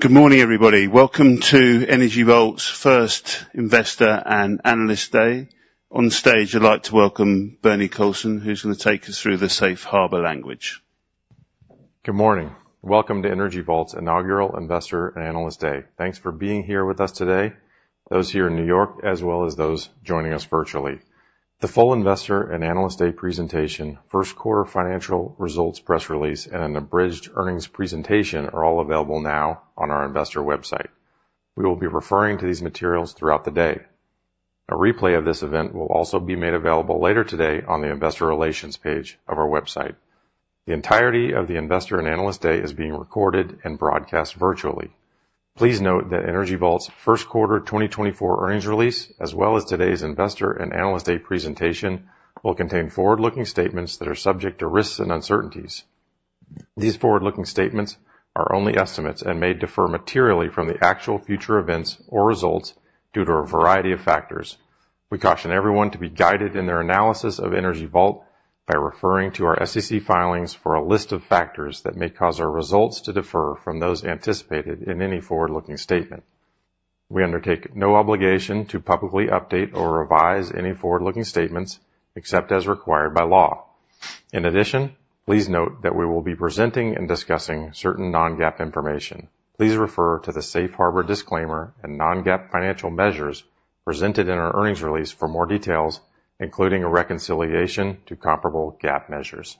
Good morning, everybody. Welcome to Energy Vault's first Investor and Analyst Day. On stage, I'd like to welcome Bernie Colson, who's going to take us through the Safe Harbor language. Good morning. Welcome to Energy Vault's inaugural Investor and Analyst Day. Thanks for being here with us today, those here in New York, as well as those joining us virtually. The full Investor and Analyst Day presentation, first quarter financial results, press release, and an abridged earnings presentation are all available now on our investor website. We will be referring to these materials throughout the day. A replay of this event will also be made available later today on the investor relations page of our website. The entirety of the Investor and Analyst Day is being recorded and broadcast virtually. Please note that Energy Vault's first quarter 2024 earnings release, as well as today's Investor and Analyst Day presentation, will contain forward-looking statements that are subject to risks and uncertainties. These forward-looking statements are only estimates and may differ materially from the actual future events or results due to a variety of factors. We caution everyone to be guided in their analysis of Energy Vault by referring to our SEC filings for a list of factors that may cause our results to differ from those anticipated in any forward-looking statement. We undertake no obligation to publicly update or revise any forward-looking statements except as required by law. In addition, please note that we will be presenting and discussing certain non-GAAP information. Please refer to the Safe Harbor disclaimer and non-GAAP financial measures presented in our earnings release for more details, including a reconciliation to comparable GAAP measures.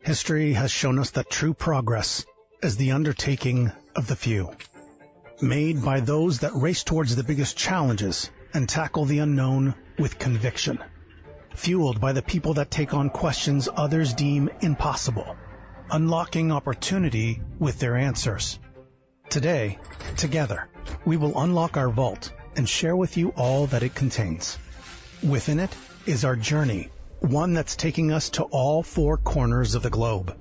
History has shown us that true progress is the undertaking of the few, made by those that race towards the biggest challenges and tackle the unknown with conviction, fueled by the people that take on questions others deem impossible, unlocking opportunity with their answers. Today, together, we will unlock our vault and share with you all that it contains. Within it is our journey, one that's taking us to all four corners of the globe.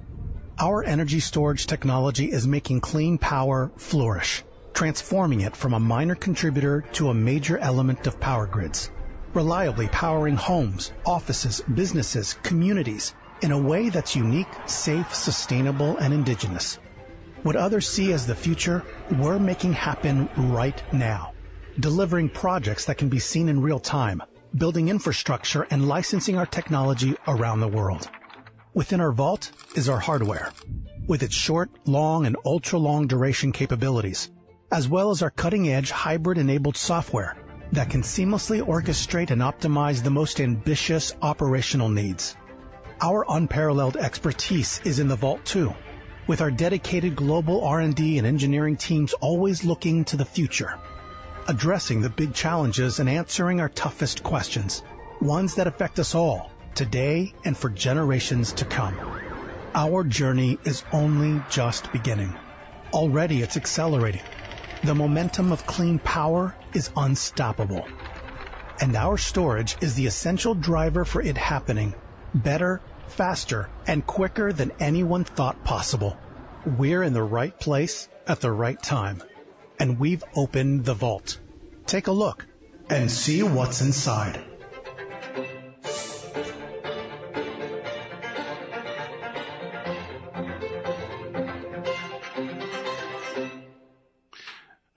Our energy storage technology is making clean power flourish, transforming it from a minor contributor to a major element of power grids, reliably powering homes, offices, businesses, communities in a way that's unique, safe, sustainable, and indigenous. What others see as the future, we're making happen right now, delivering projects that can be seen in real time, building infrastructure and licensing our technology around the world. Within our vault is our hardware, with its short, long, and ultra-long duration capabilities, as well as our cutting-edge hybrid-enabled software that can seamlessly orchestrate and optimize the most ambitious operational needs. Our unparalleled expertise is in the vault, too, with our dedicated global R&D and engineering teams always looking to the future, addressing the big challenges and answering our toughest questions, ones that affect us all today and for generations to come. Our journey is only just beginning. Already, it's accelerating. The momentum of clean power is unstoppable, and our storage is the essential driver for it happening better, faster, and quicker than anyone thought possible. We're in the right place at the right time, and we've opened the vault. Take a look and see what's inside.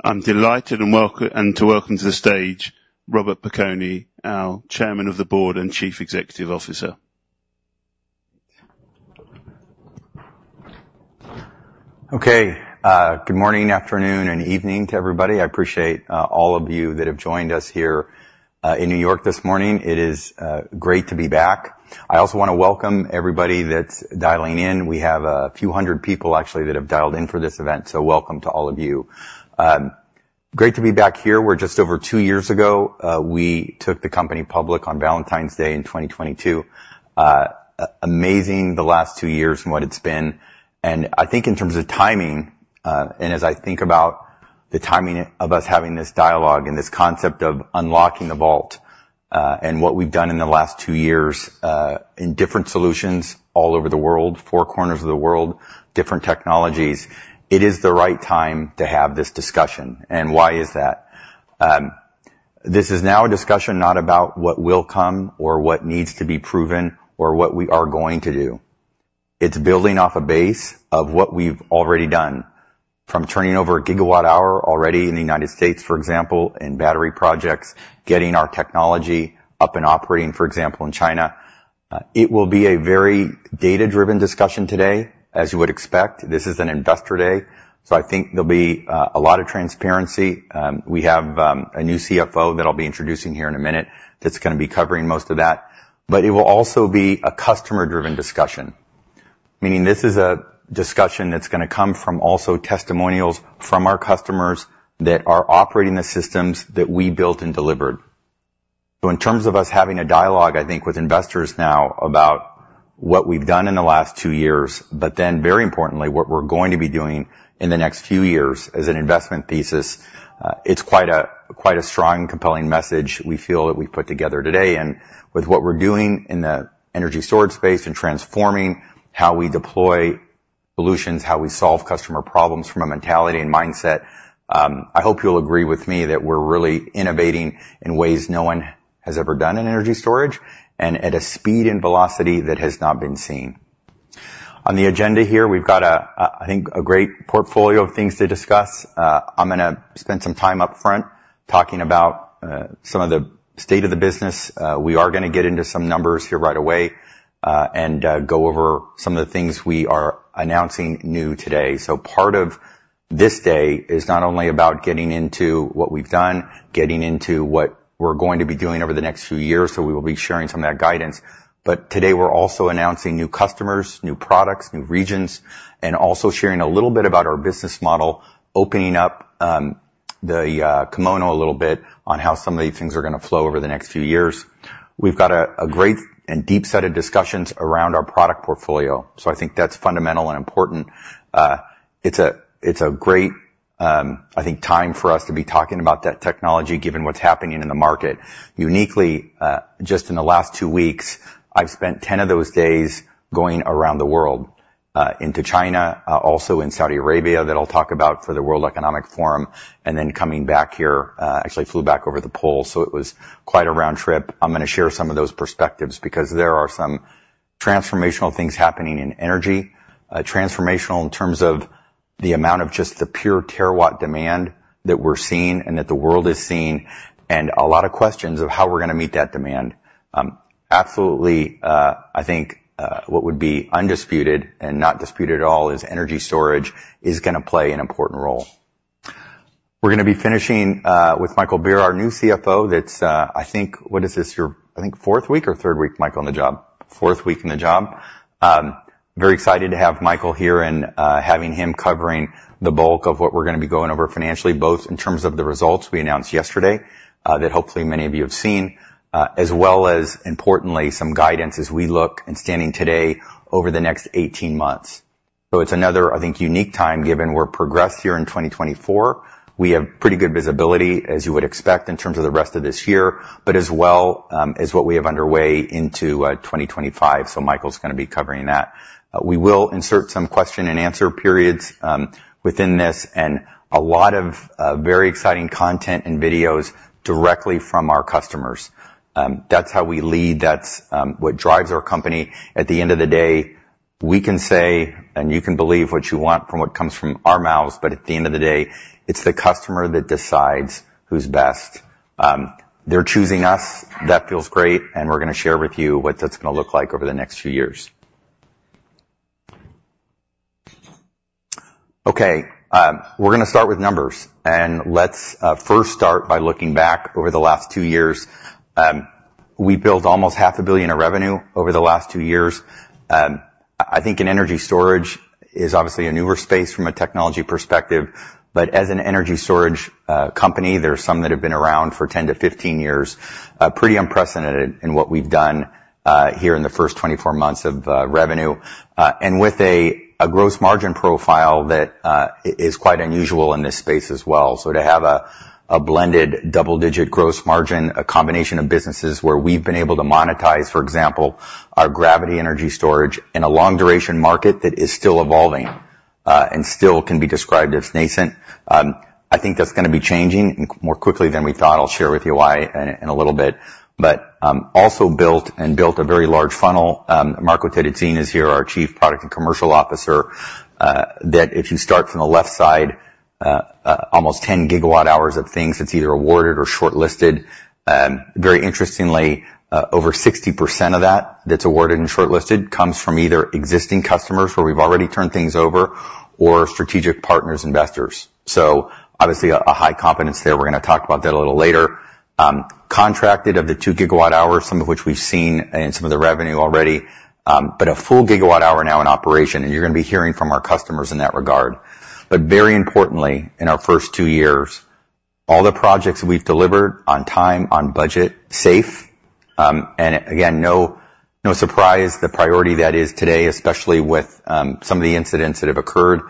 I'm delighted to welcome to the stage Robert Piconi, our Chairman of the Board and Chief Executive Officer. Okay, good morning, afternoon, and evening to everybody. I appreciate, all of you that have joined us here, in New York this morning. It is, great to be back. I also want to welcome everybody that's dialing in. We have a few hundred people actually, that have dialed in for this event, so welcome to all of you. Great to be back here, where just over two years ago, we took the company public on Valentine's Day in 2022. Amazing, the last two years and what it's been. And I think in terms of timing, and as I think about the timing of us having this dialogue and this concept of unlocking the vault, and what we've done in the last two years, in different solutions all over the world, four corners of the world, different technologies, it is the right time to have this discussion. And why is that? This is now a discussion not about what will come, or what needs to be proven, or what we are going to do. It's building off a base of what we've already done, from turning over 1 GWh already in the United States, for example, in battery projects, getting our technology up and operating, for example, in China. It will be a very data-driven discussion today. As you would expect, this is an investor day, so I think there'll be a lot of transparency. We have a new CFO that I'll be introducing here in a minute that's gonna be covering most of that. But it will also be a customer-driven discussion, meaning this is a discussion that's gonna come from also testimonials from our customers that are operating the systems that we built and delivered. So in terms of us having a dialogue, I think, with investors now about what we've done in the last two years, but then, very importantly, what we're going to be doing in the next few years as an investment thesis, it's quite a strong, compelling message we feel that we've put together today. And with what we're doing in the energy storage space and transforming how we deploy-... solutions, how we solve customer problems from a mentality and mindset, I hope you'll agree with me that we're really innovating in ways no one has ever done in energy storage, and at a speed and velocity that has not been seen. On the agenda here, we've got a great portfolio of things to discuss. I'm gonna spend some time up front talking about some of the state of the business. We are gonna get into some numbers here right away, and go over some of the things we are announcing new today. So part of this day is not only about getting into what we've done, getting into what we're going to be doing over the next few years, so we will be sharing some of that guidance, but today, we're also announcing new customers, new products, new regions, and also sharing a little bit about our business model, opening up, the kimono a little bit on how some of these things are gonna flow over the next few years. We've got a great and deep set of discussions around our product portfolio, so I think that's fundamental and important. It's a great, I think, time for us to be talking about that technology, given what's happening in the market. Uniquely, just in the last two weeks, I've spent 10 of those days going around the world, into China, also in Saudi Arabia, that I'll talk about for the World Economic Forum, and then coming back here... actually flew back over the pole, so it was quite a round trip. I'm gonna share some of those perspectives because there are some transformational things happening in energy, transformational in terms of the amount of just the pure terawatt demand that we're seeing and that the world is seeing, and a lot of questions of how we're gonna meet that demand. Absolutely, I think, what would be undisputed and not disputed at all is energy storage is gonna play an important role. We're gonna be finishing with Michael Beer, our new CFO, that's, I think, what is this, your, I think, fourth week or third week, Michael, on the job? Fourth week on the job. Very excited to have Michael here and, having him covering the bulk of what we're gonna be going over financially, both in terms of the results we announced yesterday, that hopefully many of you have seen, as well as, importantly, some guidance as we look and standing today over the next 18 months. So it's another, I think, unique time, given we're progressed here in 2024. We have pretty good visibility, as you would expect, in terms of the rest of this year, but as well, as what we have underway into, 2025. So Michael's gonna be covering that. We will insert some question and answer periods within this, and a lot of very exciting content and videos directly from our customers. That's how we lead. That's what drives our company. At the end of the day, we can say, and you can believe what you want from what comes from our mouths, but at the end of the day, it's the customer that decides who's best. They're choosing us. That feels great, and we're gonna share with you what that's gonna look like over the next few years. Okay, we're gonna start with numbers, and let's first start by looking back over the last two years. We built almost $500 million in revenue over the last two years. I think in energy storage is obviously a newer space from a technology perspective, but as an energy storage company, there are some that have been around for 10-15 years, pretty unprecedented in what we've done here in the first 24 months of revenue, and with a gross margin profile that is quite unusual in this space as well. So to have a blended double-digit gross margin, a combination of businesses where we've been able to monetize, for example, our gravity energy storage in a long-duration market that is still evolving and still can be described as nascent, I think that's gonna be changing and more quickly than we thought. I'll share with you why in a little bit. But also built and built a very large funnel. Marco Terruzzin is here, our Chief Product and Commercial Officer, that if you start from the left side, almost 10 GWh of things that's either awarded or shortlisted. Very interestingly, over 60% of that, that's awarded and shortlisted, comes from either existing customers, where we've already turned things over, or strategic partners, investors. So obviously, a high confidence there. We're gonna talk about that a little later. Contracted of the 2 GWh, some of which we've seen in some of the revenue already, but a full 1 GWh now in operation, and you're gonna be hearing from our customers in that regard. But very importantly, in our first two years, all the projects we've delivered on time, on budget, safe, and again, no surprise the priority that is today, especially with some of the incidents that have occurred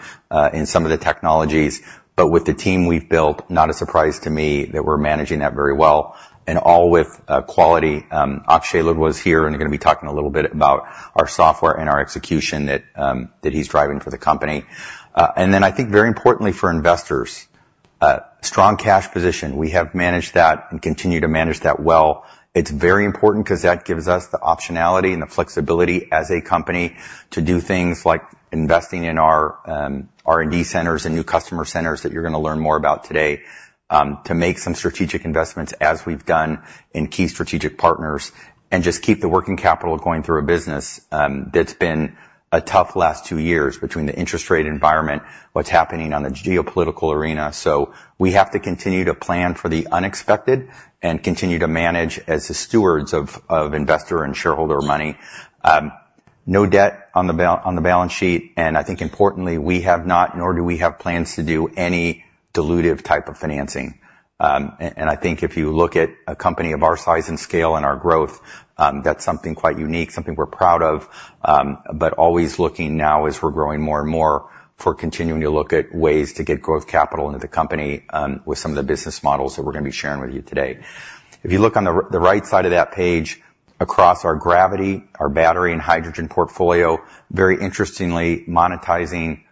in some of the technologies, but with the team we've built, not a surprise to me that we're managing that very well, and all with quality. Akshay Ladwa was here and gonna be talking a little bit about our software and our execution that he's driving for the company. And then I think very importantly for investors, strong cash position. We have managed that and continue to manage that well. It's very important because that gives us the optionality and the flexibility as a company to do things like investing in our R&D centers and new customer centers that you're gonna learn more about today, to make some strategic investments as we've done in key strategic partners and just keep the working capital going through a business. That's been a tough last two years between the interest rate environment, what's happening on the geopolitical arena. So we have to continue to plan for the unexpected and continue to manage as the stewards of investor and shareholder money. No debt on the balance sheet, and I think importantly, we have not, nor do we have plans to do any dilutive type of financing. I think if you look at a company of our size and scale and our growth, that's something quite unique, something we're proud of, but always looking now as we're growing more and more for continuing to look at ways to get growth capital into the company, with some of the business models that we're gonna be sharing with you today. If you look on the right side of that page across our gravity, our battery and hydrogen portfolio, very interestingly, monetizing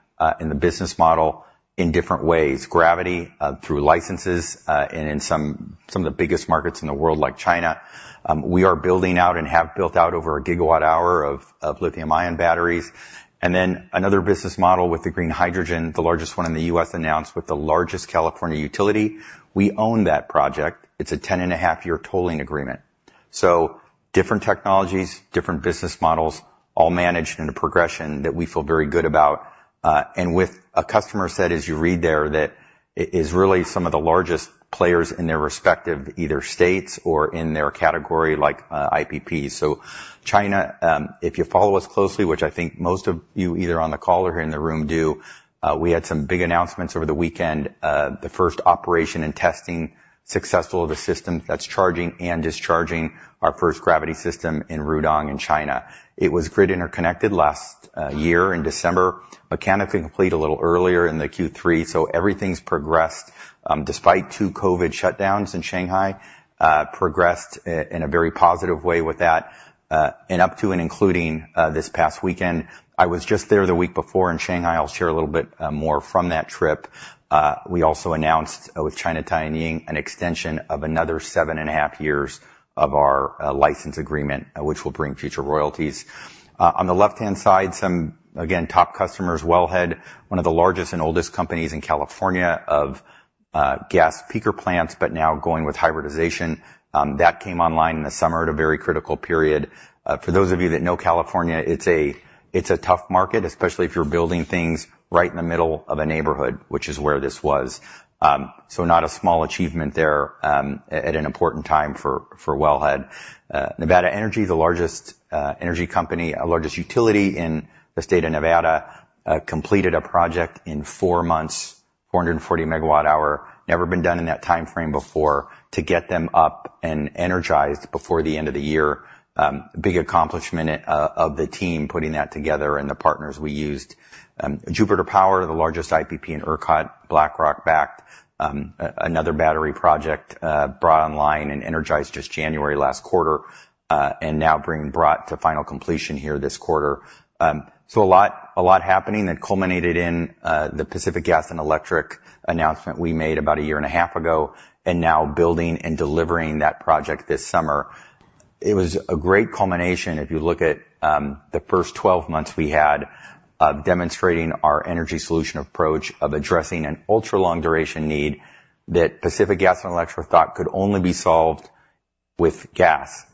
in the business model in different ways. Gravity through licenses, and in some of the biggest markets in the world, like China. We are building out and have built out over 1 GWh of lithium-ion batteries. Then another business model with the green hydrogen, the largest one in the U.S., announced with the largest California utility. We own that project. It's a 10.5 year tolling agreement. So different technologies, different business models, all managed in a progression that we feel very good about, and with a customer set, as you read there, that is really some of the largest players in their respective, either states or in their category, like, IPP. So China, if you follow us closely, which I think most of you, either on the call or here in the room, do, we had some big announcements over the weekend. The first operation and testing, successful of the system that's charging and discharging our first gravity system in Rudong in China. It was grid interconnected last year in December. Mechanically complete a little earlier in the Q3, so everything's progressed, despite two COVID shutdowns in Shanghai, progressed in a very positive way with that, and up to and including, this past weekend. I was just there the week before in Shanghai. I'll share a little bit, more from that trip. We also announced, with China Tianying, an extension of another seven and a half years of our, license agreement, which will bring future royalties. On the left-hand side, some, again, top customers, Wellhead, one of the largest and oldest companies in California of, gas peaker plants, but now going with hybridization. That came online in the summer at a very critical period. For those of you that know California, it's a, it's a tough market, especially if you're building things right in the middle of a neighborhood, which is where this was. So not a small achievement there, at an important time for Wellhead. NV Energy, the largest energy company, largest utility in the state of Nevada, completed a project in four months, 440 MWh. Never been done in that time frame before to get them up and energized before the end of the year. Big accomplishment of the team putting that together and the partners we used. Jupiter Power, the largest IPP in ERCOT, BlackRock-backed, another battery project brought online and energized just January last quarter, and now being brought to final completion here this quarter. So a lot, a lot happening that culminated in the Pacific Gas and Electric announcement we made about a year and a half ago, and now building and delivering that project this summer. It was a great culmination, if you look at the first 12 months we had, demonstrating our energy solution approach of addressing an ultra-long duration need that Pacific Gas and Electric thought could only be solved with gas,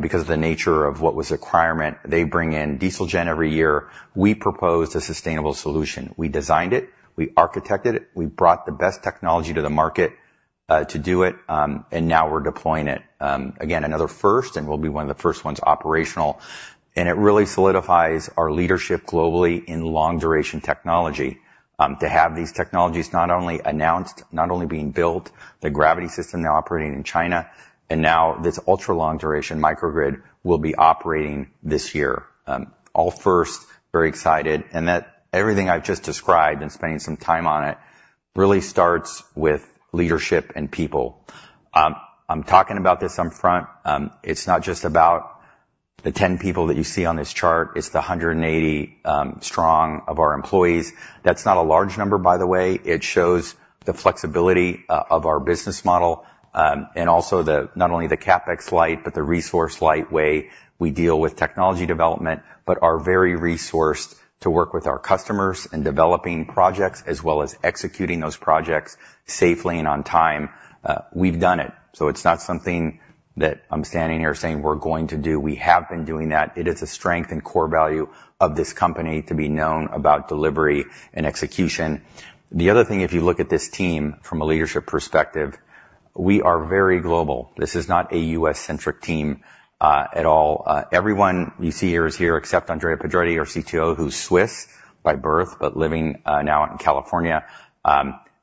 because of the nature of what was a requirement. They bring in diesel gen every year. We proposed a sustainable solution. We designed it, we architected it, we brought the best technology to the market to do it, and now we're deploying it. Again, another first, and we'll be one of the first ones operational. It really solidifies our leadership globally in long duration technology to have these technologies not only announced, not only being built, the gravity system now operating in China, and now this ultra-long duration microgrid will be operating this year. All first, very excited, and that everything I've just described and spending some time on it, really starts with leadership and people. I'm talking about this up front. It's not just about the 10 people that you see on this chart, it's the 180 strong of our employees. That's not a large number, by the way. It shows the flexibility of our business model, and also the, not only the CapEx light, but the resource-light way we deal with technology development, but are very resourced to work with our customers in developing projects, as well as executing those projects safely and on time. We've done it, so it's not something that I'm standing here saying we're going to do. We have been doing that. It is a strength and core value of this company to be known about delivery and execution. The other thing, if you look at this team from a leadership perspective, we are very global. This is not a U.S. centric team at all. Everyone you see here is here, except Andrea Pedretti, our CTO, who's Swiss by birth, but living now in California.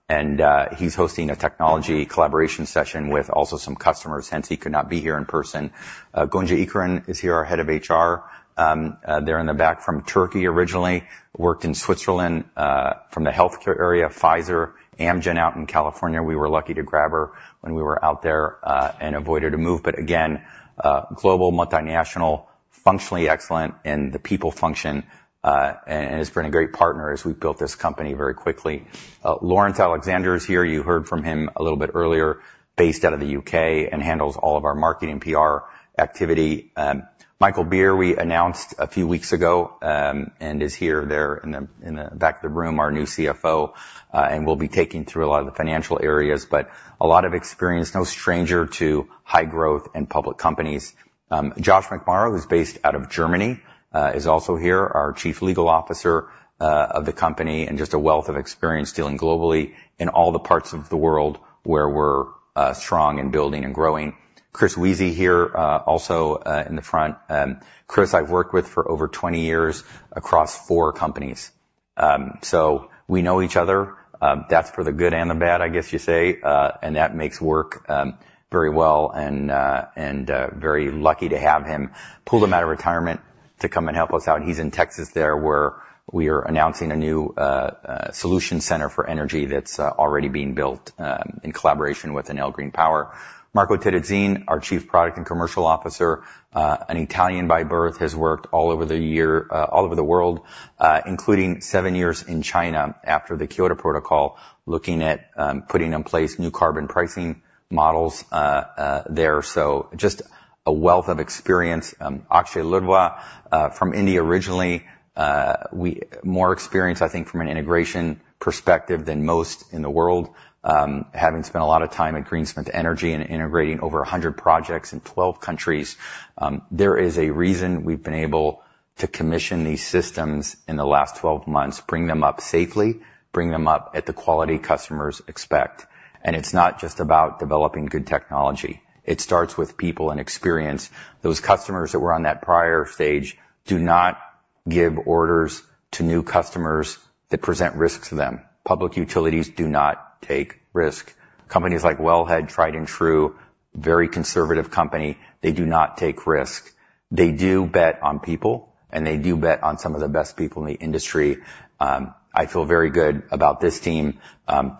And, he's hosting a technology collaboration session with also some customers, hence he could not be here in person. Gonca Icoren is here, our head of HR, there in the back, from Turkey originally. Worked in Switzerland, from the healthcare area, Pfizer, Amgen out in California. We were lucky to grab her when we were out there, and avoided a move. But again, global, multinational, functionally excellent, and the people function, and has been a great partner as we've built this company very quickly. Lawrence Alexander is here. You heard from him a little bit earlier, based out of the U.K. and handles all of our marketing PR activity. Michael Beer, we announced a few weeks ago, and is here, there in the back of the room, our new CFO, and will be taking through a lot of the financial areas, but a lot of experience, no stranger to high growth and public companies. Josh McMorrow, who's based out of Germany, is also here, our Chief Legal Officer of the company, and just a wealth of experience dealing globally in all the parts of the world where we're strong in building and growing. Chris Wiese here, also in the front. Chris, I've worked with for over 20 years across four companies. So we know each other. That's for the good and the bad, I guess you say, and that makes work very well and very lucky to have him. Pulled him out of retirement to come and help us out. He's in Texas there, where we are announcing a new solution center for energy that's already being built in collaboration with Enel Green Power. Marco Terruzzin, our Chief Product and Commercial Officer, an Italian by birth, has worked all over the year all over the world, including seven years in China after the Kyoto Protocol, looking at putting in place new carbon pricing models there. So just a wealth of experience. Akshay Ladwa, from India, originally, more experience, I think, from an integration perspective than most in the world, having spent a lot of time at Greensmith Energy and integrating over 100 projects in 12 countries. There is a reason we've been able to commission these systems in the last 12 months, bring them up safely, bring them up at the quality customers expect. And it's not just about developing good technology. It starts with people and experience. Those customers that were on that prior stage do not give orders to new customers that present risks to them. Public utilities do not take risk. Companies like Wellhead, tried and true, very conservative company, they do not take risk. They do bet on people, and they do bet on some of the best people in the industry. I feel very good about this team.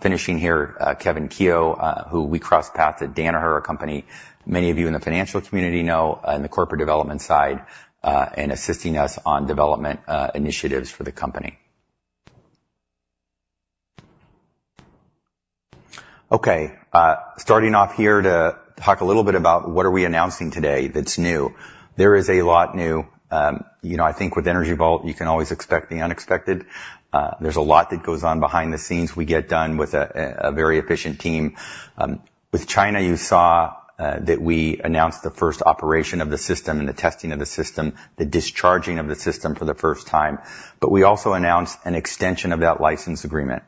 Finishing here, Kevin Keough, who we crossed paths at Danaher, a company many of you in the financial community know, on the corporate development side, and assisting us on development initiatives for the company. Okay, starting off here to talk a little bit about what are we announcing today that's new. There is a lot new. You know, I think with Energy Vault, you can always expect the unexpected. There's a lot that goes on behind the scenes we get done with a very efficient team. With China, you saw that we announced the first operation of the system and the testing of the system, the discharging of the system for the first time, but we also announced an extension of that license agreement,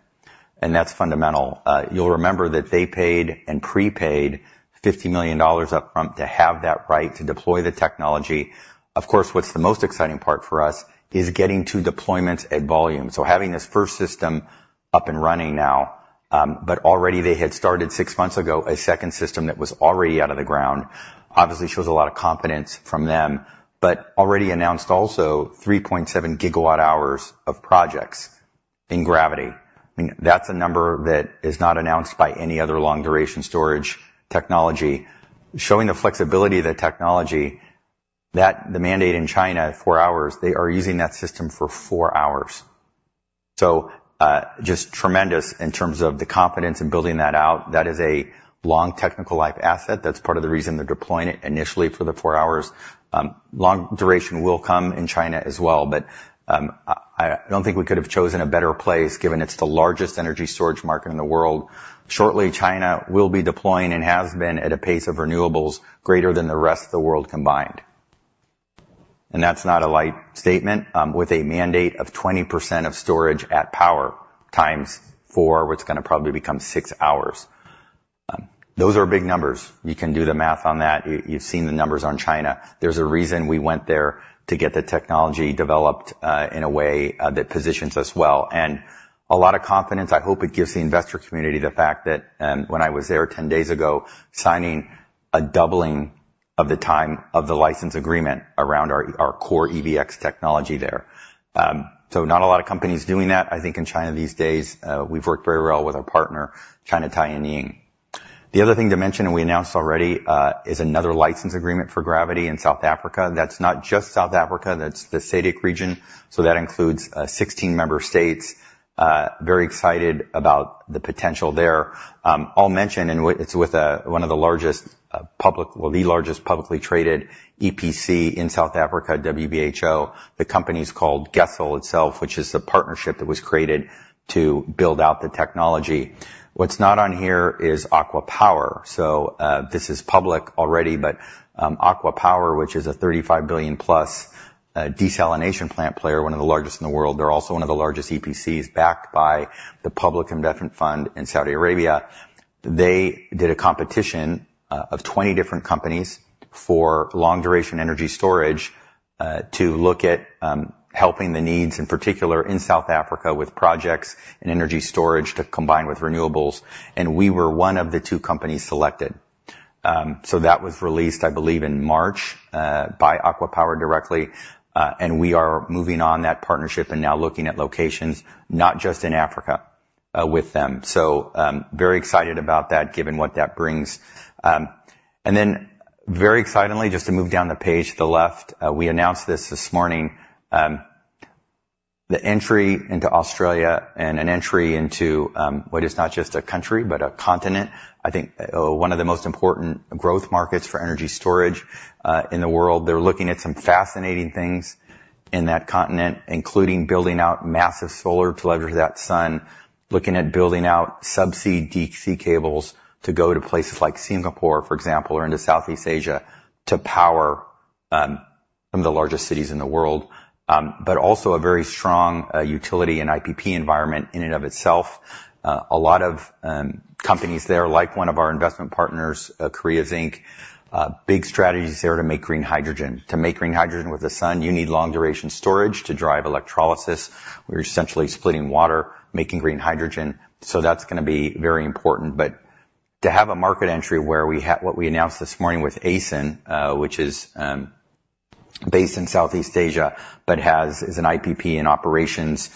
and that's fundamental. You'll remember that they paid and prepaid $50 million upfront to have that right to deploy the technology. Of course, what's the most exciting part for us is getting to deployment at volume. So having this first system up and running now, but already they had started six months ago a second system that was already out of the ground, obviously shows a lot of confidence from them, but already announced also 3.7 GWh of projects in gravity. I mean, that's a number that is not announced by any other long-duration storage technology, showing the flexibility of the technology, that the mandate in China, four hours, they are using that system for four hours. So, just tremendous in terms of the confidence in building that out. That is a long technical life asset. That's part of the reason they're deploying it initially for the four hours. Long duration will come in China as well, but, I don't think we could have chosen a better place, given it's the largest energy storage market in the world. Shortly, China will be deploying and has been at a pace of renewables greater than the rest of the world combined. That's not a light statement, with a mandate of 20% of storage at power 4x what's gonna probably become six hours. Those are big numbers. You can do the math on that. You've seen the numbers on China. There's a reason we went there to get the technology developed, in a way, that positions us well. A lot of confidence, I hope it gives the investor community the fact that, when I was there 10 days ago, signing a doubling of the time of the license agreement around our, our core EVx technology there. So not a lot of companies doing that, I think, in China these days. We've worked very well with our partner, China Tianying. The other thing to mention, and we announced already, is another license agreement for Gravity in South Africa. That's not just South Africa, that's the SADC region, so that includes 16 member states. Very excited about the potential there. I'll mention, and it's with one of the largest public... Well, the largest publicly traded EPC in South Africa, WBHO. The company is called GESSOL itself, which is the partnership that was created to build out the technology. What's not on here is ACWA Power. So, this is public already, but ACWA Power, which is a $+35 billion desalination plant player, one of the largest in the world. They're also one of the largest EPCs, backed by the Public Investment Fund in Saudi Arabia. They did a competition of 20 different companies for long-duration energy storage to look at helping the needs, in particular in South Africa, with projects and energy storage to combine with renewables, and we were one of the two companies selected. So that was released, I believe, in March by ACWA Power directly, and we are moving on that partnership and now looking at locations, not just in Africa, with them. So, very excited about that, given what that brings. And then very excitedly, just to move down the page to the left, we announced this this morning, the entry into Australia and an entry into what is not just a country, but a continent. I think one of the most important growth markets for energy storage in the world. They're looking at some fascinating things in that continent, including building out massive solar to leverage that sun, looking at building out subsea DC cables to go to places like Singapore, for example, or into Southeast Asia, to power some of the largest cities in the world, but also a very strong utility and IPP environment in and of itself. A lot of companies there, like one of our investment partners, Korea Zinc, big strategies there to make green hydrogen. To make green hydrogen with the sun, you need long-duration storage to drive electrolysis. We're essentially splitting water, making green hydrogen, so that's gonna be very important. To have a market entry where we have what we announced this morning with ACEN, which is based in Southeast Asia, but is an IPP in operations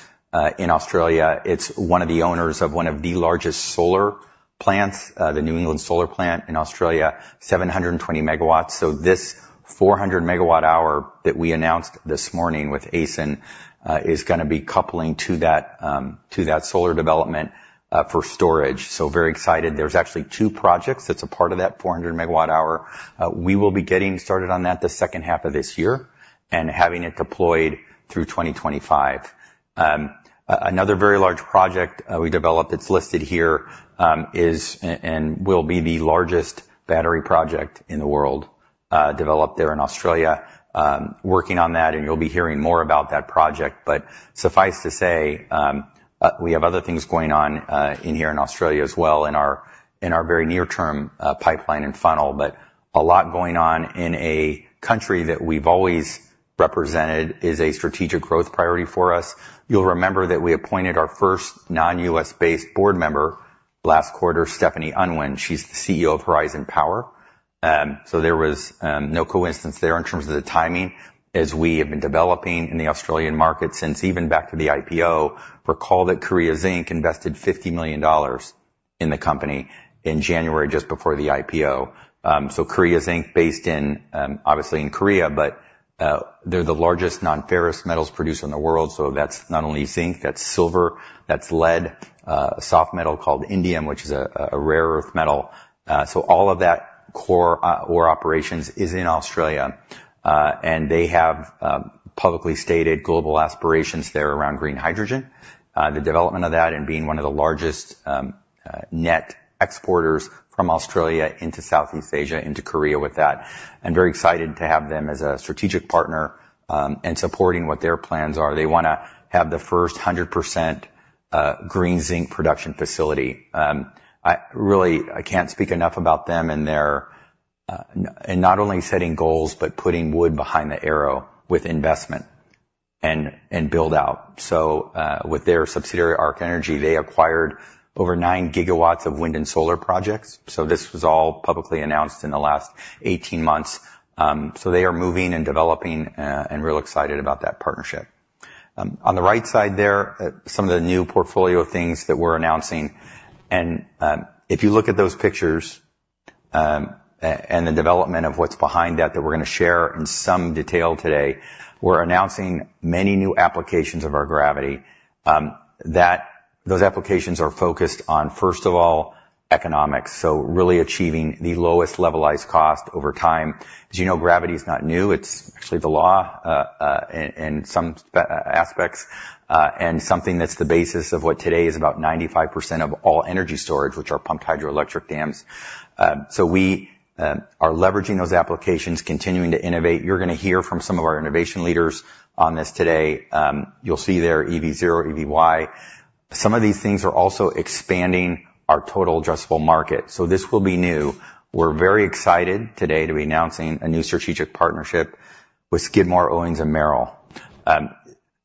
in Australia. It's one of the owners of one of the largest solar plants, the New England Solar Plant in Australia, 720 MW. So this 400 MWh that we announced this morning with ACEN, is gonna be coupling to that, to that solar development, for storage. So very excited. There's actually two projects that's a part of that 400 MWh. We will be getting started on that the second half of this year and having it deployed through 2025. Another very large project, we developed, it's listed here, is and, and will be the largest battery project in the world, developed there in Australia. Working on that, and you'll be hearing more about that project. But suffice to say, we have other things going on, here in Australia as well, in our very near term pipeline and funnel. A lot going on in a country that we've always represented as a strategic growth priority for us. You'll remember that we appointed our first non-US-based board member last quarter, Stephanie Unwin. She's the CEO of Horizon Power. So there was no coincidence there in terms of the timing, as we have been developing in the Australian market since even back to the IPO. Recall that Korea Zinc invested $50 million in the company in January, just before the IPO. So Korea Zinc, based in obviously in Korea, but they're the largest non-ferrous metals producer in the world. So that's not only zinc, that's silver, that's lead, a soft metal called indium, which is a rare earth metal. So all of that core ore operations is in Australia, and they have publicly stated global aspirations there around green hydrogen, the development of that, and being one of the largest net exporters from Australia into Southeast Asia, into Korea with that. I'm very excited to have them as a strategic partner, and supporting what their plans are. They wanna have the first 100% green zinc production facility. I really—I can't speak enough about them and their... In not only setting goals, but putting wood behind the arrow with investment and build out. So, with their subsidiary, Ark Energy, they acquired over 9 gigawatts of wind and solar projects, so this was all publicly announced in the last 18 months. So they are moving and developing, and real excited about that partnership. On the right side there, some of the new portfolio of things that we're announcing. And, if you look at those pictures, and the development of what's behind that, that we're gonna share in some detail today, we're announcing many new applications of our gravity. Those applications are focused on, first of all, economics, so really achieving the lowest levelized cost over time. As you know, gravity is not new. It's actually the law, in some aspects, and something that's the basis of what today is about 95% of all energy storage, which are pumped hydroelectric dams. So we are leveraging those applications, continuing to innovate. You're gonna hear from some of our innovation leaders on this today. You'll see there EV0, EVy. Some of these things are also expanding our total addressable market, so this will be new. We're very excited today to be announcing a new strategic partnership with Skidmore, Owings & Merrill.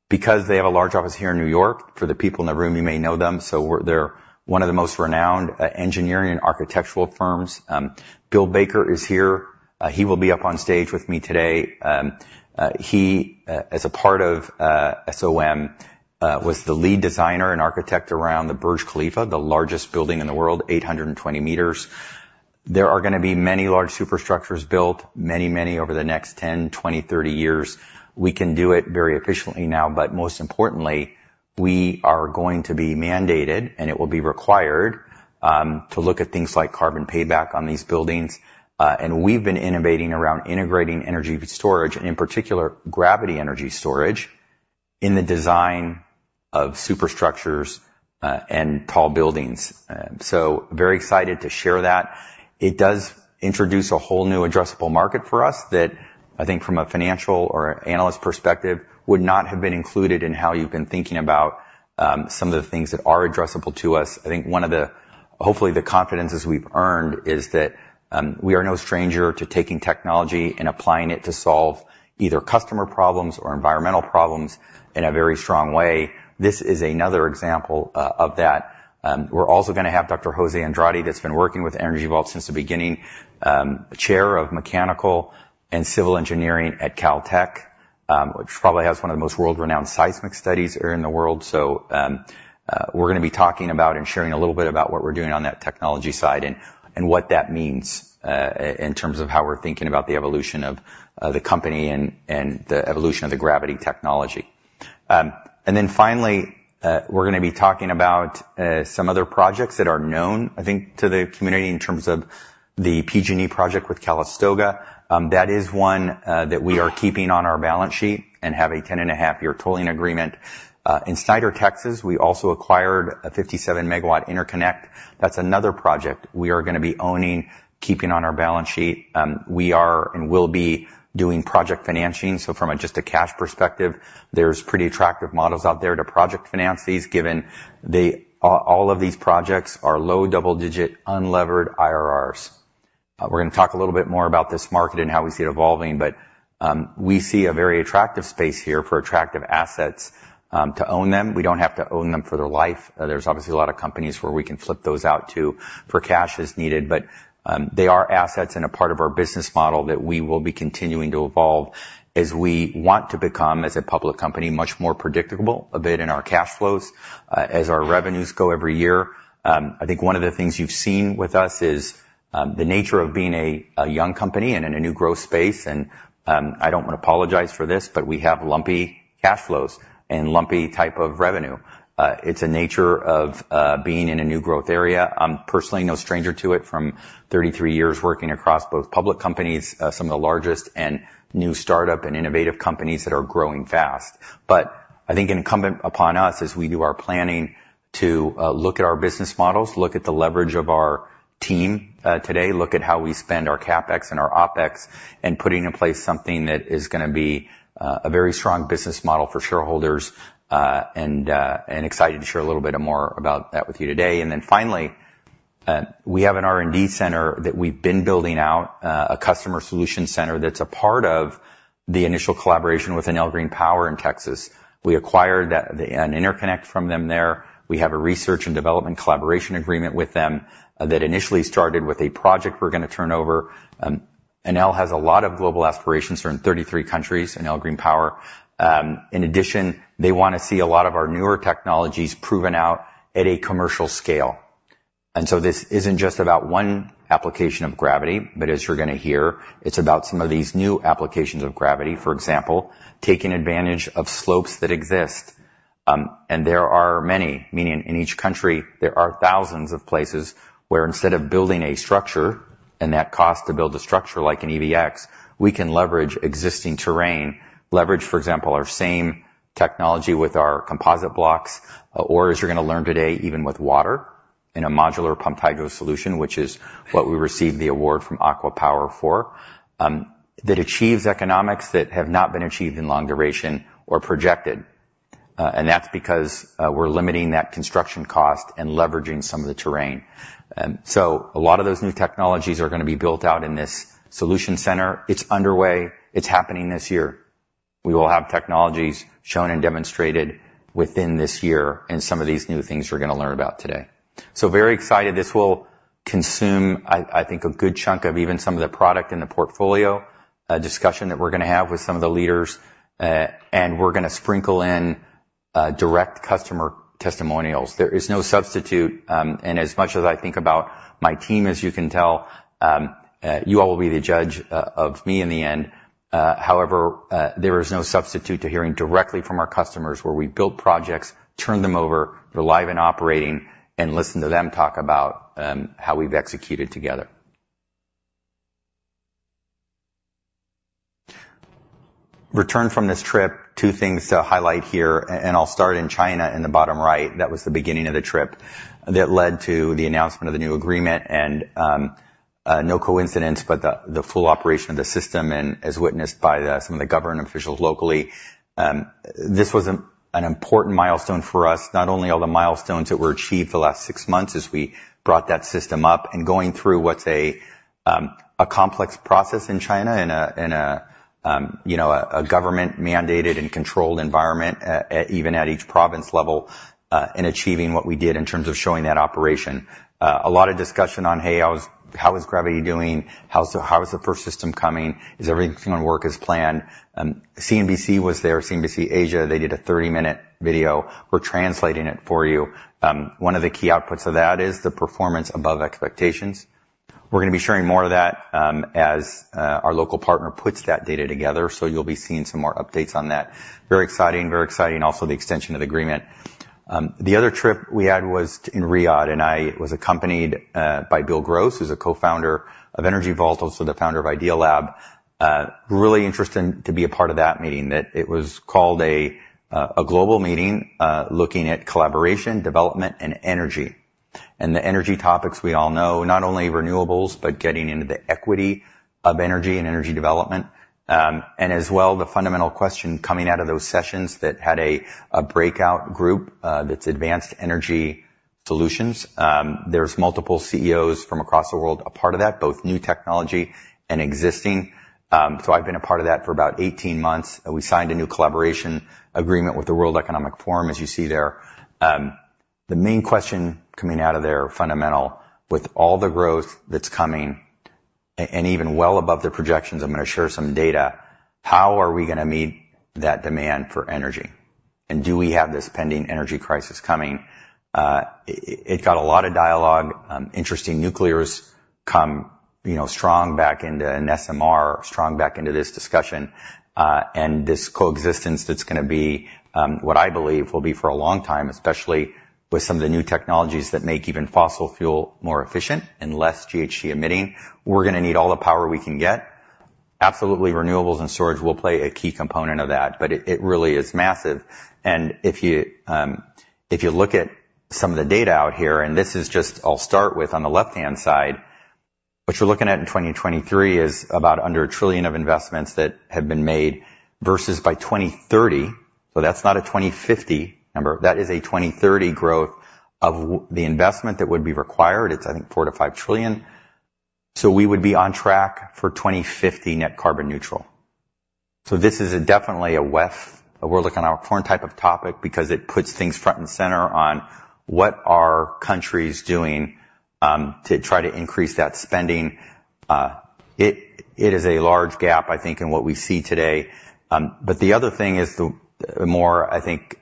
Because they have a large office here in New York, for the people in the room, you may know them, so we're—they're one of the most renowned engineering and architectural firms. Bill Baker is here. He will be up on stage with me today. He, as a part of SOM, was the lead designer and architect around the Burj Khalifa, the largest building in the world, 820 meters. There are gonna be many large superstructures built, many, many over the next 10, 20, 30 years. We can do it very efficiently now, but most importantly, we are going to be mandated, and it will be required, to look at things like carbon payback on these buildings. We've been innovating around integrating energy storage, and in particular, gravity energy storage, in the design of superstructures, and tall buildings. Very excited to share that. It does introduce a whole new addressable market for us that I think from a financial or analyst perspective, would not have been included in how you've been thinking about, some of the things that are addressable to us. I think one of the, hopefully, the confidences we've earned is that we are no stranger to taking technology and applying it to solve either customer problems or environmental problems in a very strong way. This is another example of that. We're also gonna have Dr. José Andrade, that's been working with Energy Vault since the beginning, chair of Mechanical and Civil Engineering at Caltech, which probably has one of the most world-renowned seismic studies in the world. So we're gonna be talking about and sharing a little bit about what we're doing on that technology side and what that means in terms of how we're thinking about the evolution of the company and the evolution of the gravity technology. And then finally, we're gonna be talking about some other projects that are known, I think, to the community in terms of the PG&E project with Calistoga. That is one that we are keeping on our balance sheet and have a 10.5 year tolling agreement. In Snyder, Texas, we also acquired a 57-megawatt interconnect. That's another project we are gonna be owning, keeping on our balance sheet. We are and will be doing project financing. So from just a cash perspective, there's pretty attractive models out there to project finance these, given the... All of these projects are low double-digit, unlevered IRRs. We're gonna talk a little bit more about this market and how we see it evolving, but we see a very attractive space here for attractive assets to own them. We don't have to own them for their life. There's obviously a lot of companies where we can flip those out to for cash as needed, but they are assets and a part of our business model that we will be continuing to evolve as we want to become, as a public company, much more predictable, a bit in our cash flows, as our revenues go every year. I think one of the things you've seen with us is the nature of being a young company and in a new growth space. I don't want to apologize for this, but we have lumpy cash flows and lumpy type of revenue. It's a nature of being in a new growth area. I'm personally no stranger to it from 33 years working across both public companies, some of the largest and new startup and innovative companies that are growing fast. But I think incumbent upon us as we do our planning, to look at our business models, look at the leverage of our team today, look at how we spend our CapEx and our OpEx, and putting in place something that is gonna be a very strong business model for shareholders, and excited to share a little bit more about that with you today. And then finally, we have an R&D center that we've been building out, a customer solution center that's a part of the initial collaboration with Enel Green Power in Texas. We acquired that an interconnect from them there. We have a research and development collaboration agreement with them that initially started with a project we're gonna turn over. Enel has a lot of global aspirations, they're in 33 countries, Enel Green Power. In addition, they wanna see a lot of our newer technologies proven out at a commercial scale. And so this isn't just about one application of gravity, but as you're gonna hear, it's about some of these new applications of gravity, for example, taking advantage of slopes that exist. And there are many, meaning in each country, there are thousands of places where instead of building a structure and that cost to build a structure like an EVX, we can leverage existing terrain. Leverage, for example, our same technology with our composite blocks, or as you're gonna learn today, even with water, in a modular pumped hydro solution, which is what we received the award from ACWA Power for, that achieves economics that have not been achieved in long duration or projected. And that's because, we're limiting that construction cost and leveraging some of the terrain. And so a lot of those new technologies are gonna be built out in this solution center. It's underway. It's happening this year. We will have technologies shown and demonstrated within this year in some of these new things you're gonna learn about today. So very excited. This will consume, I think, a good chunk of even some of the product in the portfolio, discussion that we're gonna have with some of the leaders, and we're gonna sprinkle in, direct customer testimonials. There is no substitute, and as much as I think about my team, as you can tell, you all will be the judge, of me in the end. However, there is no substitute to hearing directly from our customers where we build projects, turn them over, they're live and operating, and listen to them talk about, how we've executed together. Return from this trip, two things to highlight here, and I'll start in China, in the bottom right. That was the beginning of the trip that led to the announcement of the new agreement and, no coincidence, but the full operation of the system and as witnessed by some of the government officials locally. This was an important milestone for us, not only all the milestones that were achieved the last six months as we brought that system up and going through what's a complex process in China, in a, you know, a government-mandated and controlled environment, even at each province level, in achieving what we did in terms of showing that operation. A lot of discussion on, "Hey, how is gravity doing? How's the first system coming? Is everything gonna work as planned?" CNBC was there, CNBC Asia. They did a 30-minute video. We're translating it for you. One of the key outputs of that is the performance above expectations. We're gonna be sharing more of that, as our local partner puts that data together, so you'll be seeing some more updates on that. Very exciting, very exciting, also, the extension of the agreement. The other trip we had was in Riyadh, and I was accompanied by Bill Gross, who's a cofounder of Energy Vault, also the founder of Idealab. Really interesting to be a part of that meeting, that it was called a global meeting looking at collaboration, development, and energy. And the energy topics we all know, not only renewables, but getting into the equity of energy and energy development. And as well, the fundamental question coming out of those sessions that had a breakout group, that's advanced energy solutions. There's multiple CEOs from across the world, a part of that, both new technology and existing. So I've been a part of that for about 18 months, and we signed a new collaboration agreement with the World Economic Forum, as you see there. The main question coming out of there, fundamental, with all the growth that's coming, and even well above the projections, I'm gonna share some data, how are we gonna meet that demand for energy? And do we have this pending energy crisis coming? It got a lot of dialogue. Interesting, nuclear has come, you know, strong back into an SMR, strong back into this discussion, and this coexistence that's gonna be, what I believe will be for a long time, especially with some of the new technologies that make even fossil fuel more efficient and less GHG emitting. We're gonna need all the power we can get. Absolutely, renewables and storage will play a key component of that, but it, it really is massive. And if you, if you look at some of the data out here, and this is just... I'll start with on the left-hand side. What you're looking at in 2023 is about under $1 trillion of investments that have been made, versus by 2030. So that's not a 2050 number, that is a 2030 growth of the investment that would be required. It's, I think, $4-$5 trillion. So we would be on track for 2050 net carbon neutral. So this is definitely a WEF, a World Economic Forum type of topic, because it puts things front and center on what are countries doing, to try to increase that spending? It is a large gap, I think, in what we see today. But the other thing is the, the more, I think,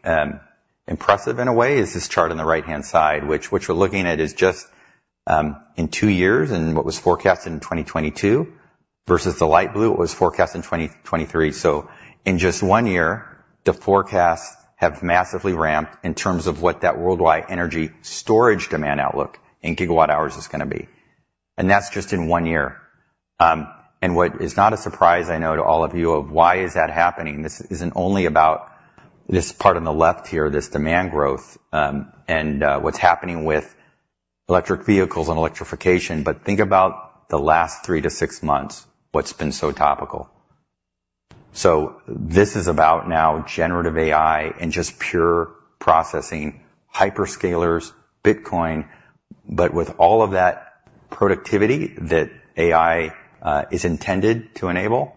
impressive in a way, is this chart on the right-hand side, which, which we're looking at, is just, in two years and what was forecasted in 2022 versus the light blue, what was forecasted in 2023. So in just one year, the forecasts have massively ramped in terms of what that worldwide energy storage demand outlook in gigawatt hours is gonna be. And that's just in one year. And what is not a surprise, I know, to all of you, of why is that happening? This isn't only about this part on the left here, this demand growth, and what's happening with electric vehicles and electrification, but think about the last 3-6 months, what's been so topical. So this is about now generative AI and just pure processing, hyperscalers, Bitcoin. But with all of that productivity that AI is intended to enable,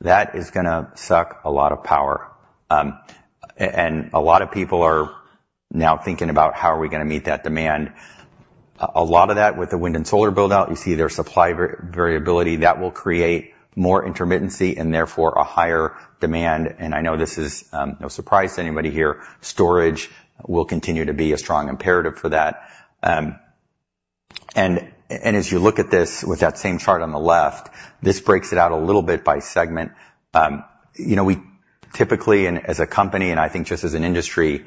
that is gonna suck a lot of power. And a lot of people are now thinking about how are we gonna meet that demand. A lot of that, with the wind and solar build-out, you see their supply variability, that will create more intermittency and therefore a higher demand. I know this is no surprise to anybody here, storage will continue to be a strong imperative for that. And as you look at this with that same chart on the left, this breaks it out a little bit by segment. You know, we typically, and as a company, and I think just as an industry,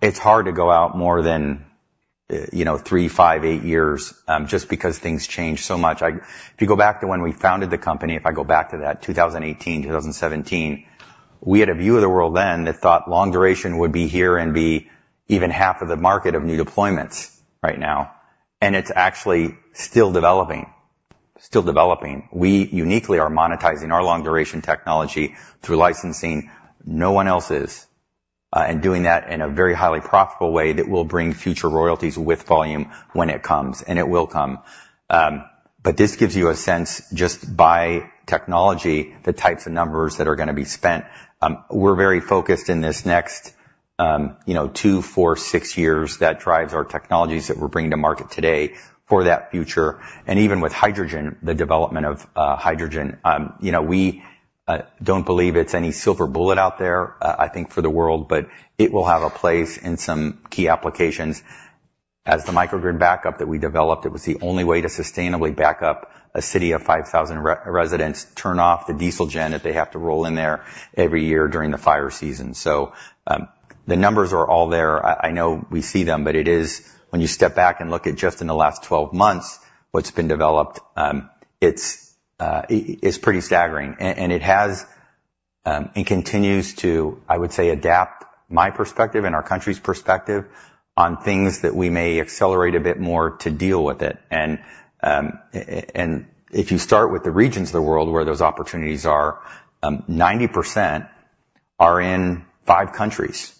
it's hard to go out more than, you know, 3, 5, 8 years, just because things change so much. If you go back to when we founded the company, if I go back to that, 2018, 2017, we had a view of the world then that thought long duration would be here and be even half of the market of new deployments right now. And it's actually still developing. Still developing. We uniquely are monetizing our long duration technology through licensing. No one else is. And doing that in a very highly profitable way that will bring future royalties with volume when it comes, and it will come. But this gives you a sense, just by technology, the types of numbers that are gonna be spent. We're very focused in this next, you know, 2, 4, 6 years that drives our technologies that we're bringing to market today for that future. And even with hydrogen, the development of hydrogen, we don't believe it's any silver bullet out there, I think, for the world, but it will have a place in some key applications. As the microgrid backup that we developed, it was the only way to sustainably back up a city of 5,000 residents, turn off the diesel gen that they have to roll in there every year during the fire season. So, the numbers are all there. I know we see them, but it is... When you step back and look at just in the last 12 months, what's been developed, it's pretty staggering. And it has and continues to, I would say, adapt my perspective and our country's perspective on things that we may accelerate a bit more to deal with it. And if you start with the regions of the world where those opportunities are, 90% are in 5 countries.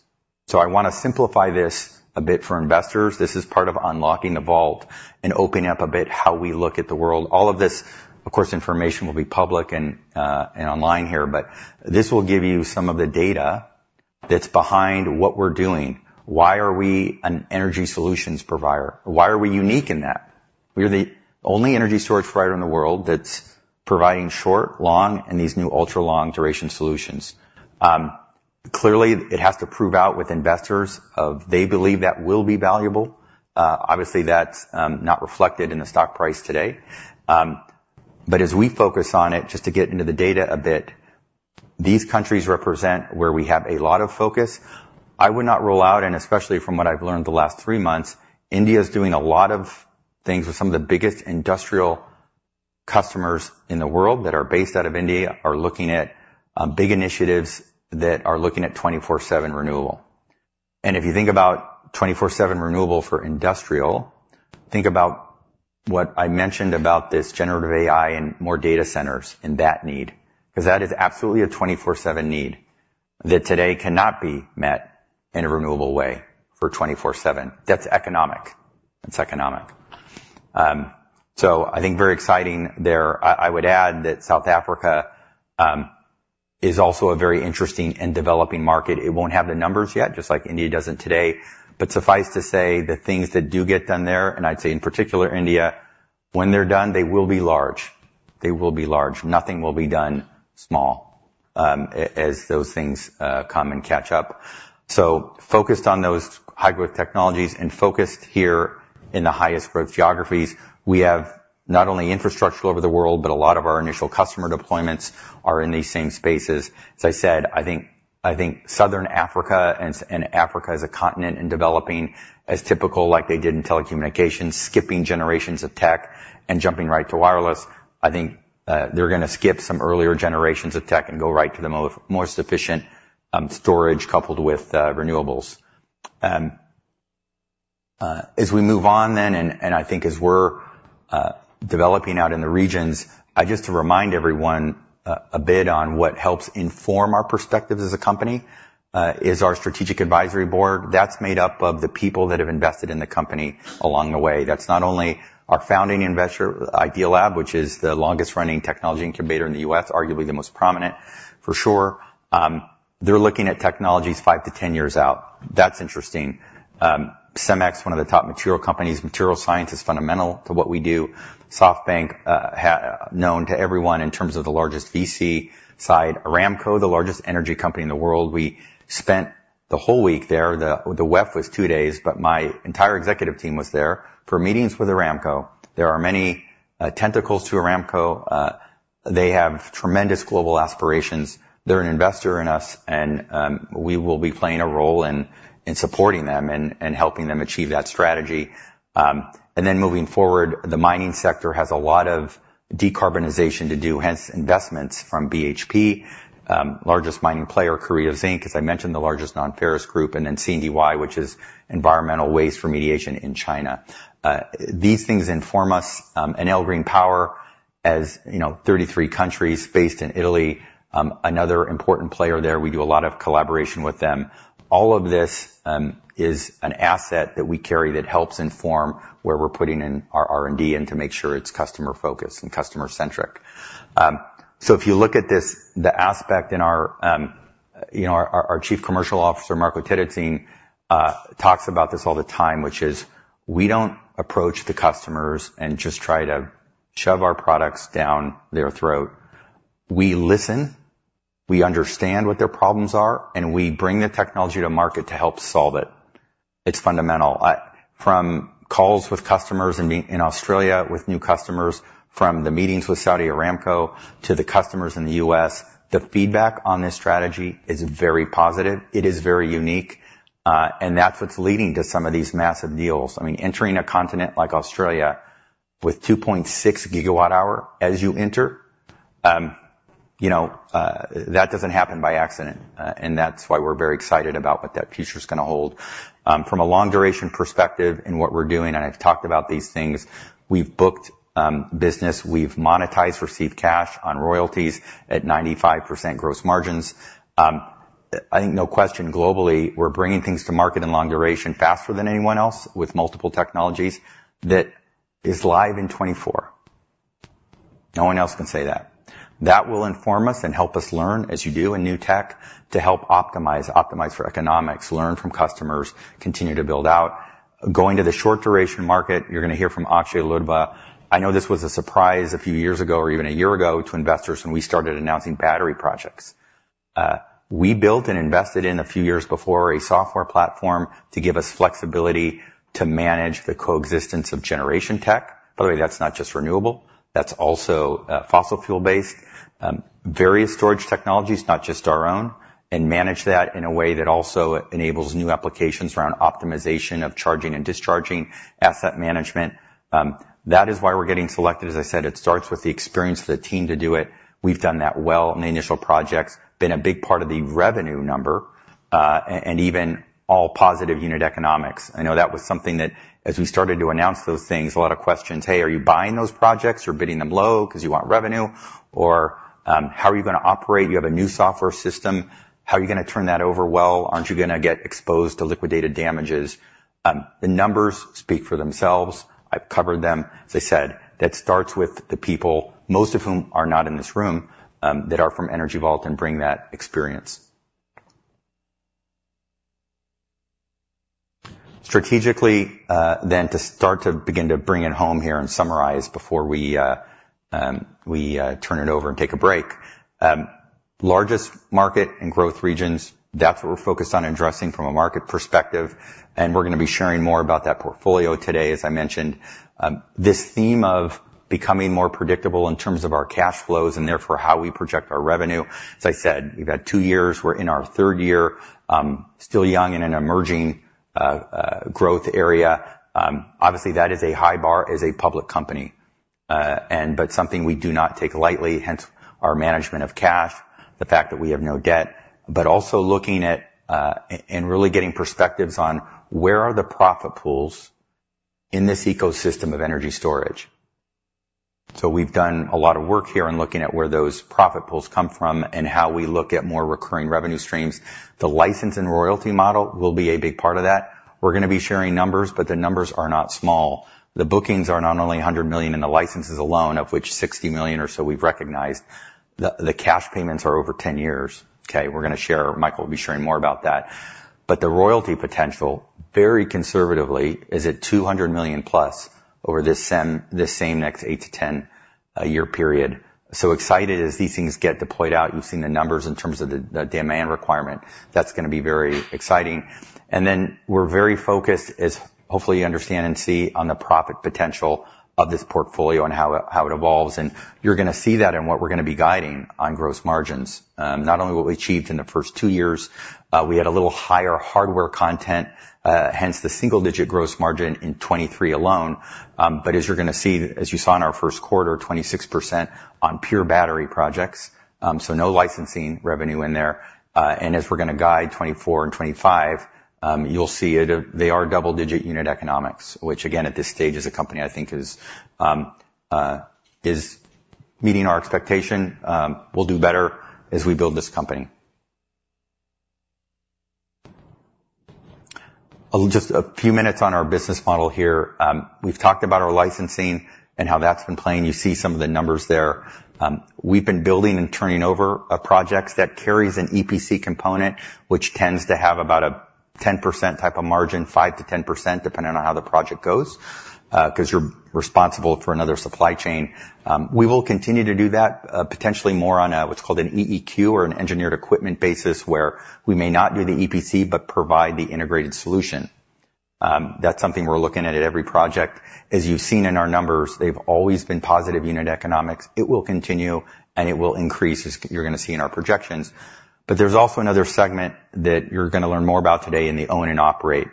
So I wanna simplify this a bit for investors. This is part of unlocking the vault and opening up a bit how we look at the world. All of this, of course, information will be public and, and online here, but this will give you some of the data that's behind what we're doing. Why are we an energy solutions provider? Why are we unique in that? We are the only energy storage provider in the world that's providing short, long, and these new ultra-long-duration solutions. Clearly, it has to prove out with investors if they believe that will be valuable. Obviously, that's not reflected in the stock price today. But as we focus on it, just to get into the data a bit, these countries represent where we have a lot of focus. I would not rule out, and especially from what I've learned the last three months, India is doing a lot of things with some of the biggest industrial customers in the world that are based out of India, are looking at big initiatives that are looking at 24/7 renewable. And if you think about 24/7 renewable for industrial, think about what I mentioned about this generative AI and more data centers and that need, because that is absolutely a 24/7 need, that today cannot be met in a renewable way for 24/7. That's economic. That's economic. So I think very exciting there. I, I would add that South Africa is also a very interesting and developing market. It won't have the numbers yet, just like India doesn't today, but suffice to say, the things that do get done there, and I'd say in particular India, when they're done, they will be large. They will be large. Nothing will be done small, as those things come and catch up. So focused on those high-growth technologies and focused here in the highest growth geographies, we have not only infrastructure over the world, but a lot of our initial customer deployments are in these same spaces. As I said, I think, I think Southern Africa and and Africa as a continent in developing as typical, like they did in telecommunications, skipping generations of tech and jumping right to wireless, I think, they're gonna skip some earlier generations of tech and go right to the more sufficient storage coupled with renewables. As we move on then, and I think as we're developing out in the regions, just to remind everyone, a bit on what helps inform our perspectives as a company is our strategic advisory board. That's made up of the people that have invested in the company along the way. That's not only our founding investor, Idealab, which is the longest-running technology incubator in the U.S. arguably the most prominent for sure. They're looking at technologies 5-10 years out. That's interesting. CEMEX, one of the top material companies, material science is fundamental to what we do. SoftBank, known to everyone in terms of the largest VC side. Aramco, the largest energy company in the world. We spent the whole week there. The WEF was two days, but my entire executive team was there for meetings with Aramco. There are many tentacles to Aramco. They have tremendous global aspirations. They're an investor in us, and we will be playing a role in supporting them and helping them achieve that strategy. And then moving forward, the mining sector has a lot of decarbonization to do, hence investments from BHP, largest mining player, Korea Zinc, as I mentioned, the largest non-ferrous group, and then CNTY, which is environmental waste remediation in China. These things inform us, and Enel Green Power, as you know, 33 countries based in Italy, another important player there. We do a lot of collaboration with them. All of this is an asset that we carry that helps inform where we're putting in our R&D and to make sure it's customer-focused and customer-centric. So if you look at this, the aspect in our, you know, our, our Chief Commercial Officer, Marco Terruzzin, talks about this all the time, which is we don't approach the customers and just try to shove our products down their throat. We listen, we understand what their problems are, and we bring the technology to market to help solve it. It's fundamental. From calls with customers in Australia, with new customers, from the meetings with Saudi Aramco to the customers in the US, the feedback on this strategy is very positive. It is very unique, and that's what's leading to some of these massive deals. I mean, entering a continent like Australia with 2.6 GWh as you enter, you know, that doesn't happen by accident. And that's why we're very excited about what that future is gonna hold. From a long-duration perspective in what we're doing, and I've talked about these things, we've booked business, we've monetized, received cash on royalties at 95% gross margins. I think no question, globally, we're bringing things to market in long duration faster than anyone else, with multiple technologies that is live in 2024. No one else can say that. That will inform us and help us learn, as you do in new tech, to help optimize, optimize for economics, learn from customers, continue to build out. Going to the short-duration market, you're gonna hear from Akshay Ladwa. I know this was a surprise a few years ago or even a year ago to investors when we started announcing battery projects. We built and invested in a few years before a software platform to give us flexibility to manage the coexistence of generation tech. By the way, that's not just renewable, that's also, fossil fuel-based, various storage technologies, not just our own, and manage that in a way that also enables new applications around optimization of charging and discharging, asset management. That is why we're getting selected. As I said, it starts with the experience of the team to do it. We've done that well in the initial projects, been a big part of the revenue number, and even all positive unit economics. I know that was something that, as we started to announce those things, a lot of questions, "Hey, are you buying those projects or bidding them low because you want revenue?" Or, "How are you gonna operate? You have a new software system. How are you gonna turn that over well? Aren't you gonna get exposed to liquidated damages?" The numbers speak for themselves. I've covered them. As I said, that starts with the people, most of whom are not in this room, that are from Energy Vault and bring that experience. Strategically, then to begin to bring it home here and summarize before we turn it over and take a break. Largest market and growth regions, that's what we're focused on addressing from a market perspective, and we're gonna be sharing more about that portfolio today, as I mentioned. This theme of becoming more predictable in terms of our cash flows and therefore how we project our revenue, as I said, we've had two years, we're in our third year, still young in an emerging growth area. Obviously, that is a high bar as a public company, and but something we do not take lightly, hence our management of cash, the fact that we have no debt, but also looking at and really getting perspectives on where are the profit pools in this ecosystem of energy storage? So we've done a lot of work here in looking at where those profit pools come from and how we look at more recurring revenue streams. The license and royalty model will be a big part of that. We're gonna be sharing numbers, but the numbers are not small. The bookings are not only $100 million in the licenses alone, of which $60 million or so we've recognized. The cash payments are over 10 years. Okay, we're gonna share... Michael will be sharing more about that. But the royalty potential, very conservatively, is at $200 million-plus over this same next 8-10 year period. So excited as these things get deployed out, you've seen the numbers in terms of the demand requirement. That's gonna be very exciting. And then we're very focused as, hopefully, you understand and see on the profit potential of this portfolio and how it evolves. And you're gonna see that in what we're gonna be guiding on gross margins. Not only what we achieved in the first two years, we had a little higher hardware content, hence the single-digit gross margin in 2023 alone. But as you're gonna see, as you saw in our first quarter, 26% on pure battery projects, so no licensing revenue in there. And as we're gonna guide 2024 and 2025, you'll see it, they are double-digit unit economics, which again, at this stage as a company, I think is meeting our expectation, we'll do better as we build this company. Just a few minutes on our business model here. We've talked about our licensing and how that's been playing. You see some of the numbers there. We've been building and turning over projects that carries an EPC component, which tends to have about a 10% type of margin, 5%-10%, depending on how the project goes, 'cause you're responsible for another supply chain. We will continue to do that, potentially more on what's called an EEQ or an engineered equipment basis, where we may not do the EPC, but provide the integrated solution. That's something we're looking at at every project. As you've seen in our numbers, they've always been positive unit economics. It will continue, and it will increase, as you're gonna see in our projections. But there's also another segment that you're gonna learn more about today in the own and operate.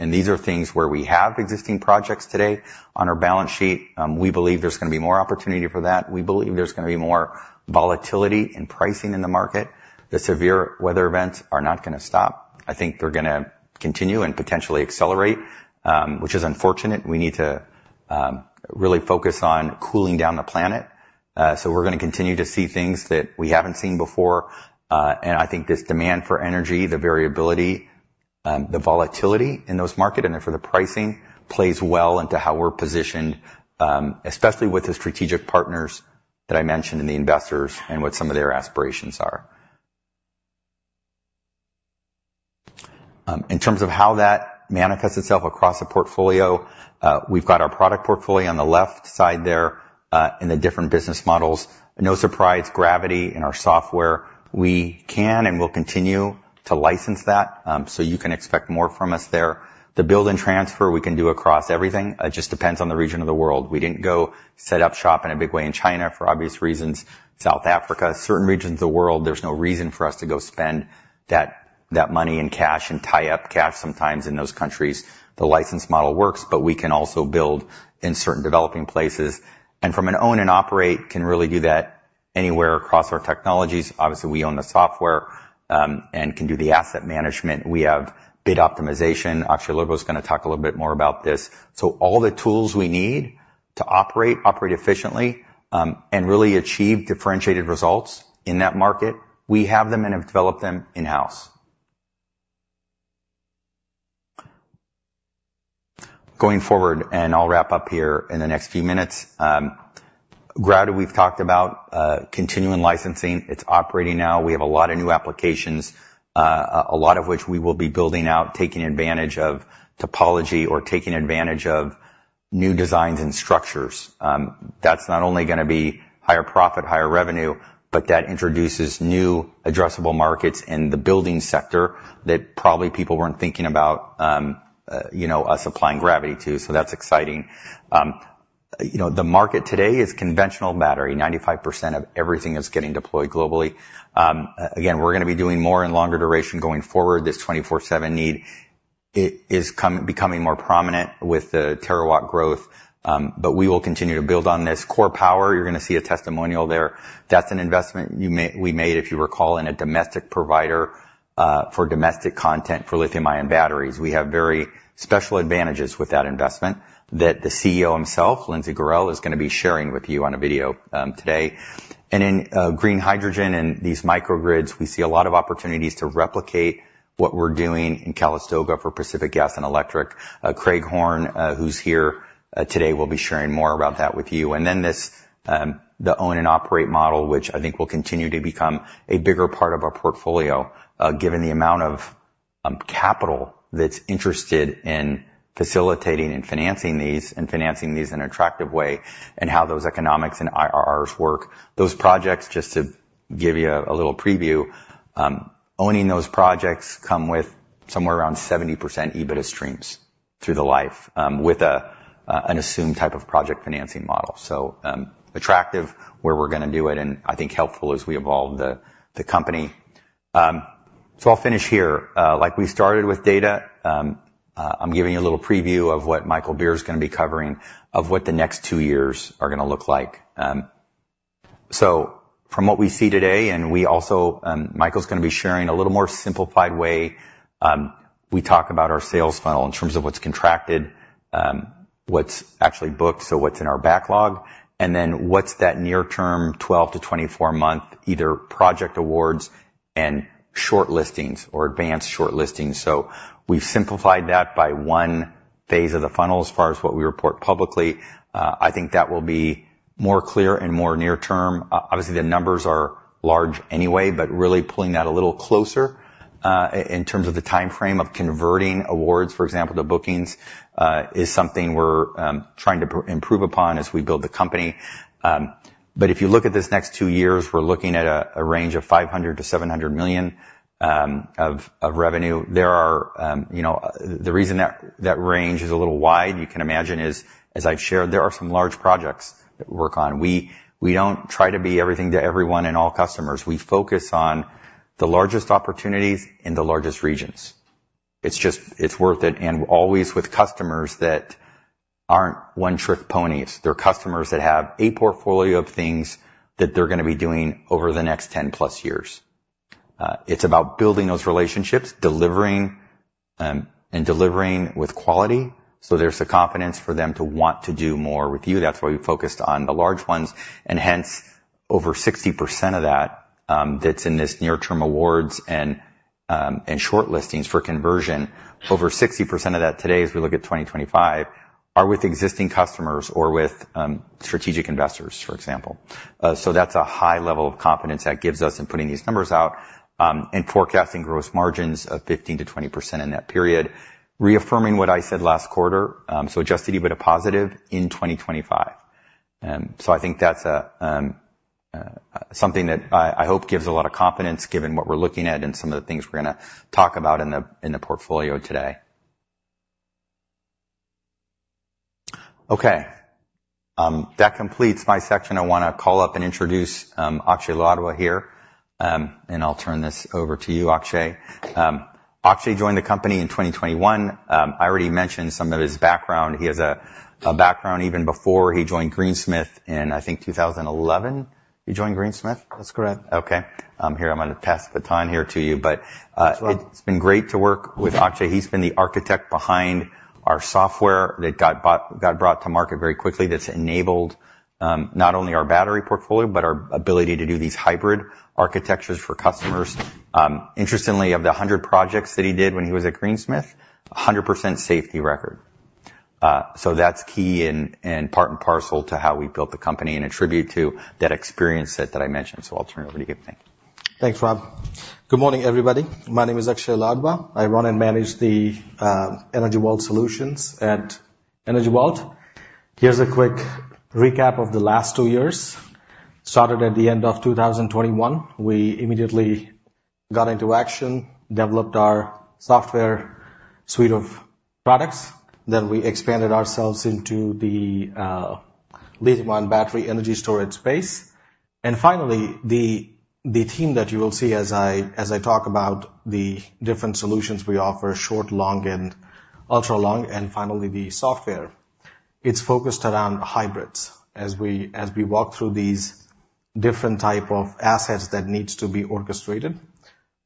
These are things where we have existing projects today on our balance sheet. We believe there's gonna be more opportunity for that. We believe there's gonna be more volatility in pricing in the market. The severe weather events are not gonna stop. I think they're gonna continue and potentially accelerate, which is unfortunate. We need to really focus on cooling down the planet. So we're gonna continue to see things that we haven't seen before, and I think this demand for energy, the variability, the volatility in those market and for the pricing plays well into how we're positioned, especially with the strategic partners that I mentioned, and the investors, and what some of their aspirations are. In terms of how that manifests itself across the portfolio, we've got our product portfolio on the left side there, in the different business models. No surprise, gravity in our software, we can and will continue to license that, so you can expect more from us there. The build and transfer we can do across everything, it just depends on the region of the world. We didn't go set up shop in a big way in China, for obvious reasons. South Africa, certain regions of the world, there's no reason for us to go spend that, that money and cash and tie up cash sometimes in those countries. The license model works, but we can also build in certain developing places, and from an own and operate, can really do that anywhere across our technologies. Obviously, we own the software, and can do the asset management. We have bid optimization. Actually, Logan's gonna talk a little bit more about this. So all the tools we need to operate, operate efficiently, and really achieve differentiated results in that market, we have them and have developed them in-house. Going forward, and I'll wrap up here in the next few minutes. Gravity, we've talked about, continuing licensing. It's operating now. We have a lot of new applications, a lot of which we will be building out, taking advantage of topology or taking advantage of new designs and structures. That's not only gonna be higher profit, higher revenue, but that introduces new addressable markets in the building sector that probably people weren't thinking about, you know, us applying Gravity to, so that's exciting. You know, the market today is conventional battery. 95% of everything is getting deployed globally. Again, we're gonna be doing more and longer duration going forward, this 24/7 need. It is becoming more prominent with the terawatt growth, but we will continue to build on this core power. You're gonna see a testimonial there. That's an investment we made, if you recall, in a domestic provider for domestic content for lithium-ion batteries. We have very special advantages with that investment that the CEO himself, Lindsay Gorrill, is gonna be sharing with you on a video today. In green hydrogen and these microgrids, we see a lot of opportunities to replicate what we're doing in Calistoga for Pacific Gas and Electric. Craig Horne, who's here today, will be sharing more about that with you. Then this, the own and operate model, which I think will continue to become a bigger part of our portfolio, given the amount of capital that's interested in facilitating and financing these, and financing these in an attractive way, and how those economics and IRRs work. Those projects, just to give you a little preview, owning those projects come with somewhere around 70% EBITDA streams through the life, with an assumed type of project financing model. So, attractive, where we're gonna do it, and I think helpful as we evolve the company. So I'll finish here. Like we started with data, I'm giving you a little preview of what Michael Beer is gonna be covering of what the next two years are gonna look like. So from what we see today, and we also, Michael's gonna be sharing a little more simplified way, we talk about our sales funnel in terms of what's contracted, what's actually booked, so what's in our backlog, and then what's that near term, 12-24 month, either project awards and short listings or advanced short listings. So we've simplified that by one phase of the funnel as far as what we report publicly. I think that will be more clear and more near term. Obviously, the numbers are large anyway, but really pulling that a little closer, in terms of the timeframe of converting awards, for example, to bookings, is something we're trying to improve upon as we build the company. But if you look at this next two years, we're looking at a range of $500 million-$700 million of revenue. There are—you know, the reason that range is a little wide, you can imagine, is, as I've shared, there are some large projects that we work on. We don't try to be everything to everyone and all customers. We focus on the largest opportunities in the largest regions. It's just. It's worth it, and always with customers that aren't one-trick ponies. They're customers that have a portfolio of things that they're gonna be doing over the next ten-plus years. It's about building those relationships, delivering, and delivering with quality, so there's the confidence for them to want to do more with you. That's why we focused on the large ones, and hence, over 60% of that, that's in this near-term awards and, and short listings for conversion. Over 60% of that today, as we look at 2025, are with existing customers or with, strategic investors, for example. So that's a high level of confidence that gives us in putting these numbers out, and forecasting gross margins of 15%-20% in that period. Reaffirming what I said last quarter, so adjusted EBITDA positive in 2025. And so I think that's a, something that I, I hope gives a lot of confidence, given what we're looking at and some of the things we're gonna talk about in the, in the portfolio today. Okay, that completes my section. I wanna call up and introduce, Akshay Ladwa here, and I'll turn this over to you, Akshay. Akshay joined the company in 2021. I already mentioned some of his background. He has a, a background even before he joined Greensmith in, I think, 2011. You joined Greensmith? That's correct. Okay. Here, I'm gonna pass the baton here to you, but- Sure. It's been great to work with Akshay. He's been the architect behind our software that got bought-- got brought to market very quickly. That's enabled, not only our battery portfolio, but our ability to do these hybrid architectures for customers. Interestingly, of the 100 projects that he did when he was at Greensmith, 100% safety record. So that's key and, and part and parcel to how we built the company and attribute to that experience set that I mentioned. So I'll turn it over to you. Thank you. Thanks, Rob. Good morning, everybody. My name is Akshay Ladwa. I run and manage the Energy Vault solutions at Energy Vault. Here's a quick recap of the last two years. Started at the end of 2021. We immediately got into action, developed our software suite of products, then we expanded ourselves into the lithium-ion battery energy storage space. And finally, the team that you will see as I talk about the different solutions we offer, short, long, and ultra long, and finally, the software. It's focused around hybrids. As we walk through these different type of assets that needs to be orchestrated,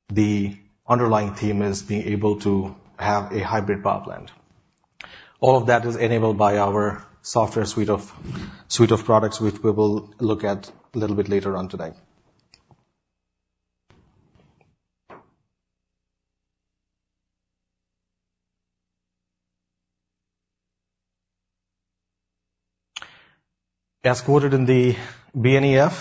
the underlying theme is being able to have a hybrid power plant. All of that is enabled by our software suite of products, which we will look at a little bit later on today. As quoted in the BNEF,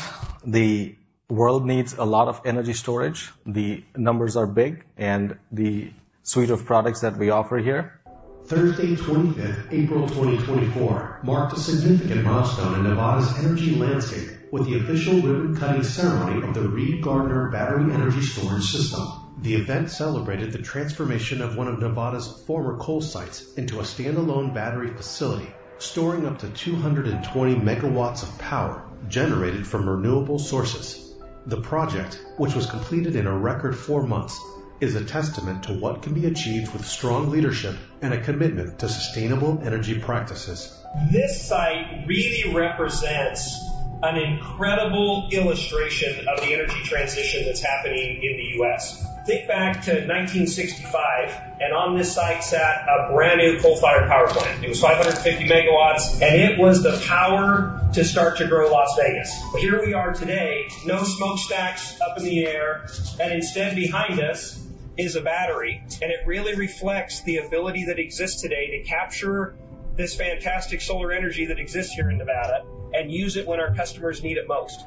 the world needs a lot of energy storage. The numbers are big, and the suite of products that we offer here- Thursday, 25th, April 2024, marked a significant milestone in Nevada's energy landscape with the official ribbon-cutting ceremony of the Reid Gardner Battery Energy Storage System. The event celebrated the transformation of one of Nevada's former coal sites into a standalone battery facility, storing up to 220 MW of power generated from renewable sources. The project, which was completed in a record four months, is a testament to what can be achieved with strong leadership and a commitment to sustainable energy practices. This site really represents an incredible illustration of the energy transition that's happening in the U.S. Think back to 1965, and on this site sat a brand-new coal-fired power plant. It was 550MW, and it was the power to start to grow Las Vegas. Here we are today, no smokestacks up in the air, and instead behind us is a battery. It really reflects the ability that exists today to capture this fantastic solar energy that exists here in Nevada and use it when our customers need it most.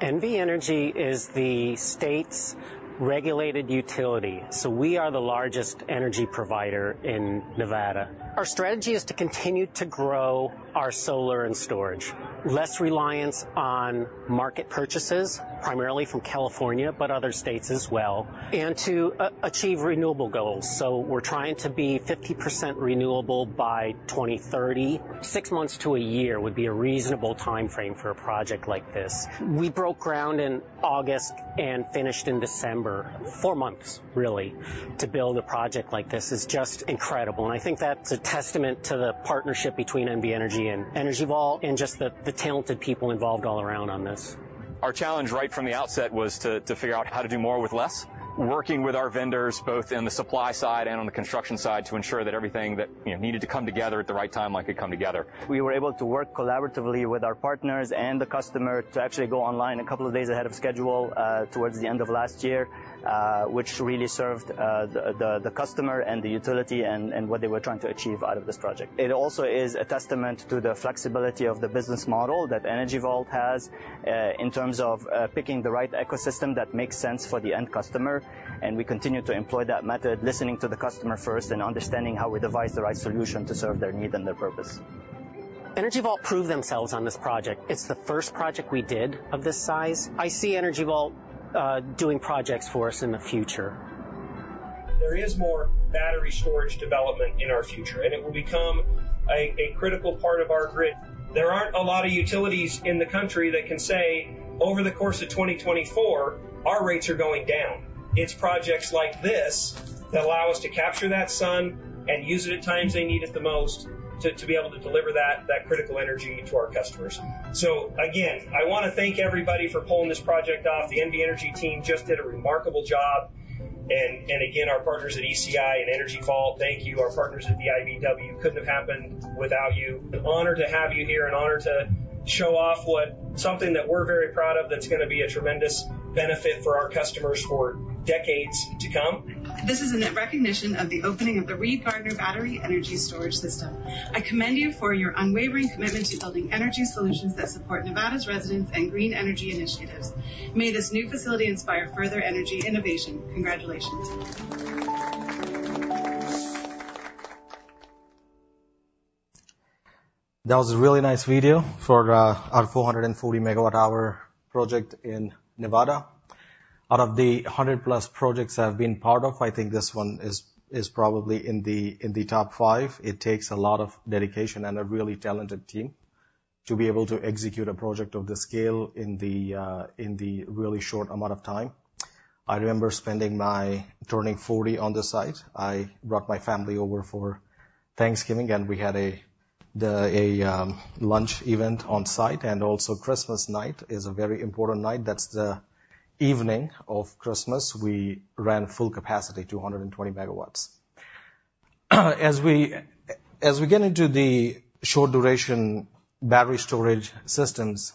NV Energy is the state's regulated utility, so we are the largest energy provider in Nevada. Our strategy is to continue to grow our solar and storage. Less reliance on market purchases, primarily from California, but other states as well, and to achieve renewable goals. So we're trying to be 50% renewable by 2030. 6 months to a year would be a reasonable timeframe for a project like this. We broke ground in August and finished in December. four months, really, to build a project like this is just incredible, and I think that's a testament to the partnership between NV Energy and Energy Vault and just the talented people involved all around on this. Our challenge, right from the outset, was to figure out how to do more with less. Working with our vendors, both in the supply side and on the construction side, to ensure that everything that, you know, needed to come together at the right time, like, could come together. We were able to work collaboratively with our partners and the customer to actually go online a couple of days ahead of schedule, towards the end of last year, which really served the customer and the utility and what they were trying to achieve out of this project. It also is a testament to the flexibility of the business model that Energy Vault has, in terms of picking the right ecosystem that makes sense for the end customer, and we continue to employ that method, listening to the customer first and understanding how we devise the right solution to serve their need and their purpose. Energy Vault proved themselves on this project. It's the first project we did of this size. I see Energy Vault doing projects for us in the future. There is more battery storage development in our future, and it will become- a critical part of our grid. There aren't a lot of utilities in the country that can say, "Over the course of 2024, our rates are going down." It's projects like this that allow us to capture that sun and use it at times they need it the most, to be able to deliver that critical energy to our customers. So again, I wanna thank everybody for pulling this project off. The NV Energy team just did a remarkable job, and again, our partners at ECI and Energy Vault, thank you, our partners at the IBEW, couldn't have happened without you. An honor to have you here, an honor to show off what, something that we're very proud of, that's gonna be a tremendous benefit for our customers for decades to come. This is in recognition of the opening of the Reid Gardner Battery Energy Storage System. I commend you for your unwavering commitment to building energy solutions that support Nevada's residents and green energy initiatives. May this new facility inspire further energy innovation. Congratulations. That was a really nice video for our 400 MWh project in Nevada. Out of the +100 projects I've been part of, I think this one is probably in the top five. It takes a lot of dedication and a really talented team to be able to execute a project of this scale in the really short amount of time. I remember spending my turning 40 on the site. I brought my family over for Thanksgiving, and we had a lunch event on site, and also Christmas night is a very important night. That's the evening of Christmas. We ran full capacity, 220 MW. As we get into the short-duration battery storage systems,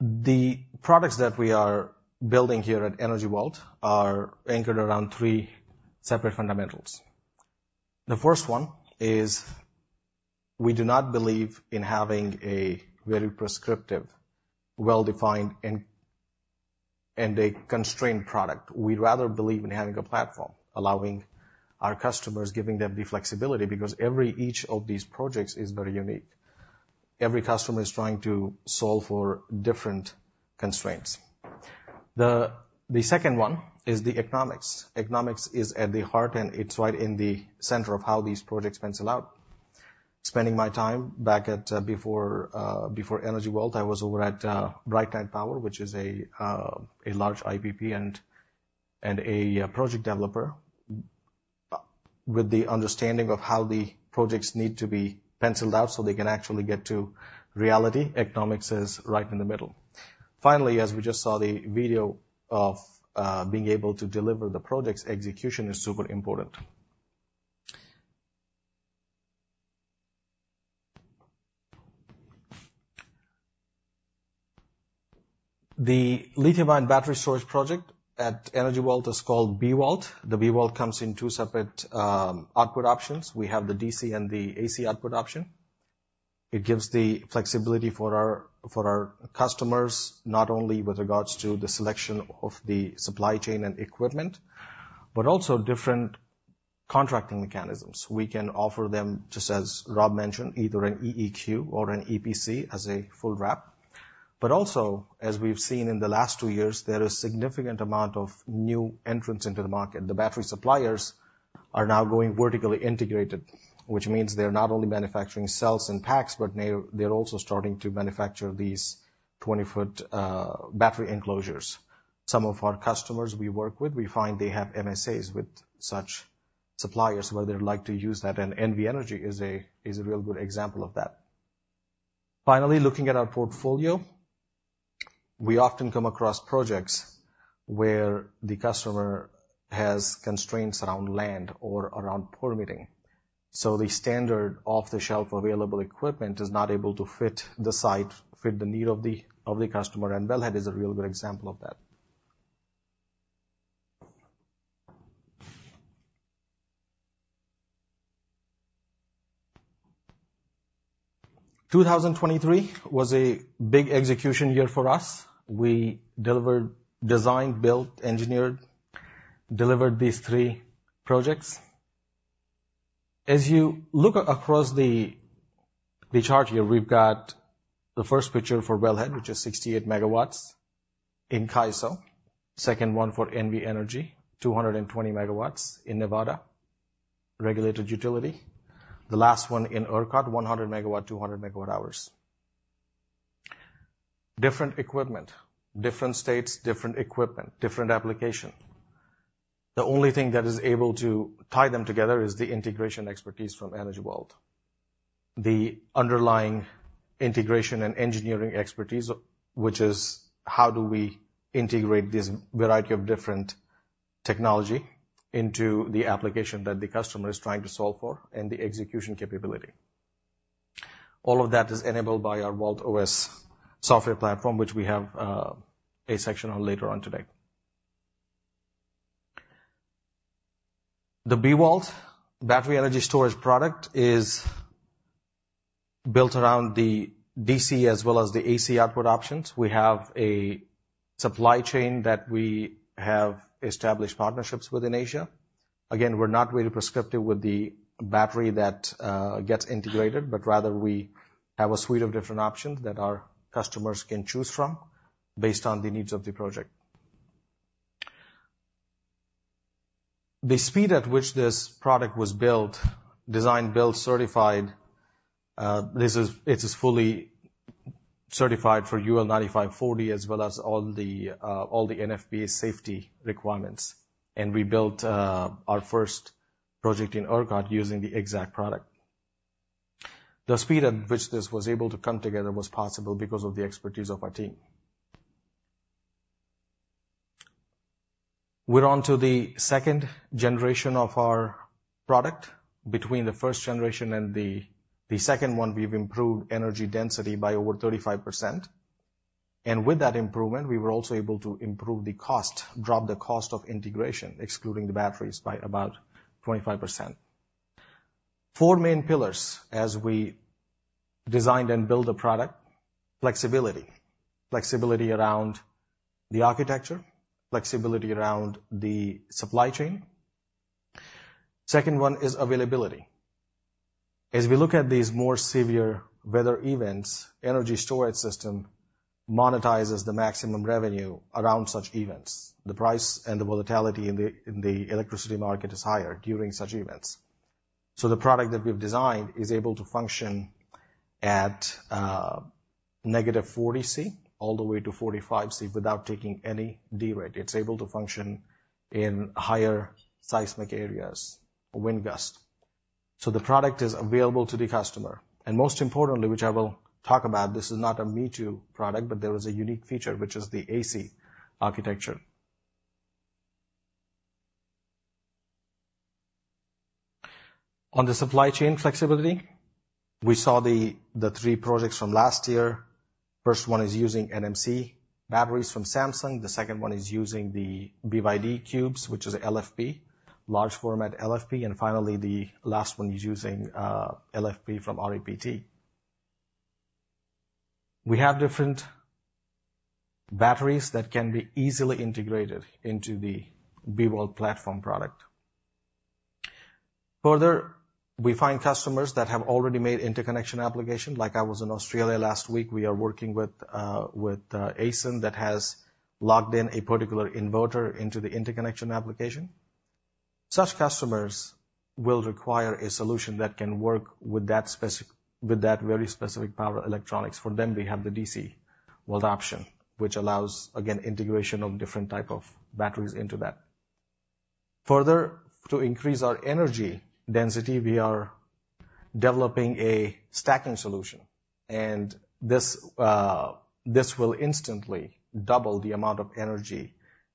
the products that we are building here at Energy Vault are anchored around three separate fundamentals. The first one is we do not believe in having a very prescriptive, well-defined and a constrained product. We'd rather believe in having a platform, allowing our customers, giving them the flexibility, because every... each of these projects is very unique. Every customer is trying to solve for different constraints. The second one is the economics. Economics is at the heart, and it's right in the center of how these projects pencil out. Spending my time back at, before Energy Vault, I was over at BrightNight, which is a large IPP and a project developer. With the understanding of how the projects need to be penciled out, so they can actually get to reality, economics is right in the middle. Finally, as we just saw the video of being able to deliver the projects, execution is super important. The lithium-ion battery storage project at Energy Vault is called B-Vault. The B-Vault comes in two separate output options. We have the DC and the AC output option. It gives the flexibility for our customers, not only with regards to the selection of the supply chain and equipment, but also different contracting mechanisms. We can offer them, just as Rob mentioned, either an EEQ or an EPC as a full wrap. But also, as we've seen in the last two years, there is significant amount of new entrants into the market. The battery suppliers are now going vertically integrated, which means they're not only manufacturing cells and packs, but they're also starting to manufacture these 20-foot battery enclosures. Some of our customers we work with, we find they have MSAs with such suppliers, where they'd like to use that, and NV Energy is a real good example of that. Finally, looking at our portfolio, we often come across projects where the customer has constraints around land or around permitting, so the standard off-the-shelf available equipment is not able to fit the site, fit the need of the customer, and Wellhead is a real good example of that. 2023 was a big execution year for us. We delivered, designed, built, engineered, delivered these three projects. As you look across the chart here, we've got the first picture for Wellhead, which is 68 megawatts in CAISO. Second one for NV Energy, 220 megawatts in Nevada, regulated utility. The last one in ERCOT, 100 MW 200MWh Different equipment. Different states, different equipment, different application. The only thing that is able to tie them together is the integration expertise from Energy Vault. The underlying integration and engineering expertise, which is how do we integrate this variety of different technology into the application that the customer is trying to solve for, and the execution capability? All of that is enabled by our VaultOS software platform, which we have a section on later on today. The B-VAULT battery energy storage product is built around the DC as well as the AC output options. We have a supply chain that we have established partnerships with in Asia. Again, we're not very prescriptive with the battery that gets integrated, but rather we have a suite of different options that our customers can choose from based on the needs of the project.... The speed at which this product was built, designed, built, certified. It is fully certified for UL 9540, as well as all the NFPA safety requirements. And we built our first project in ERCOT using the exact product. The speed at which this was able to come together was possible because of the expertise of our team. We're on to the second generation of our product. Between the first generation and the second one, we've improved energy density by over 35%. And with that improvement, we were also able to improve the cost, drop the cost of integration, excluding the batteries, by about 25%. Four main pillars as we designed and built the product. Flexibility. Flexibility around the architecture, flexibility around the supply chain. Second one is availability. As we look at these more severe weather events, energy storage system monetizes the maximum revenue around such events. The price and the volatility in the, in the electricity market is higher during such events. So the product that we've designed is able to function at negative 40 degrees Celsius all the way to 45 degrees Celsius without taking any derate. It's able to function in higher seismic areas, wind gust. So the product is available to the customer, and most importantly, which I will talk about, this is not a me-too product, but there is a unique feature, which is the AC architecture. On the supply chain flexibility, we saw the, the three projects from last year. First one is using NMC batteries from Samsung. The second one is using the BYD cubes, which is LFP, large format LFP, and finally, the last one is using LFP from REPT. We have different batteries that can be easily integrated into the B-Vault platform product. Further, we find customers that have already made interconnection application. Like I was in Australia last week, we are working with ACEN, that has logged in a particular inverter into the interconnection application. Such customers will require a solution that can work with that very specific power electronics. For them, we have the DC Vault option, which allows, again, integration of different type of batteries into that. Further, to increase our energy density, we are developing a stacking solution, and this will instantly double the amount of energy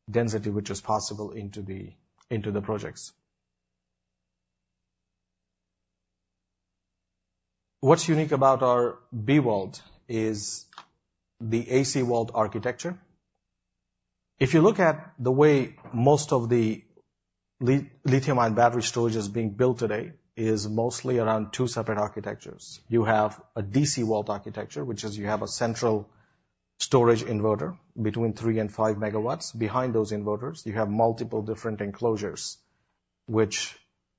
density, which is possible into the projects. What's unique about our B-Vault is the AC Vault architecture. If you look at the way most of the lithium-ion battery storage is being built today, is mostly around two separate architectures. You have a DC vault architecture, which is you have a central storage inverter between three and five MW. Behind those inverters, you have multiple different enclosures, which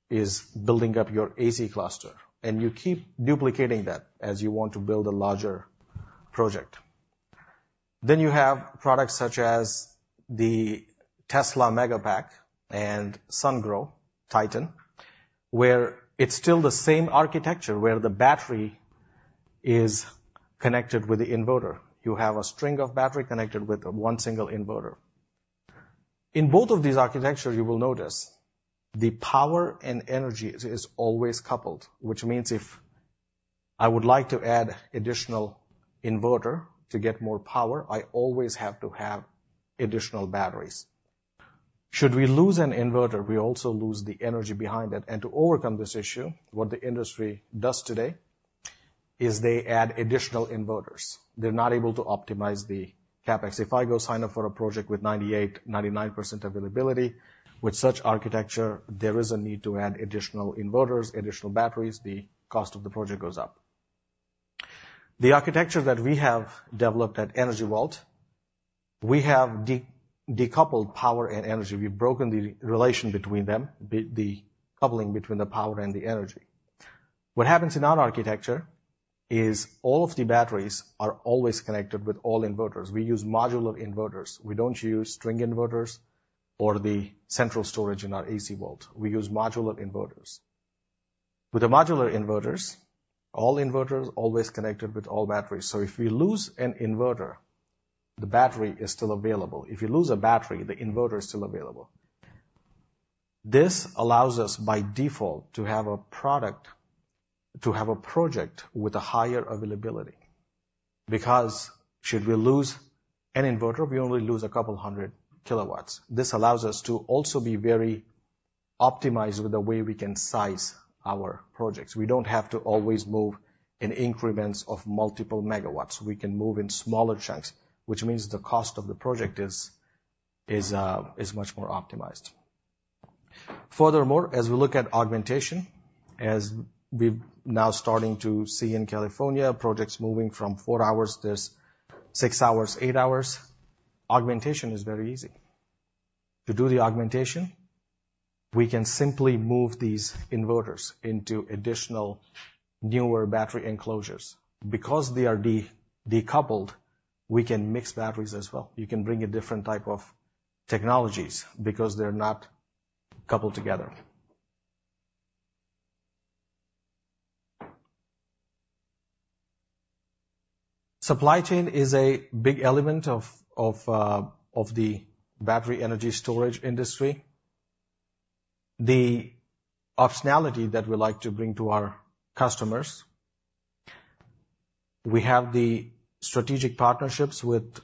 is building up your AC cluster, and you keep duplicating that as you want to build a larger project. Then you have products such as the Tesla Megapack and Sungrow PowerTitan, where it's still the same architecture, where the battery is connected with the inverter. You have a string of battery connected with one single inverter. In both of these architectures, you will notice the power and energy is always coupled, which means if I would like to add additional inverter to get more power, I always have to have additional batteries. Should we lose an inverter, we also lose the energy behind it. And to overcome this issue, what the industry does today is they add additional inverters. They're not able to optimize the CapEx. If I go sign up for a project with 98%-99% availability, with such architecture, there is a need to add additional inverters, additional batteries, the cost of the project goes up. The architecture that we have developed at Energy Vault, we have decoupled power and energy. We've broken the relation between them, the coupling between the power and the energy. What happens in our architecture is all of the batteries are always connected with all inverters. We use modular inverters. We don't use string inverters or the central storage in our AC vault. We use modular inverters. With the modular inverters, all inverters always connected with all batteries, so if we lose an inverter, the battery is still available. If you lose a battery, the inverter is still available. This allows us, by default, to have a product, to have a project with a higher availability, because should we lose an inverter, we only lose a couple 100 kW. This allows us to also be very optimized with the way we can size our projects. We don't have to always move in increments of multiple megawatts. We can move in smaller chunks, which means the cost of the project is, is, is much more optimized. Furthermore, as we look at augmentation, as we've now starting to see in California, projects moving from four hours, there's six hours, eight hours, augmentation is very easy. To do the augmentation-... We can simply move these inverters into additional newer battery enclosures. Because they are decoupled, we can mix batteries as well. You can bring a different type of technologies because they're not coupled together. Supply chain is a big element of the battery energy storage industry. The optionality that we like to bring to our customers, we have the strategic partnerships with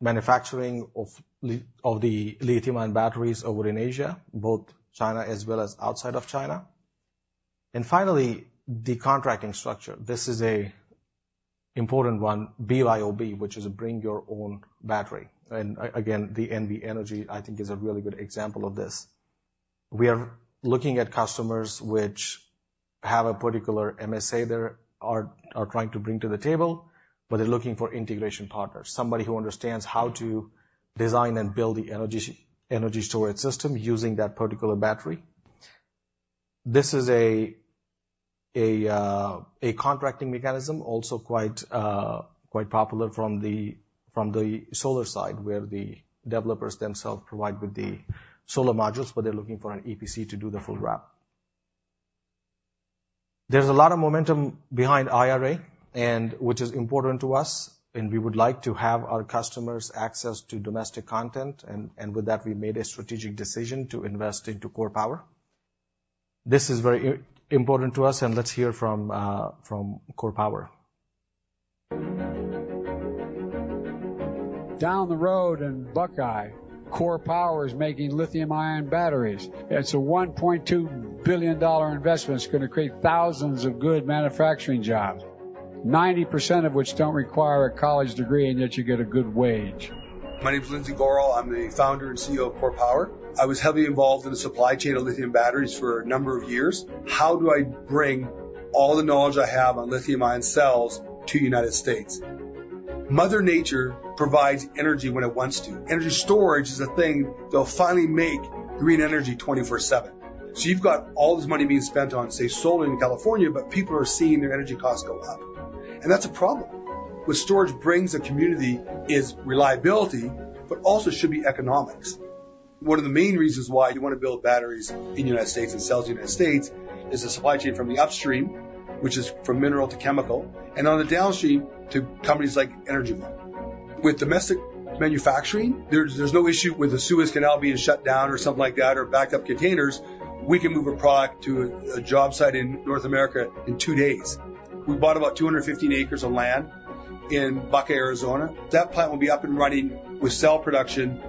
manufacturing of the lithium-ion batteries over in Asia, both China as well as outside of China. And finally, the contracting structure. This is an important one, BYOB, which is bring your own battery. And again, the NV Energy, I think, is a really good example of this. We are looking at customers which have a particular MSA they are trying to bring to the table, but they're looking for integration partners, somebody who understands how to design and build the energy storage system using that particular battery. This is a contracting mechanism, also quite popular from the solar side, where the developers themselves provide with the solar modules, but they're looking for an EPC to do the full wrap. There's a lot of momentum behind IRA, and which is important to us, and we would like to have our customers access to domestic content, and with that, we made a strategic decision to invest into KORE Power. This is very important to us, and let's hear from KORE Power. Down the road in Buckeye, KORE Power is making lithium-ion batteries. It's a $1.2 billion investment. It's gonna create thousands of good manufacturing jobs, 90% of which don't require a college degree, and yet you get a good wage. My name is Lindsay Gorrill. I'm the Founder and CEO of KORE Power. I was heavily involved in the supply chain of lithium batteries for a number of years. How do I bring all the knowledge I have on lithium-ion cells to United States? Mother Nature provides energy when it wants to. Energy storage is a thing that'll finally make green energy 24/7. So you've got all this money being spent on, say, solar in California, but people are seeing their energy costs go up, and that's a problem. What storage brings a community is reliability, but also should be economics. One of the main reasons why you want to build batteries in the United States and sell to the United States is the supply chain from the upstream, which is from mineral to chemical, and on the downstream, to companies like Energy Vault. With domestic manufacturing, there's no issue with the Suez Canal being shut down or something like that, or backed up containers. We can move a product to a job site in North America in two days. We bought about 215 acres of land in Buckeye, Arizona. That plant will be up and running with cell production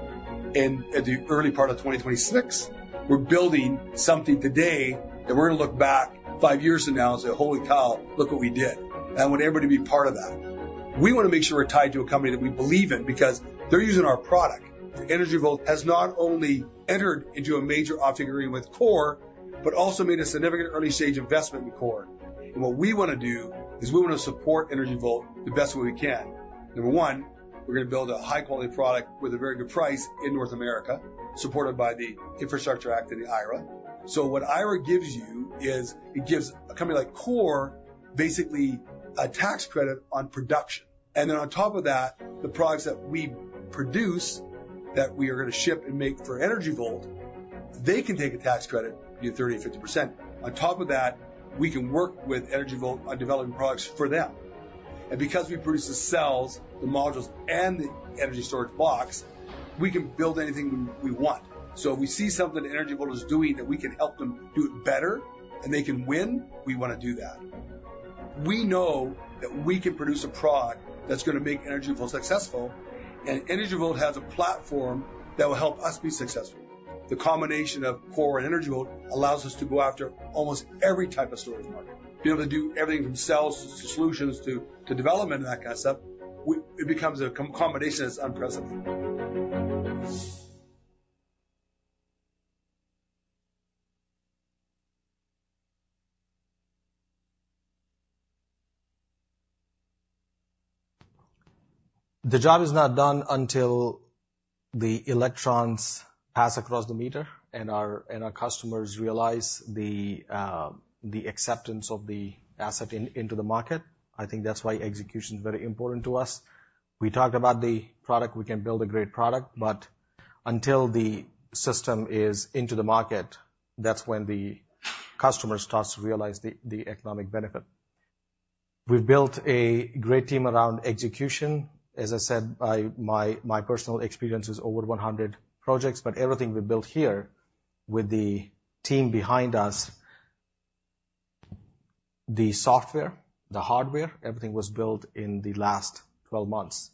in the early part of 2026. We're building something today that we're going to look back five years from now and say, "Holy cow, look what we did," and I want everybody to be part of that. We want to make sure we're tied to a company that we believe in because they're using our product. Energy Vault has not only entered into a major offtake agreement with KORE, but also made a significant early-stage investment in KORE. What we want to do is we want to support Energy Vault the best way we can. Number one, we're going to build a high-quality product with a very good price in North America, supported by the Infrastructure Act and the IRA. So what IRA gives you is it gives a company like KORE, basically a tax credit on production. Then on top of that, the products that we produce that we are going to ship and make for Energy Vault, they can take a tax credit, be it 30%-50%. On top of that, we can work with Energy Vault on developing products for them. Because we produce the cells, the modules, and the energy storage box, we can build anything we want. So if we see something that Energy Vault is doing, that we can help them do it better and they can win, we want to do that. We know that we can produce a product that's going to make Energy Vault successful, and Energy Vault has a platform that will help us be successful. The combination of KORE and Energy Vault allows us to go after almost every type of storage market. Be able to do everything from cells to solutions, to development, and that kind of stuff, it becomes a combination that's unprecedented. The job is not done until the electrons pass across the meter, and our customers realize the acceptance of the asset into the market. I think that's why execution is very important to us. We talked about the product. We can build a great product, but until the system is into the market, that's when the customer starts to realize the economic benefit. We've built a great team around execution. As I said, my personal experience is over 100 projects, but everything we built here with the team behind us, the software, the hardware, everything was built in the last 12 months.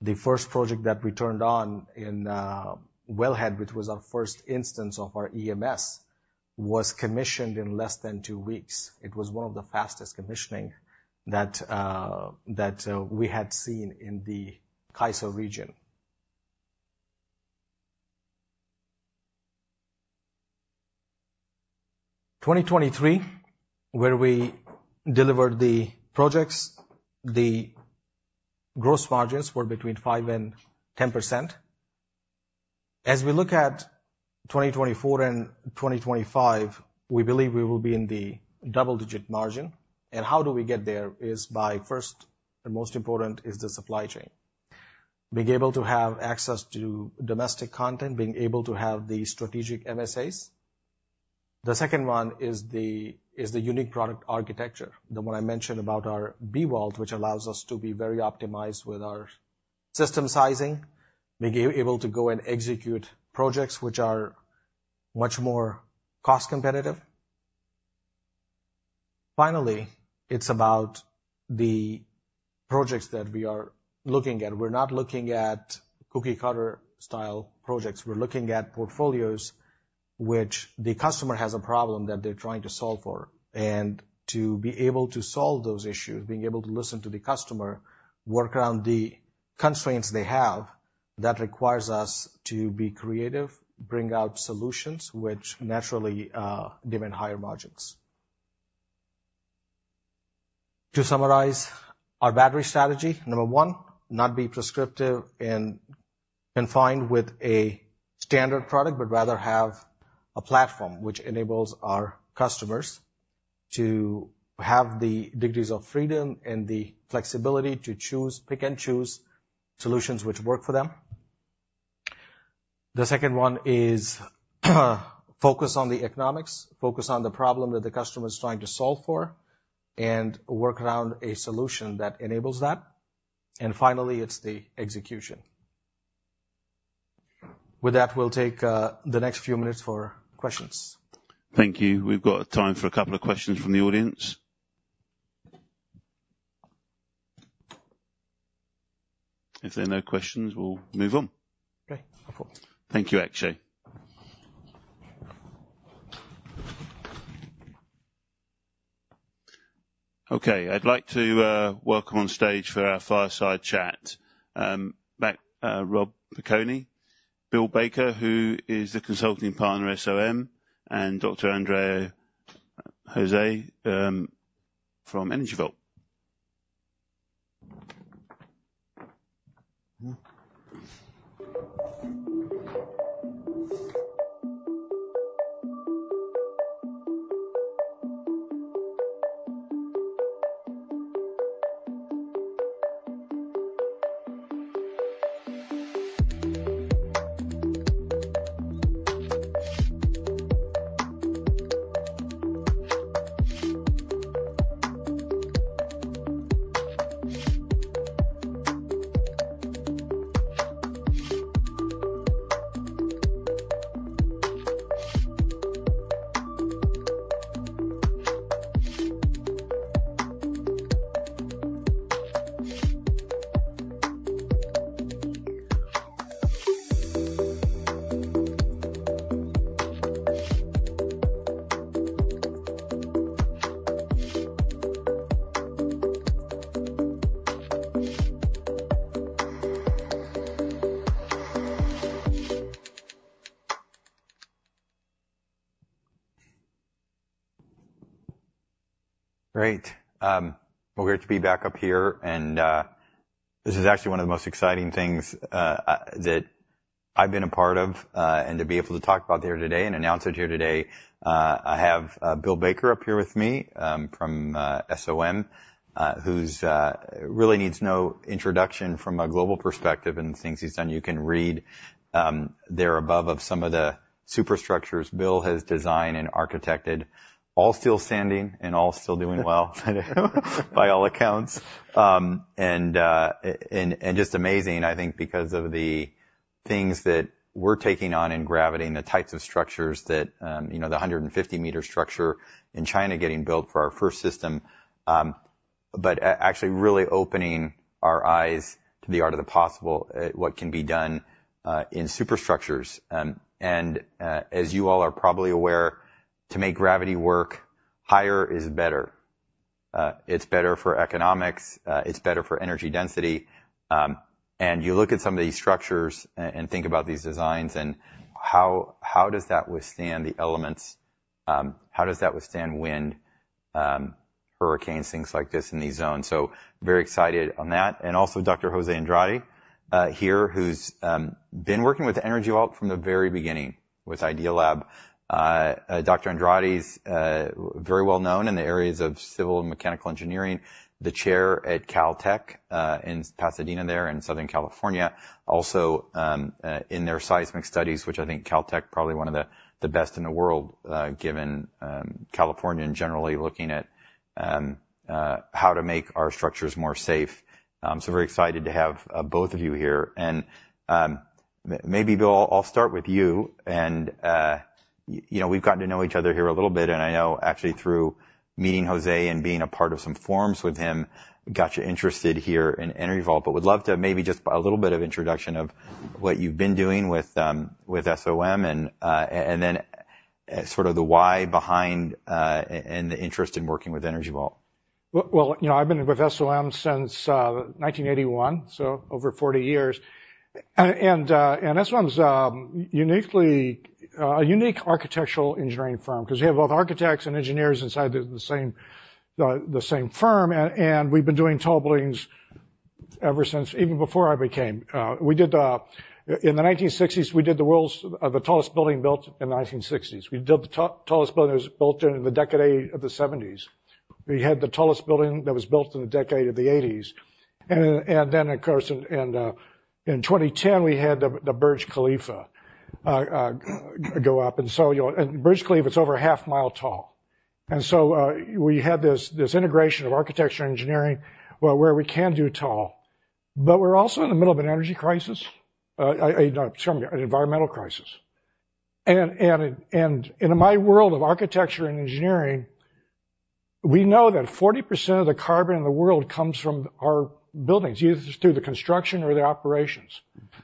The first project that we turned on in Wellhead, which was our first instance of our EMS, was commissioned in less than two weeks. It was one of the fastest commissioning that we had seen in the CAISO region.... In 2023, where we delivered the projects, the gross margins were between 5% and 10%. As we look at 2024 and 2025, we believe we will be in the double-digit margin. And how do we get there? Is by first, the most important, is the supply chain. Being able to have access to domestic content, being able to have the strategic MSAs. The second one is the, is the unique product architecture, the one I mentioned about our B-Vault, which allows us to be very optimized with our system sizing, being able to go and execute projects which are much more cost competitive. Finally, it's about the projects that we are looking at. We're not looking at cookie cutter style projects. We're looking at portfolios which the customer has a problem that they're trying to solve for. To be able to solve those issues, being able to listen to the customer, work around the constraints they have, that requires us to be creative, bring out solutions which naturally given higher margins. To summarize our battery strategy: number one, not be prescriptive and confined with a standard product, but rather have a platform which enables our customers to have the degrees of freedom and the flexibility to choose, pick and choose solutions which work for them. The second one is, focus on the economics, focus on the problem that the customer is trying to solve for, and work around a solution that enables that. Finally, it's the execution. With that, we'll take the next few minutes for questions. Thank you. We've got time for a couple of questions from the audience. If there are no questions, we'll move on. Great. No problem. Thank you, Akshay. Okay, I'd like to welcome on stage for our fireside chat back Robert Piconi, Bill Baker, who is the consulting partner, SOM, and Dr. José Andrade from Energy Vault. Great. Well, great to be back up here, and this is actually one of the most exciting things that I've been a part of, and to be able to talk about here today and announce it here today. I have Bill Baker up here with me, from SOM, who's really needs no introduction from a global perspective and the things he's done. You can read there above, of some of the superstructures Bill has designed and architected, all still standing and all still doing well, by all accounts. Just amazing, I think, because of the things that we're taking on in gravity and the types of structures that, you know, the 150 meter structure in China getting built for our first system, but actually really opening our eyes to the art of the possible, what can be done in superstructures. As you all are probably aware, to make gravity work, higher is better. It's better for economics, it's better for energy density. And you look at some of these structures and think about these designs and how does that withstand the elements? How does that withstand wind, hurricanes, things like this in these zones? So very excited on that. And also Dr. José Andrade here, who's been working with Energy Vault from the very beginning with Idealab. Dr. Andrade's very well known in the areas of civil and mechanical engineering, the chair at Caltech in Pasadena there in Southern California. Also in their seismic studies, which I think Caltech probably one of the best in the world, given California and generally looking at how to make our structures more safe. So very excited to have both of you here. And maybe, Bill, I'll start with you, and you know, we've gotten to know each other here a little bit, and I know actually through meeting José and being a part of some forums with him, got you interested here in Energy Vault. But would love to maybe just a little bit of introduction of what you've been doing with SOM and then sort of the why behind and the interest in working with Energy Vault. Well, you know, I've been with SOM since 1981, so over 40 years. And SOM's uniquely a unique architectural engineering firm, 'cause we have both architects and engineers inside the same firm. And we've been doing tall buildings ever since, even before I became... We did in the 1960s, we did the world's tallest building built in the 1960s. We built the tallest buildings built during the decade of the 1970s. We had the tallest building that was built in the decade of the 1980s. And then, of course, in 2010, we had the Burj Khalifa go up. And so, you know, and Burj Khalifa is over a half mile tall. And so, we have this, this integration of architecture and engineering where, where we can do tall, but we're also in the middle of an energy crisis, you know, excuse me, an environmental crisis. And in my world of architecture and engineering, we know that 40% of the carbon in the world comes from our buildings, either through the construction or the operations.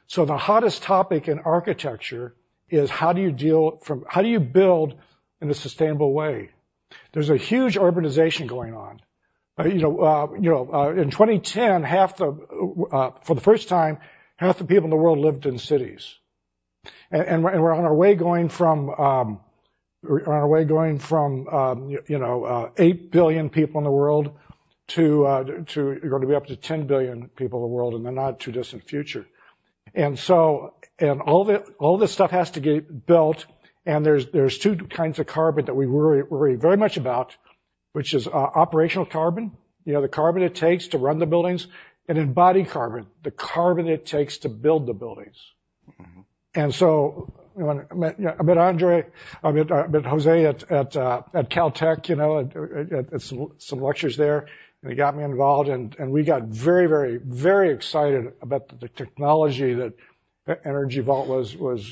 So the hottest topic in architecture is how do you deal from how do you build in a sustainable way? There's a huge urbanization going on. You know, in 2010, half the, for the first time, half the people in the world lived in cities. And we're on our way, going from, you know, 8 billion people in the world to, you're going to be up to 10 billion people in the world in the not too distant future. And so, all this stuff has to get built, and there's two kinds of carbon that we worry very much about, which is operational carbon, you know, the carbon it takes to run the buildings, and embodied carbon, the carbon it takes to build the buildings. Mm-hmm. You know, I met Andrea, I met José at Caltech, you know, at some lectures there, and he got me involved, and we got very, very, very excited about the technology that Energy Vault was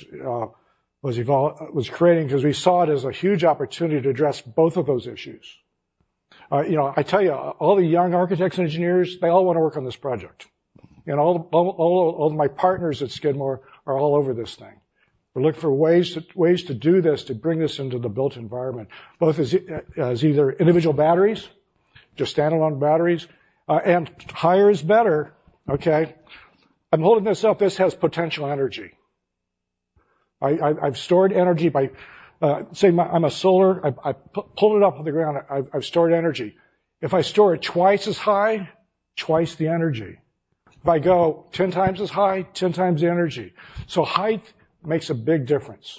creating, 'cause we saw it as a huge opportunity to address both of those issues. You know, I tell you, all the young architects and engineers, they all want to work on this project. And all my partners at Skidmore are all over this thing. We're looking for ways to do this, to bring this into the built environment, both as either individual batteries, just standalone batteries, and higher is better, okay? I'm holding this up. This has potential energy. I've stored energy by, say, my-- I'm a solar... I've pulled it up on the ground. I've stored energy. If I store it twice as high, twice the energy. If I go x10 as high, x10 the energy. So height makes a big difference.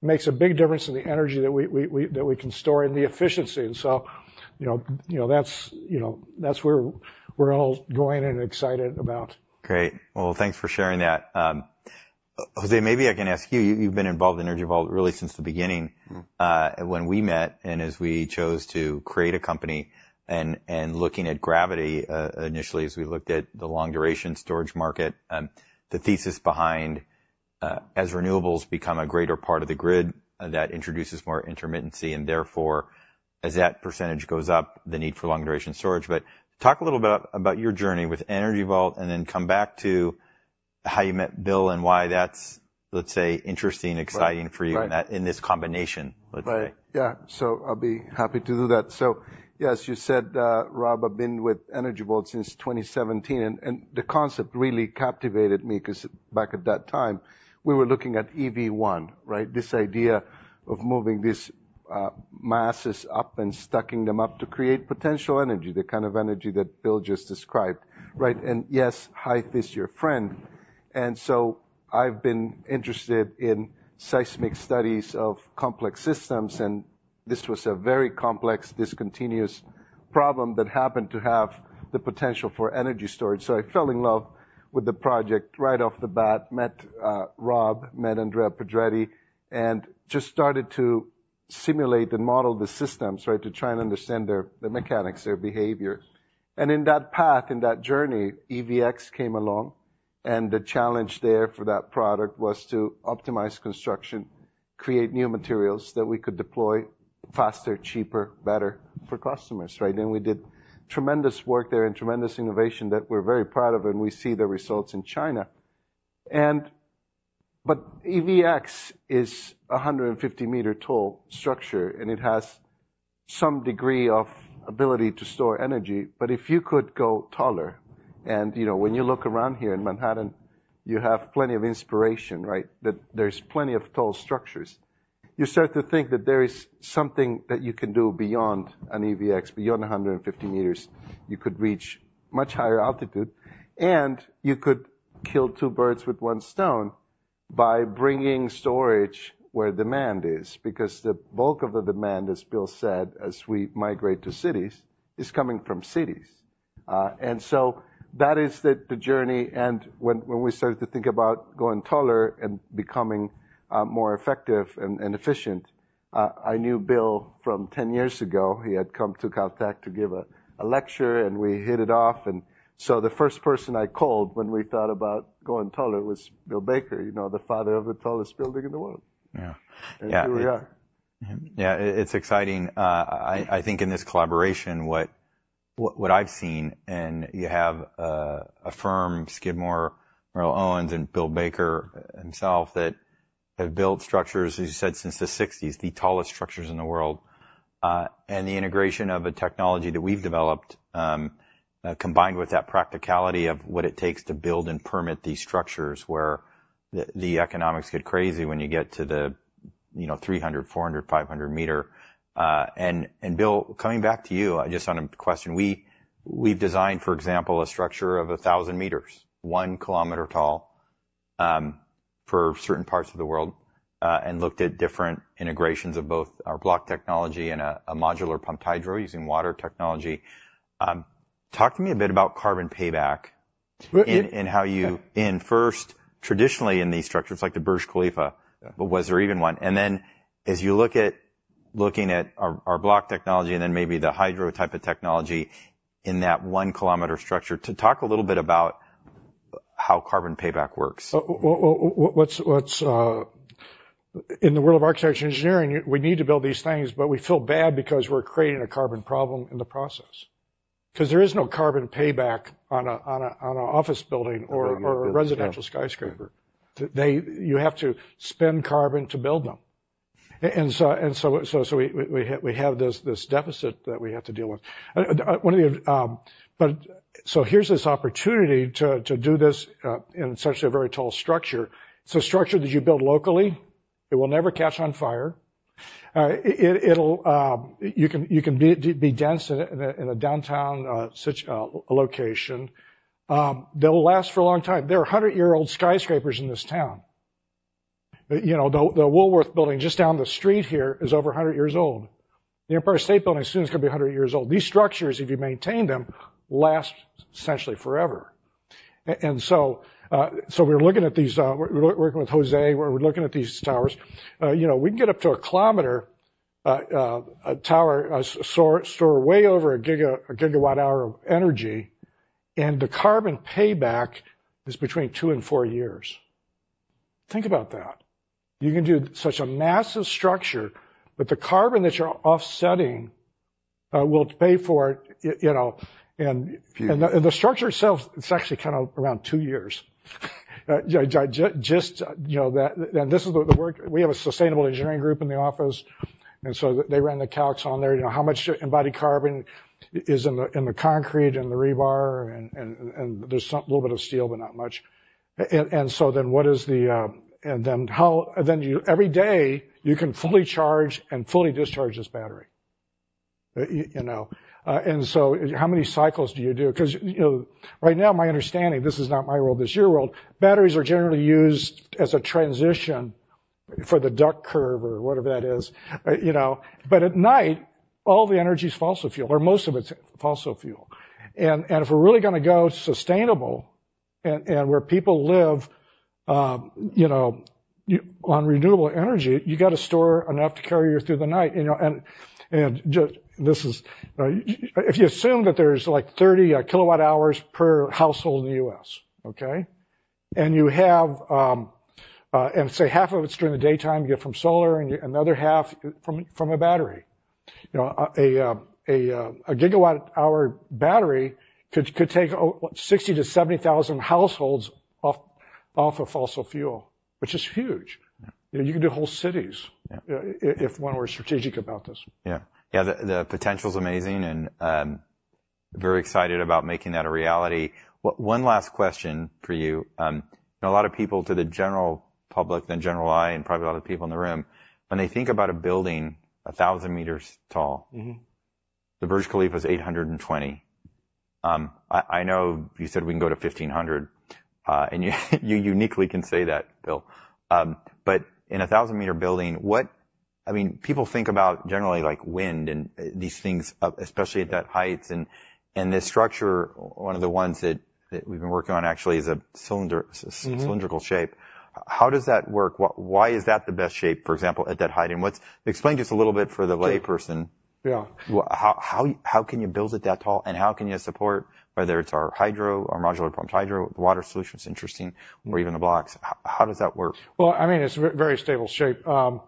Makes a big difference in the energy that we can store and the efficiency. And so, you know, that's where we're all going and excited about. Great! Well, thanks for sharing that. José, maybe I can ask you, you've been involved in Energy Vault really since the beginning. Mm-hmm. When we met and as we chose to create a company and looking at gravity, initially, as we looked at the long-duration storage market, the thesis behind, as renewables become a greater part of the grid, that introduces more intermittency, and therefore, as that percentage goes up, the need for long-duration storage. But talk a little bit about your journey with Energy Vault, and then come back to how you met Bill and why that's, let's say, interesting- Right. exciting for you Right... in that, in this combination, let's say. Right. Yeah. So I'll be happy to do that. So, yes, you said, Rob, I've been with Energy Vault since 2017, and, and the concept really captivated me, 'cause back at that time, we were looking at EV1, right? This idea of moving these masses up and stacking them up to create potential energy, the kind of energy that Bill just described. Right, and yes, height is your friend. And so I've been interested in seismic studies of complex systems, and this was a very complex, discontinuous problem that happened to have the potential for energy storage. So I fell in love with the project right off the bat, met Rob, met Andrea Pedretti, and just started to simulate and model the systems, right, to try and understand their, the mechanics, their behavior. And in that path, in that journey, EVX came along, and the challenge there for that product was to optimize construction, create new materials that we could deploy faster, cheaper, better for customers, right? And we did tremendous work there and tremendous innovation that we're very proud of, and we see the results in China. And, but EVX is a 150 meter tall structure, and it has some degree of ability to store energy. But if you could go taller and, you know, when you look around here in Manhattan, you have plenty of inspiration, right? That there's plenty of tall structures. You start to think that there is something that you can do beyond an EVX, beyond 150 meters. You could reach much higher altitude, and you could kill two birds with one stone by bringing storage where demand is, because the bulk of the demand, as Bill said, as we migrate to cities, is coming from cities. And so that is the journey, and when we started to think about going taller and becoming more effective and efficient, I knew Bill from 10 years ago. He had come to Caltech to give a lecture, and we hit it off, and so the first person I called when we thought about going taller was Bill Baker, you know, the father of the tallest building in the world. Yeah. Here we are. Yeah, it's exciting. I think in this collaboration, what I've seen, and you have a firm, Skidmore, Owings, and Bill Baker himself have built structures, as you said, since the 1960s, the tallest structures in the world. And the integration of a technology that we've developed, combined with that practicality of what it takes to build and permit these structures, where the economics get crazy when you get to the, you know, 300, 400, 500 meter. And Bill, coming back to you, just on a question, we've designed, for example, a structure of 1,000 meters, 1 kilometer tall, for certain parts of the world, and looked at different integrations of both our block technology and a modular pumped hydro using water technology. Talk to me a bit about carbon payback? Well, it- And how you've been first, traditionally in these structures, like the Burj Khalifa, but was there even one? And then as you look at our block technology and then maybe the hydro type of technology in that 1-kilometer structure, to talk a little bit about how carbon payback works. Well, well, well, what's... In the world of architecture and engineering, we need to build these things, but we feel bad because we're creating a carbon problem in the process. 'Cause there is no carbon payback on an office building or a residential skyscraper. Yeah. You have to spend carbon to build them. So we have this deficit that we have to deal with. Here's this opportunity to do this in such a very tall structure. It's a structure that you build locally. It will never catch on fire. It'll you can be dense in a downtown location that will last for a long time. There are 100-year-old skyscrapers in this town. You know, the Woolworth Building, just down the street here, is over 100 years old. The Empire State Building soon is gonna be 100 years old. These structures, if you maintain them, last essentially forever. So we're looking at these... We're working with José, where we're looking at these towers. You know, we can get up to a kilometer, a tower, store way over a gigawatt hour of energy, and the carbon payback is between two and four years. Think about that. You can do such a massive structure, but the carbon that you're offsetting will pay for it, you know, and- Yeah and the structure itself, it's actually kind of around two years. Just, you know, that, and this is the work. We have a sustainable engineering group in the office, and so they ran the calcs on there. You know, how much embodied carbon is in the concrete and the rebar, and there's some little bit of steel, but not much. And so then, what is the, and then how. Then you every day, you can fully charge and fully discharge this battery, you know. And so how many cycles do you do? 'Cause, you know, right now, my understanding, this is not my world, it's your world, batteries are generally used as a transition for the duck curve or whatever that is, you know. But at night, all the energy is fossil fuel, or most of it is fossil fuel. And if we're really gonna go sustainable and where people live, you know, you on renewable energy, you got to store enough to carry you through the night. You know, and this is... If you assume that there's, like, 30 kWh per household in the U.S. okay? And you have, and say, half of it's during the daytime, you get from solar and another half from a battery. You know, a GWh battery could take 60,000-70,000 households off of fossil fuel, which is huge. Yeah. You know, you can do whole cities- Yeah If one were strategic about this. Yeah. Yeah, the potential's amazing and very excited about making that a reality. One last question for you. A lot of people to the general public, the general eye, and probably a lot of people in the room, when they think about a building 1,000 meters tall- Mm-hmm. -the Burj Khalifa is 820. I know you said we can go to 1500, and you uniquely can say that, Bill. But in a 1000-meter building, what... I mean, people think about generally, like, wind and these things, especially at that heights and the structure, one of the ones that we've been working on actually is a cylinder- Mm-hmm cylindrical shape. How does that work? Why is that the best shape, for example, at that height? And what's. Explain just a little bit for the layperson. Yeah. How can you build it that tall, and how can you support whether it's our hydro or modular pumped hydro water solution, it's interesting, or even the blocks? How does that work? Well, I mean, it's a very stable shape. The,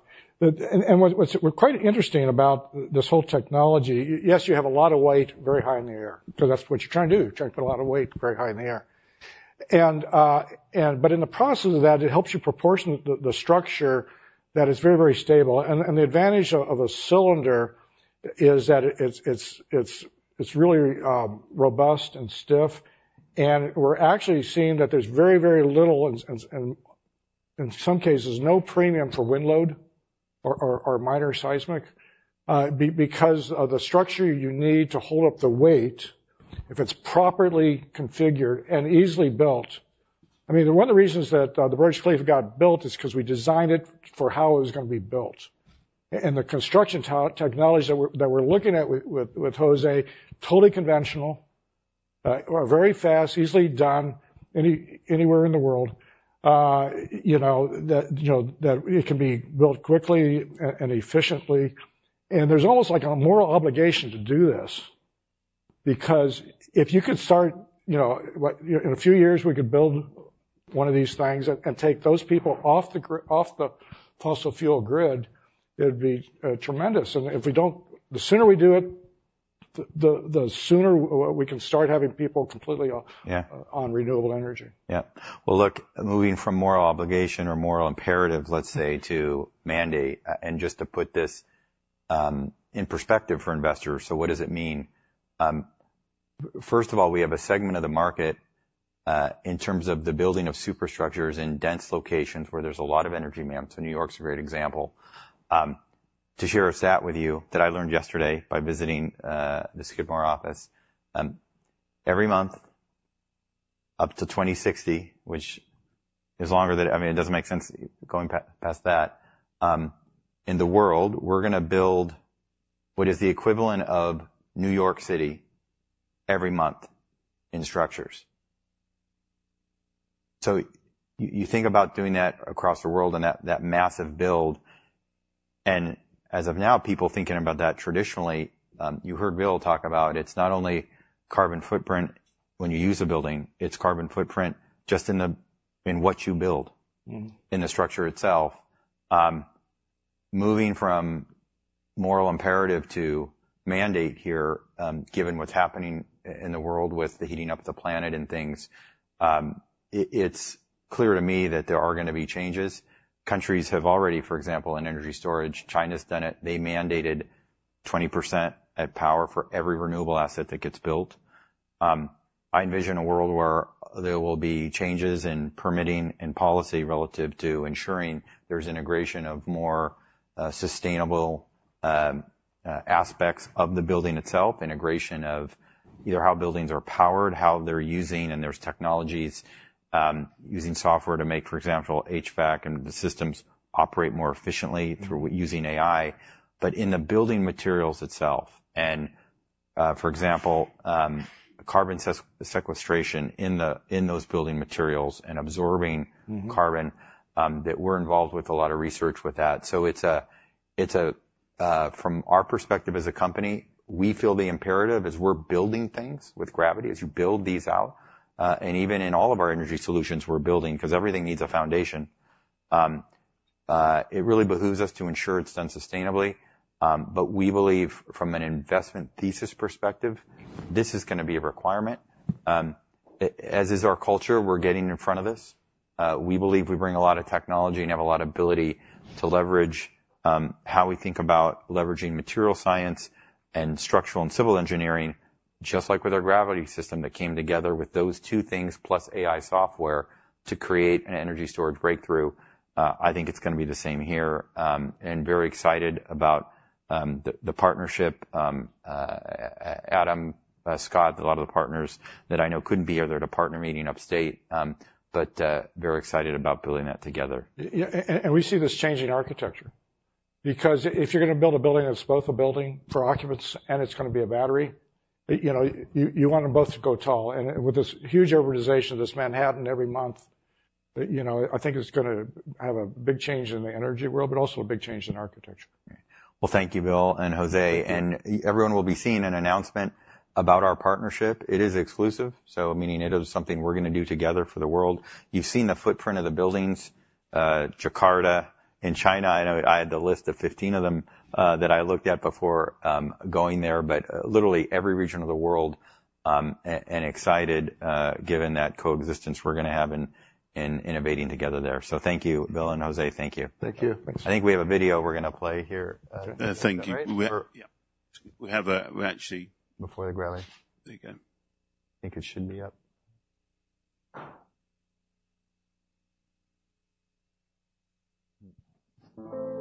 and what’s quite interesting about this whole technology, yes, you have a lot of weight, very high in the air, so that's what you're trying to do. You're trying to put a lot of weight very high in the air. And, and but in the process of that, it helps you proportion the structure that is very, very stable. And the advantage of a cylinder is that it's really robust and stiff, and we're actually seeing that there's very, very little, and in some cases, no premium for wind load or minor seismic, because of the structure you need to hold up the weight if it's properly configured and easily built. I mean, one of the reasons that the Burj Khalifa got built is 'cause we designed it for how it was gonna be built. And the construction technology that we're looking at with José, totally conventional, very fast, easily done anywhere in the world. You know, that it can be built quickly and efficiently. And there's almost like a moral obligation to do this, because if you could start, you know, what... In a few years, we could build one of these things and take those people off the fossil fuel grid, it would be tremendous. And if we don't, the sooner we do it... The sooner we can start having people completely off- Yeah. on renewable energy. Yeah. Well, look, moving from moral obligation or moral imperative, let's say, to mandate, and just to put this in perspective for investors, so what does it mean? First of all, we have a segment of the market in terms of the building of superstructures in dense locations where there's a lot of energy, man. So New York's a great example. To share a stat with you that I learned yesterday by visiting the Skidmore office. Every month, up to 2060, which is longer than-- I mean, it doesn't make sense going past that, in the world, we're gonna build what is the equivalent of New York City every month in structures. So you think about doing that across the world and that massive build, and as of now, people thinking about that traditionally, you heard Bill talk about it's not only carbon footprint when you use a building, it's carbon footprint just in what you build- Mm-hmm. -in the structure itself. Moving from moral imperative to mandate here, given what's happening in the world with the heating up of the planet and things, it, it's clear to me that there are gonna be changes. Countries have already, for example, in energy storage, China's done it. They mandated 20% at power for every renewable asset that gets built. I envision a world where there will be changes in permitting and policy relative to ensuring there's integration of more, sustainable, aspects of the building itself, integration of either how buildings are powered, how they're using, and there's technologies, using software to make, for example, HVAC and the systems operate more efficiently- Mm-hmm. through using AI, but in the building materials itself. And, for example, carbon sequestration in those building materials and absorbing- Mm-hmm. -carbon, that we're involved with a lot of research with that. So it's a, from our perspective as a company, we feel the imperative as we're building things with Gravity, as you build these out, and even in all of our energy solutions we're building, 'cause everything needs a foundation, it really behooves us to ensure it's done sustainably. But we believe from an investment thesis perspective, this is gonna be a requirement. As is our culture, we're getting in front of this. We believe we bring a lot of technology and have a lot of ability to leverage, how we think about leveraging material science and structural and civil engineering, just like with our Gravity system that came together with those two things, plus AI software, to create an energy storage breakthrough. I think it's gonna be the same here, and very excited about the partnership. Adam, Scott, a lot of the partners that I know couldn't be here. They're at a partner meeting upstate, but very excited about building that together. Yeah, and we see this change in architecture, because if you're gonna build a building that's both a building for occupants and it's gonna be a battery, you know, you want them both to go tall. And with this huge urbanization, this Manhattan every month, you know, I think it's gonna have a big change in the energy world, but also a big change in architecture. Well, thank you, Bill and José. And everyone will be seeing an announcement about our partnership. It is exclusive, so meaning it is something we're gonna do together for the world. You've seen the footprint of the buildings, Jakarta. In China, I know I had the list of 15 of them, that I looked at before, going there, but, literally every region of the world, and excited, given that coexistence we're gonna have in, in innovating together there. So thank you, Bill and José. Thank you. Thank you. Thanks. I think we have a video we're gonna play here. Thank you. Yeah. We actually- Before the Gravity. Okay. I think it should be up. Great!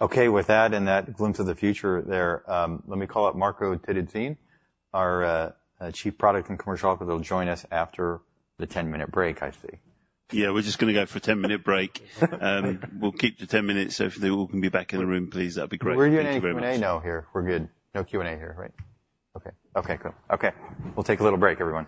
Okay, with that and that glimpse of the future there, let me call up Marco Terruzzin, our Chief Product and Commercial Officer, who will join us after the 10-minute break, I see. Yeah, we're just gonna go for a 10 minute break. We'll keep to 10 minutes, so if you all can be back in the room, please, that'd be great. Thank you very much. We're doing a Q&A now here. We're good. No Q&A here, right? Okay. Okay, cool. Okay. We'll take a little break, everyone.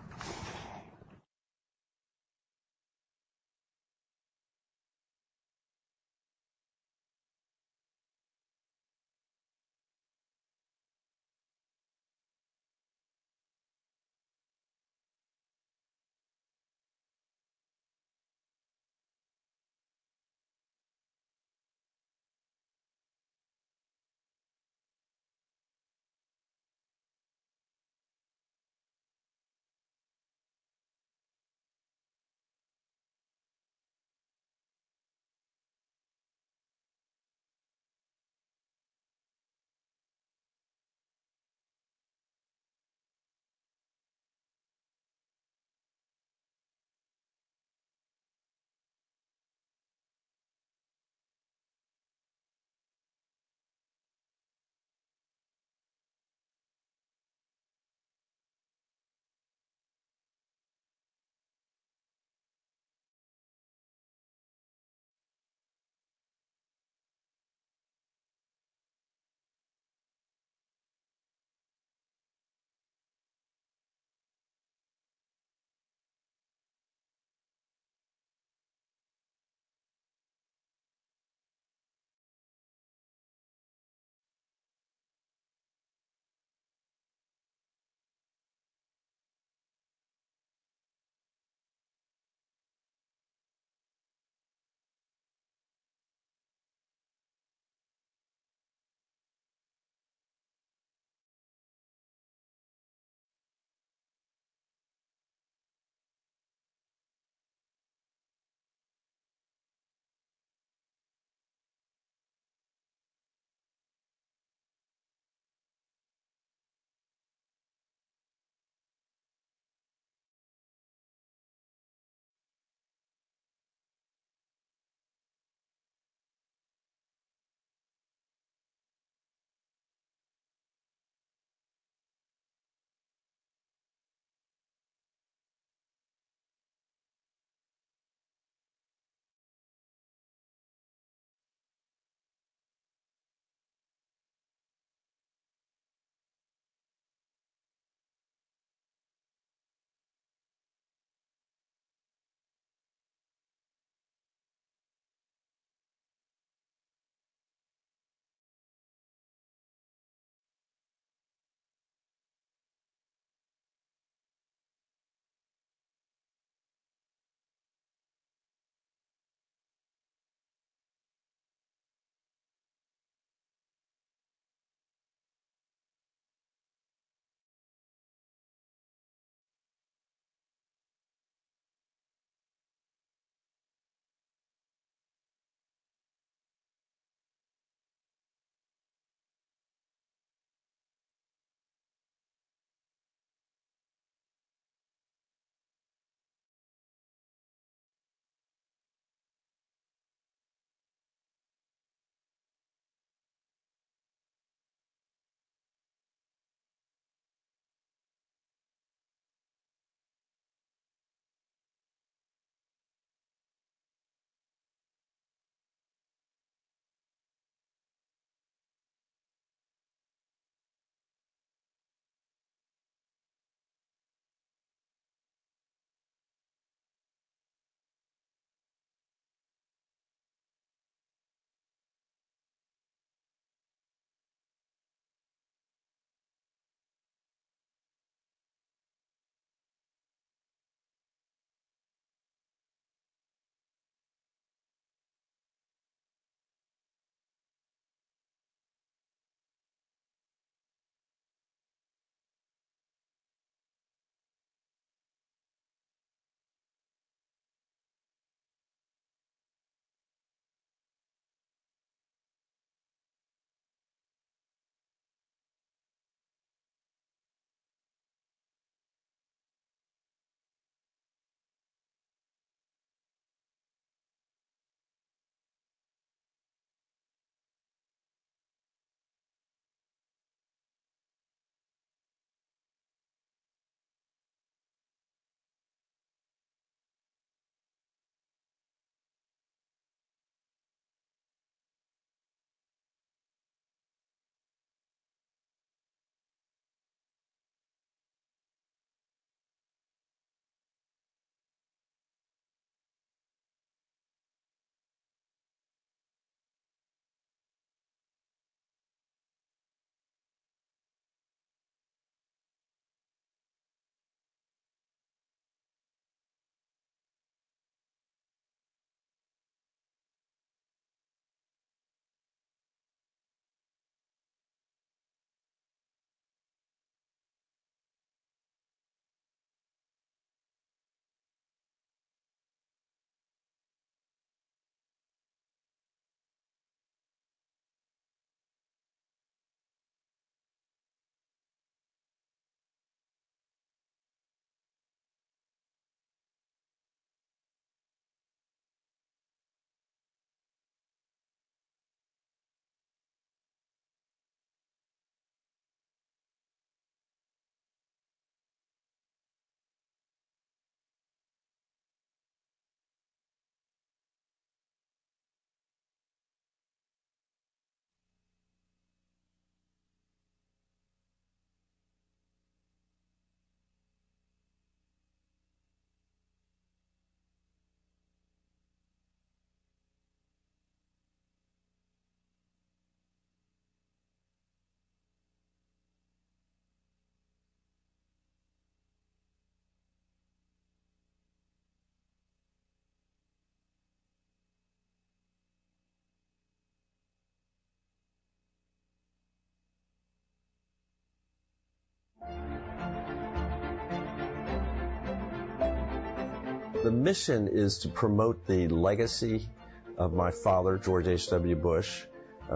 The mission is to promote the legacy of my father, George H.W. Bush,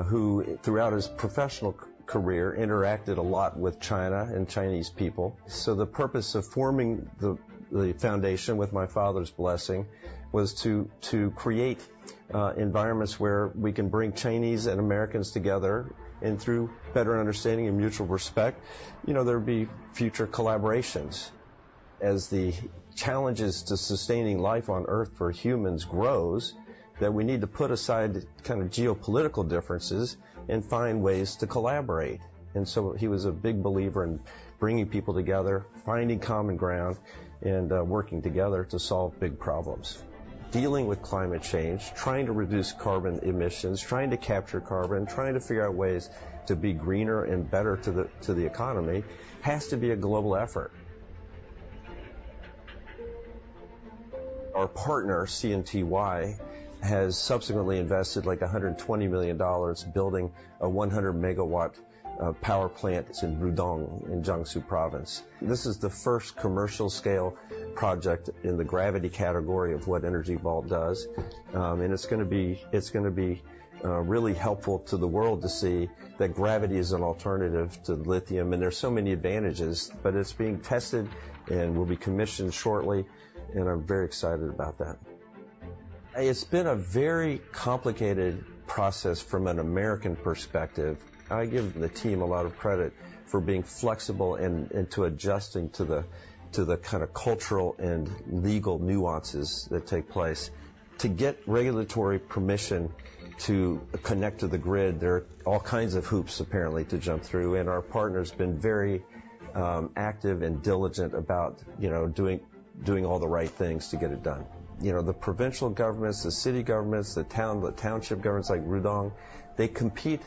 who, throughout his professional career, interacted a lot with China and Chinese people. So the purpose of forming the foundation, with my father's blessing, was to create environments where we can bring Chinese and Americans together, and through better understanding and mutual respect, you know, there'd be future collaborations. As the challenges to sustaining life on Earth for humans grows, that we need to put aside the kind of geopolitical differences and find ways to collaborate. And so he was a big believer in bringing people together, finding common ground, and working together to solve big problems. Dealing with climate change, trying to reduce carbon emissions, trying to capture carbon, trying to figure out ways to be greener and better to the economy, has to be a global effort. Our partner, CNTY, has subsequently invested, like, $120 million building a 100 MW power plant that's in Rudong, in Jiangsu Province. This is the first commercial scale project in the gravity category of what Energy Vault does. And it's gonna be really helpful to the world to see that gravity is an alternative to lithium, and there are so many advantages. But it's being tested and will be commissioned shortly, and I'm very excited about that. It's been a very complicated process from an American perspective. I give the team a lot of credit for being flexible and adjusting to the kind of cultural and legal nuances that take place. To get regulatory permission to connect to the grid, there are all kinds of hoops, apparently, to jump through, and our partner's been very active and diligent about, you know, doing all the right things to get it done. You know, the provincial governments, the city governments, the town, the township governments, like Rudong, they compete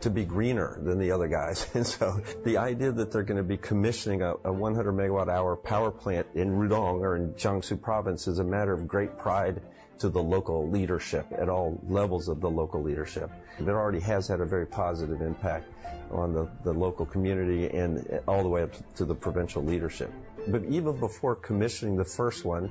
to be greener than the other guys. And so the idea that they're gonna be commissioning a 100 MWh power plant in Rudong or in Jiangsu Province is a matter of great pride to the local leadership at all levels of the local leadership. It already has had a very positive impact on the local community and all the way up to the provincial leadership. But even before commissioning the first one,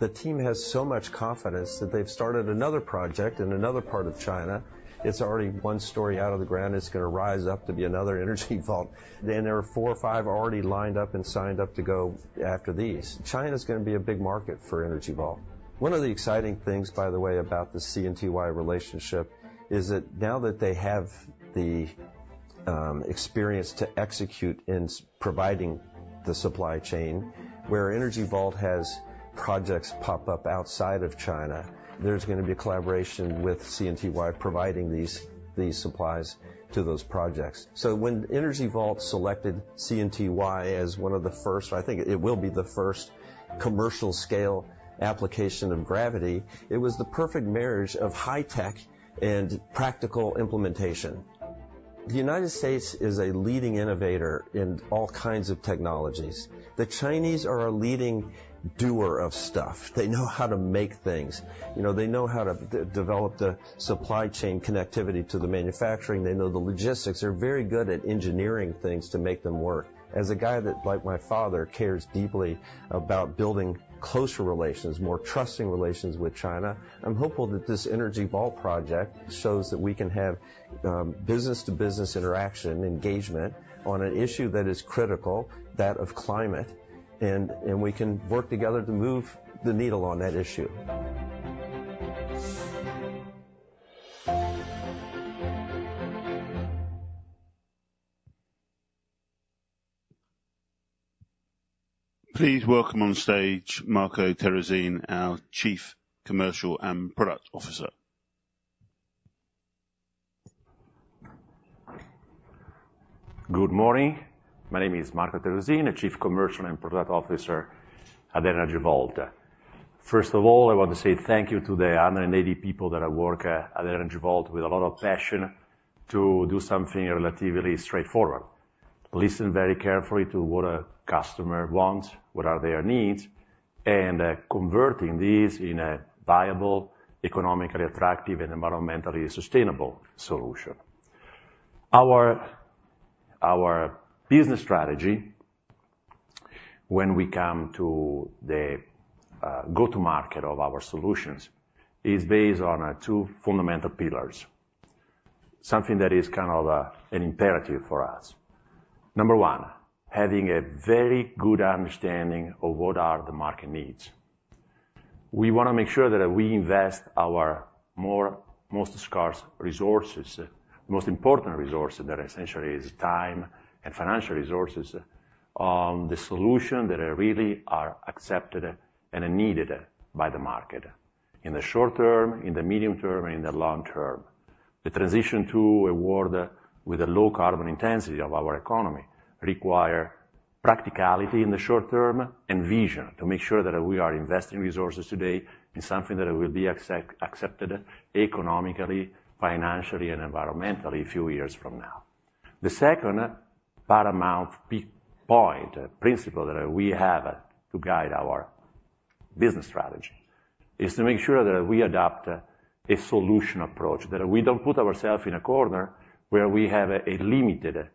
the team has so much confidence that they've started another project in another part of China. It's already one story out of the ground, and it's gonna rise up to be another Energy Vault. Then there are four or five already lined up and signed up to go after these. China's gonna be a big market for Energy Vault. One of the exciting things, by the way, about the CNTY relationship, is that now that they have the experience to execute in providing the supply chain, where Energy Vault has projects pop up outside of China, there's gonna be a collaboration with CNTY providing these, these supplies to those projects. So when Energy Vault selected CNTY as one of the first... I think it will be the first commercial scale application of gravity, it was the perfect marriage of high tech and practical implementation. The United States is a leading innovator in all kinds of technologies. The Chinese are a leading doer of stuff. They know how to make things. You know, they know how to develop the supply chain connectivity to the manufacturing. They know the logistics. They're very good at engineering things to make them work. As a guy that, like my father, cares deeply about building closer relations, more trusting relations with China, I'm hopeful that this Energy Vault project shows that we can have business-to-business interaction and engagement on an issue that is critical, that of climate, and we can work together to move the needle on that issue. Please welcome on stage, Marco Terruzzin, our Chief Commercial and Product Officer. Good morning. My name is Marco Terruzzin, the Chief Commercial and Product Officer at Energy Vault. First of all, I want to say thank you to the 180 people that are working at Energy Vault with a lot of passion to do something relatively straightforward: listen very carefully to what a customer wants, what are their needs, and converting these in a viable, economically attractive, and environmentally sustainable solution. Our business strategy, when we come to the go-to market of our solutions, is based on two fundamental pillars, something that is kind of an imperative for us. Number one, having a very good understanding of what are the market needs. We want to make sure that we invest our most scarce resources, most important resources, that essentially is time and financial resources, on the solutions that really are accepted and are needed by the market, in the short term, in the medium term, and in the long term. The transition to a world with a low carbon intensity of our economy require practicality in the short term, and vision to make sure that we are investing resources today in something that will be accepted economically, financially, and environmentally a few years from now. The second paramount point, principle that we have to guide our business strategy, is to make sure that we adopt a solution approach. That we don't put ourselves in a corner where we have a limited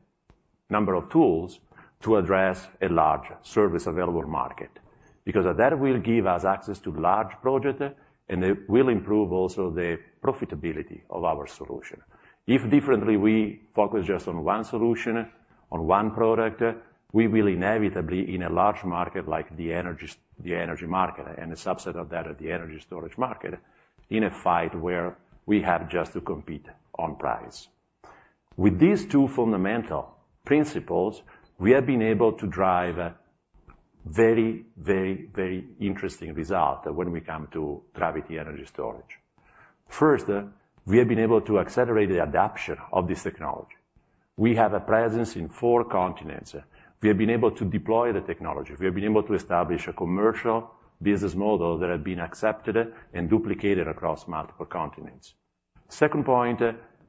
number of tools to address a large service available market, because that will give us access to large project, and it will improve also the profitability of our solution. If differently, we focus just on one solution, on one product, we will inevitably, in a large market like the energy market, and a subset of that, of the energy storage market, in a fight where we have just to compete on price. With these two fundamental principles, we have been able to drive very, very, very interesting result when we come to gravity energy storage. First, we have been able to accelerate the adoption of this technology. We have a presence in four continents. We have been able to deploy the technology. We have been able to establish a commercial business model that has been accepted and duplicated across multiple continents. Second point,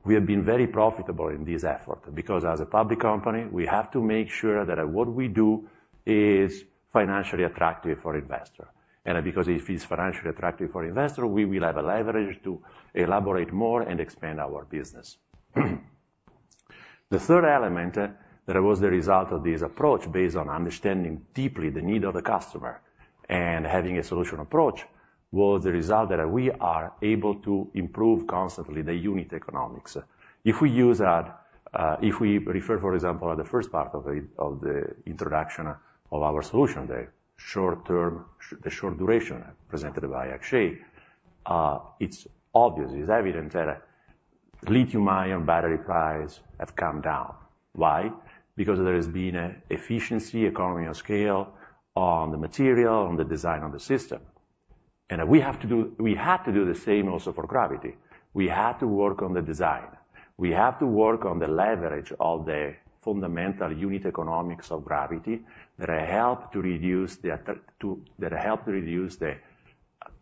we have been very profitable in this effort, because as a public company, we have to make sure that what we do is financially attractive for investor. And because if it's financially attractive for investor, we will have a leverage to elaborate more and expand our business. The third element, that was the result of this approach, based on understanding deeply the need of the customer and having a solution approach, was the result that we are able to improve constantly the unit economics. If we use a, If we refer, for example, the first part of the introduction of our solution, the short term, the short duration, presented by Akshay, it's obvious, it's evident that lithium ion battery price have come down. Why? Because there has been a efficiency, economy of scale on the material, on the design of the system. We have to do the same also for gravity. We have to work on the design. We have to work on the leverage of the fundamental unit economics of gravity, that help to reduce the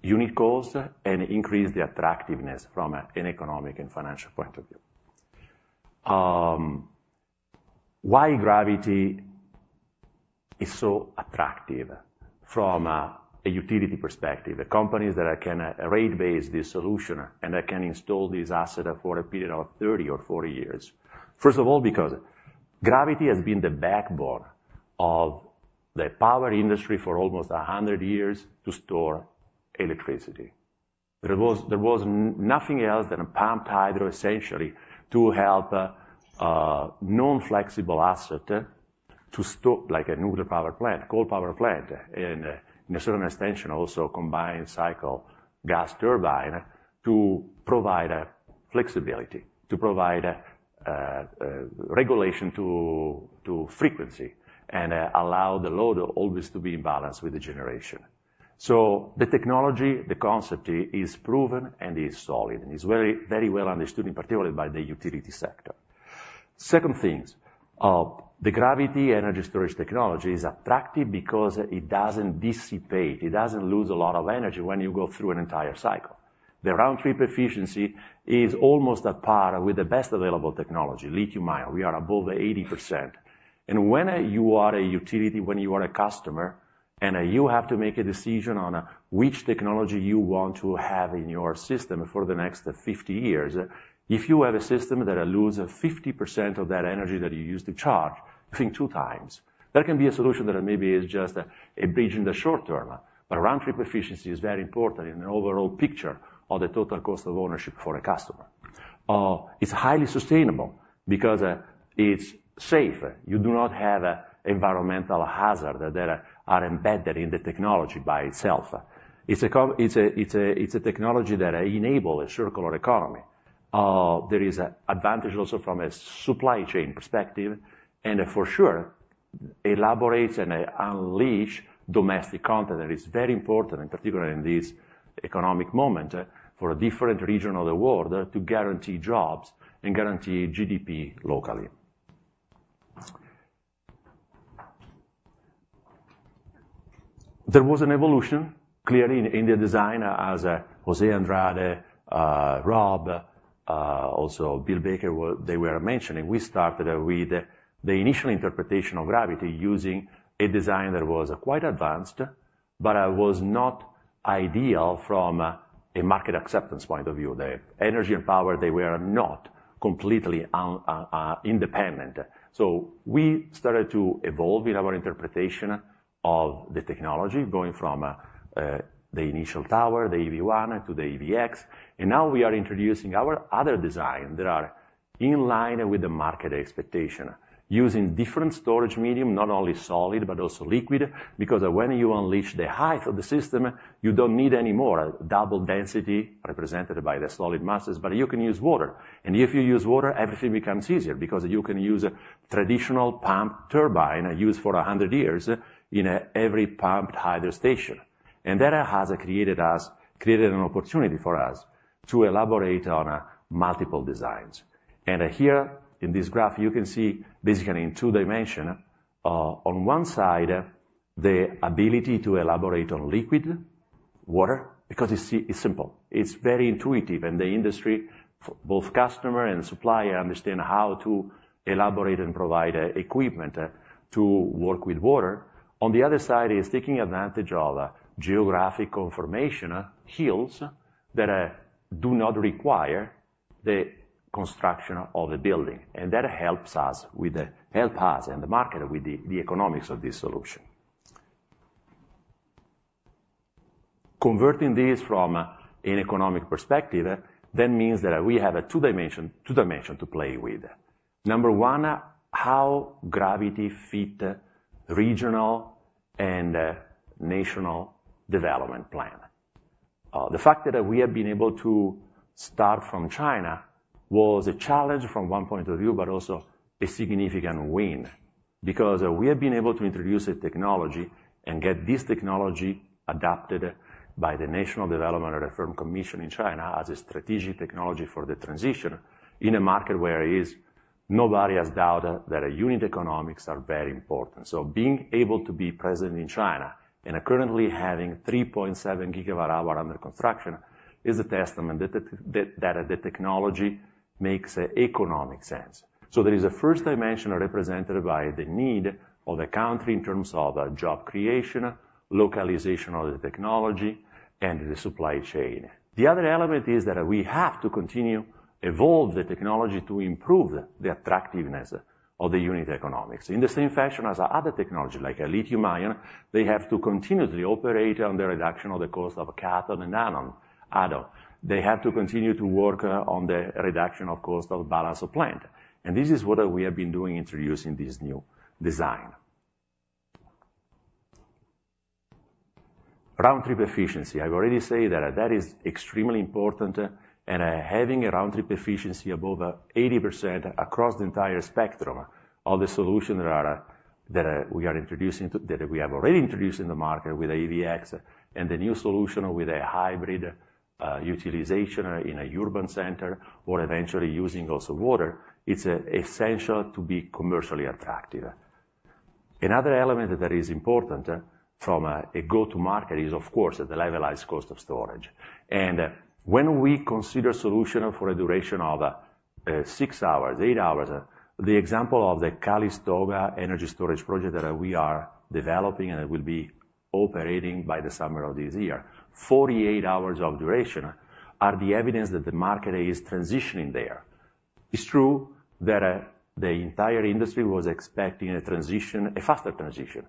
unit cost and increase the attractiveness from an economic and financial point of view. Why gravity is so attractive from a utility perspective? The companies that can rate base this solution, and that can install this asset for a period of 30 or 40 years. First of all, because gravity has been the backbone of the power industry for almost 100 years to store electricity. There was nothing else than Pumped Hydro, essentially, to help non-flexible asset to store, like a nuclear power plant, coal power plant, and to a certain extent, also combined cycle gas turbine, to provide flexibility, to provide regulation to frequency, and allow the load always to be in balance with the generation. So the technology, the concept, is proven and is solid, and is very, very well understood, in particular, by the utility sector. Second things, the gravity energy storage technology is attractive because it doesn't dissipate, it doesn't lose a lot of energy when you go through an entire cycle. The Round-Trip Efficiency is almost at par with the best available technology, lithium ion. We are above 80%. When you are a utility, when you are a customer, and you have to make a decision on which technology you want to have in your system for the next 50 years, if you have a system that loses 50% of that energy that you use to charge, think x2. That can be a solution that maybe is just a bridge in the short term, but round trip efficiency is very important in the overall picture of the total cost of ownership for a customer. It's highly sustainable, because it's safe. You do not have a environmental hazard that are embedded in the technology by itself. It's a technology that enable a circular economy. There is advantage also from a supply chain perspective, and for sure, elaborates and, unleash domestic content, that is very important, in particular, in this economic moment, for a different region of the world to guarantee jobs and guarantee GDP locally. There was an evolution, clearly, in the design, as José Andrade, Rob, also Bill Baker were they were mentioning. We started with the initial interpretation of gravity, using a design that was quite advanced, but was not ideal from a market acceptance point of view. The energy and power, they were not completely independent. So we started to evolve in our interpretation of the technology, going from the initial tower, the EV1, to the EVx. And now we are introducing our other design, that are in line with the market expectation, using different storage medium, not only solid, but also liquid. Because when you unleash the height of the system, you don't need any more double density represented by the solid masses, but you can use water. And if you use water, everything becomes easier, because you can use a traditional pump turbine, used for 100 years in every pumped hydro station. And that has created an opportunity for us to elaborate on multiple designs. And here, in this graph, you can see basically in two dimension on one side, the ability to elaborate on liquid, water, because it's simple, it's very intuitive, and the industry, both customer and supplier, understand how to elaborate and provide equipment to work with water. On the other side is taking advantage of geographic conformation, hills, that do not require the construction of a building. And that helps us and the market with the economics of this solution. Considering this from an economic perspective, that means that we have a two dimension-two dimension to play with. Number one, how gravity fit regional and national development plan. The fact that we have been able to start from China was a challenge from one point of view, but also a significant win. Because we have been able to introduce a technology and get this technology adopted by the National Development and Reform Commission in China, as a strategic technology for the transition, in a market where nobody has doubted that unit economics are very important. Being able to be present in China, and currently having 3.7 GWh under construction, is a testament that the technology makes economic sense. There is a first dimension, represented by the need of the country in terms of job creation, localization of the technology, and the supply chain. The other element is that we have to continue evolve the technology to improve the attractiveness of the unit economics. In the same fashion as other technology, like a lithium-ion, they have to continuously operate on the reduction of the cost of cathode and anode. They have to continue to work on the reduction of cost of balance of plant. And this is what we have been doing, introducing this new design. Round-trip efficiency. I've already said that, that is extremely important, and having a round-trip efficiency above 80% across the entire spectrum of the solution that we have already introduced in the market with EVx, and the new solution with a hybrid utilization in an urban center, or eventually using also water, it's essential to be commercially attractive. Another element that is important from a go-to-market is, of course, the levelized cost of storage. And when we consider solution for a duration of 6 hours, 8 hours, the example of the Calistoga energy storage project that we are developing, and it will be operating by the summer of this year, 48 hours of duration, are the evidence that the market is transitioning there. It's true that the entire industry was expecting a transition, a faster transition.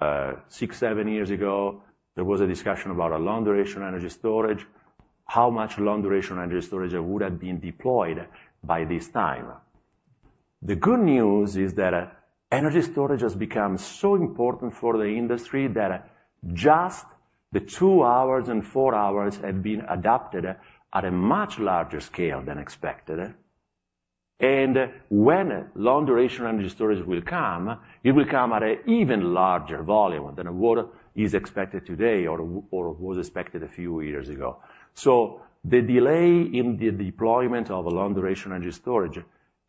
6-7 years ago, there was a discussion about a long-duration energy storage, how much long-duration energy storage would have been deployed by this time? The good news is that energy storage has become so important for the industry, that just the two hours and four hours have been adopted at a much larger scale than expected. And when long-duration energy storage will come, it will come at an even larger volume than what is expected today or was expected a few years ago. So the delay in the deployment of a long-duration energy storage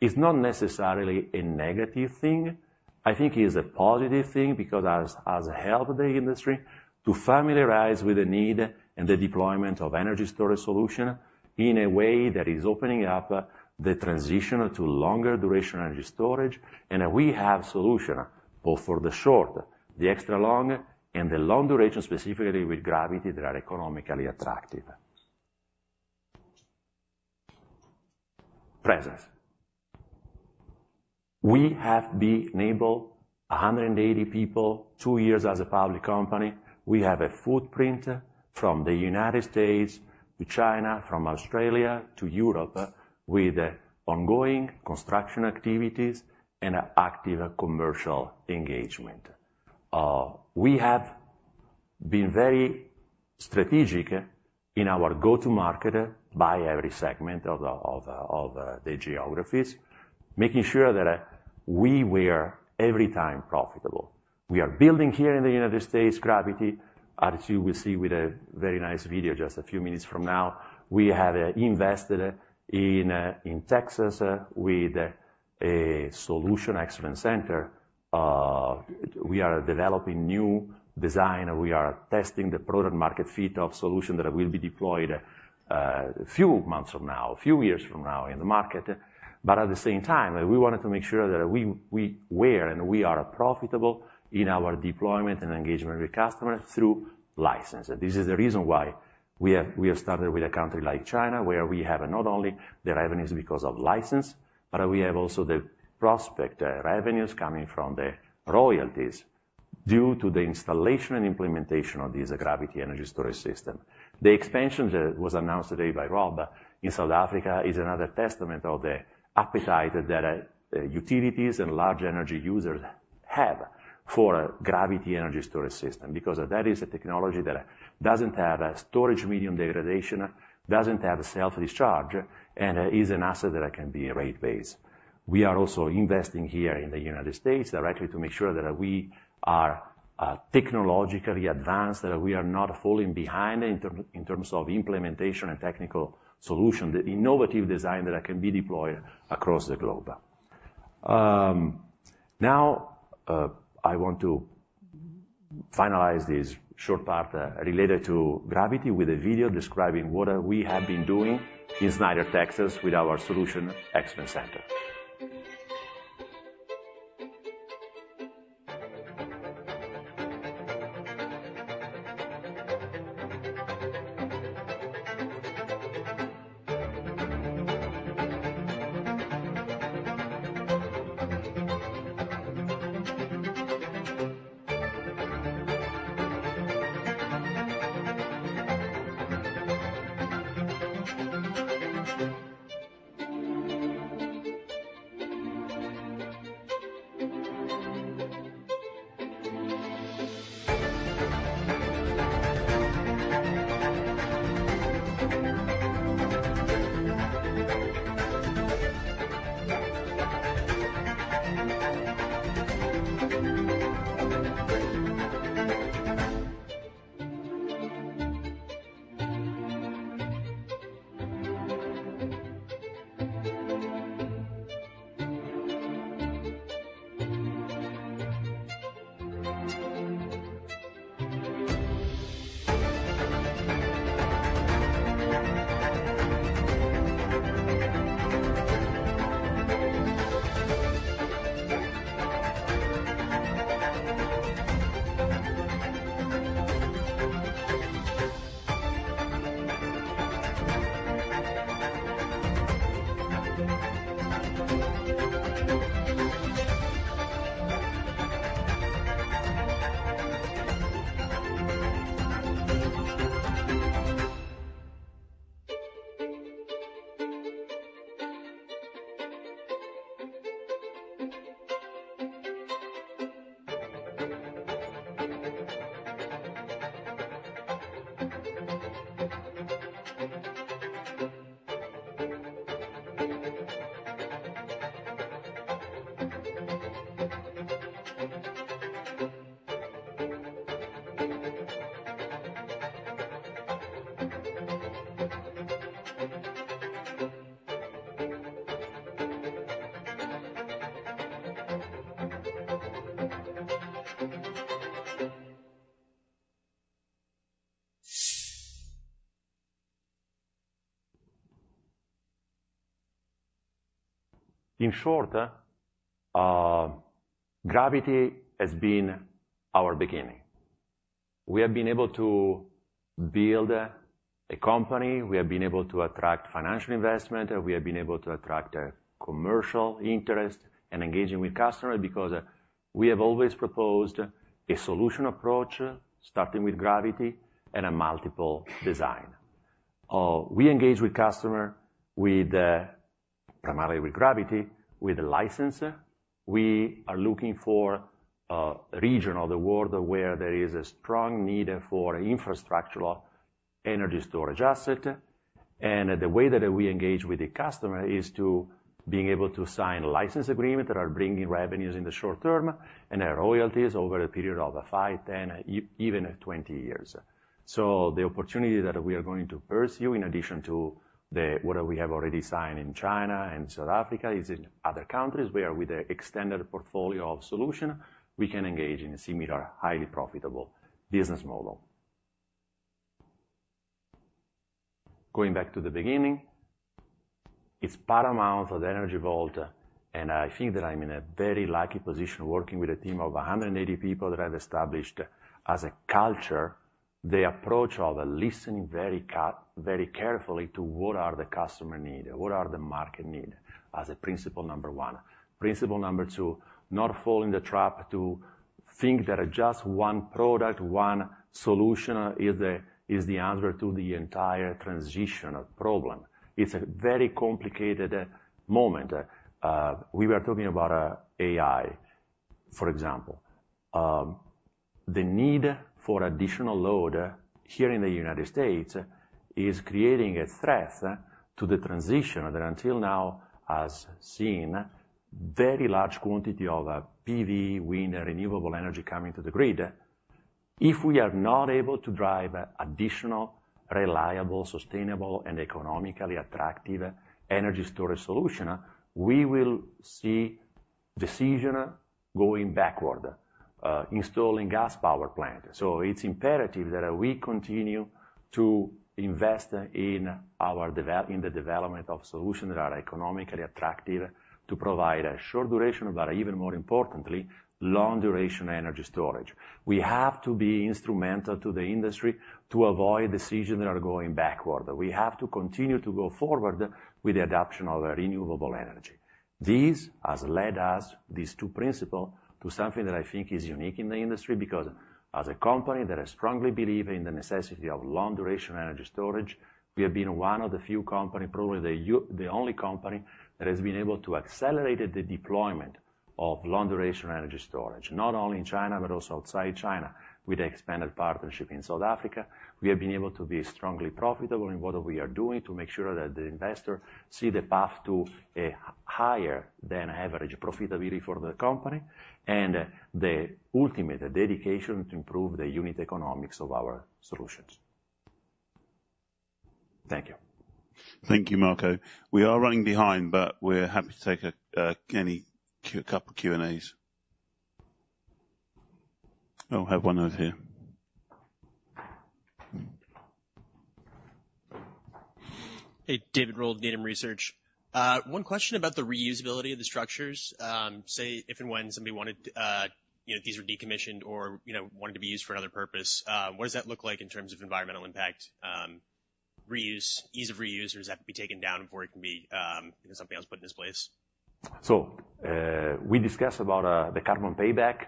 is not necessarily a negative thing. I think it is a positive thing, because it has helped the industry to familiarize with the need and the deployment of energy storage solution, in a way that is opening up the transition to longer duration energy storage. We have solutions, both for the short, the extra long, and the long duration, specifically with Gravity, that are economically attractive. Presence. We have been able, 180 people, two years as a public company, we have a footprint from the United States to China, from Australia to Europe, with ongoing construction activities and active commercial engagement. We have been very strategic in our go-to-market, by every segment of the geographies, making sure that we were every time profitable. We are building here in the United States, Gravity, as you will see with a very nice video just a few minutes from now. We have invested in Texas with-... A Solution Excellence Center, we are developing new design and we are testing the product-market fit of solution that will be deployed a few months from now, a few years from now in the market. But at the same time, we wanted to make sure that we, we were and we are profitable in our deployment and engagement with customers through license. This is the reason why we have, we have started with a country like China, where we have not only the revenues because of license, but we have also the prospect revenues coming from the royalties due to the installation and implementation of these gravity energy storage system. The expansion that was announced today by Rob in South Africa is another testament of the appetite that utilities and large energy users have for gravity energy storage system, because that is a technology that doesn't have a storage medium degradation, doesn't have a self-discharge, and is an asset that can be rate-based. We are also investing here in the United States directly to make sure that we are technologically advanced, that we are not falling behind in terms of implementation and technical solution, the innovative design that can be deployed across the globe. Now I want to finalize this short part related to gravity with a video describing what we have been doing in Snyder, Texas, with our solution excellence center. In short, gravity has been our beginning. We have been able to build a company, we have been able to attract financial investment, and we have been able to attract a commercial interest and engaging with customer, because we have always proposed a solution approach, starting with gravity and a multiple design. We engage with customer with, primarily with gravity, with a license. We are looking for a region of the world where there is a strong need for infrastructural energy storage asset. And the way that we engage with the customer is to being able to sign a license agreement that are bringing revenues in the short term and royalties over a period of five, 10, even 20 years. So the opportunity that we are going to pursue, in addition to the—what we have already signed in China and South Africa, is in other countries, where with an extended portfolio of solution, we can engage in a similar, highly profitable business model. Going back to the beginning, it's paramount for the Energy Vault, and I think that I'm in a very lucky position, working with a team of 180 people that have established as a culture, the approach of listening very carefully to what are the customer need, what are the market need, as a principle number one. Principle number two, not fall in the trap to think that just one product, one solution, is the, is the answer to the entire transition of problem. It's a very complicated moment. We were talking about AI, for example. The need for additional load here in the United States is creating a threat to the transition that until now has seen very large quantity of PV, wind, and renewable energy coming to the grid. If we are not able to drive additional, reliable, sustainable, and economically attractive energy storage solution, we will see decision going backward, installing gas power plant. So it's imperative that we continue to invest in the development of solutions that are economically attractive to provide a short duration, but even more importantly, long-duration energy storage. We have to be instrumental to the industry to avoid decisions that are going backward. We have to continue to go forward with the adoption of renewable energy. This has led us, these two principles, to something that I think is unique in the industry, because as a company that I strongly believe in the necessity of long-duration energy storage, we have been one of the few companies, probably the only company, that has been able to accelerate the deployment of long-duration energy storage, not only in China, but also outside China. With expanded partnership in South Africa, we have been able to be strongly profitable in what we are doing to make sure that the investors see the path to a higher than average profitability for the company and the ultimate dedication to improve the unit economics of our solutions. Thank you. Thank you, Marco. We are running behind, but we're happy to take any couple Q&As. Oh, have one over here. Hey, David Rolf, Needham Research. One question about the reusability of the structures. Say, if and when somebody wanted, you know, these were decommissioned or, you know, wanted to be used for another purpose, what does that look like in terms of environmental impact? Reuse, ease of reuse, or does that have to be taken down before it can be, something else put in its place? We discussed about the carbon payback.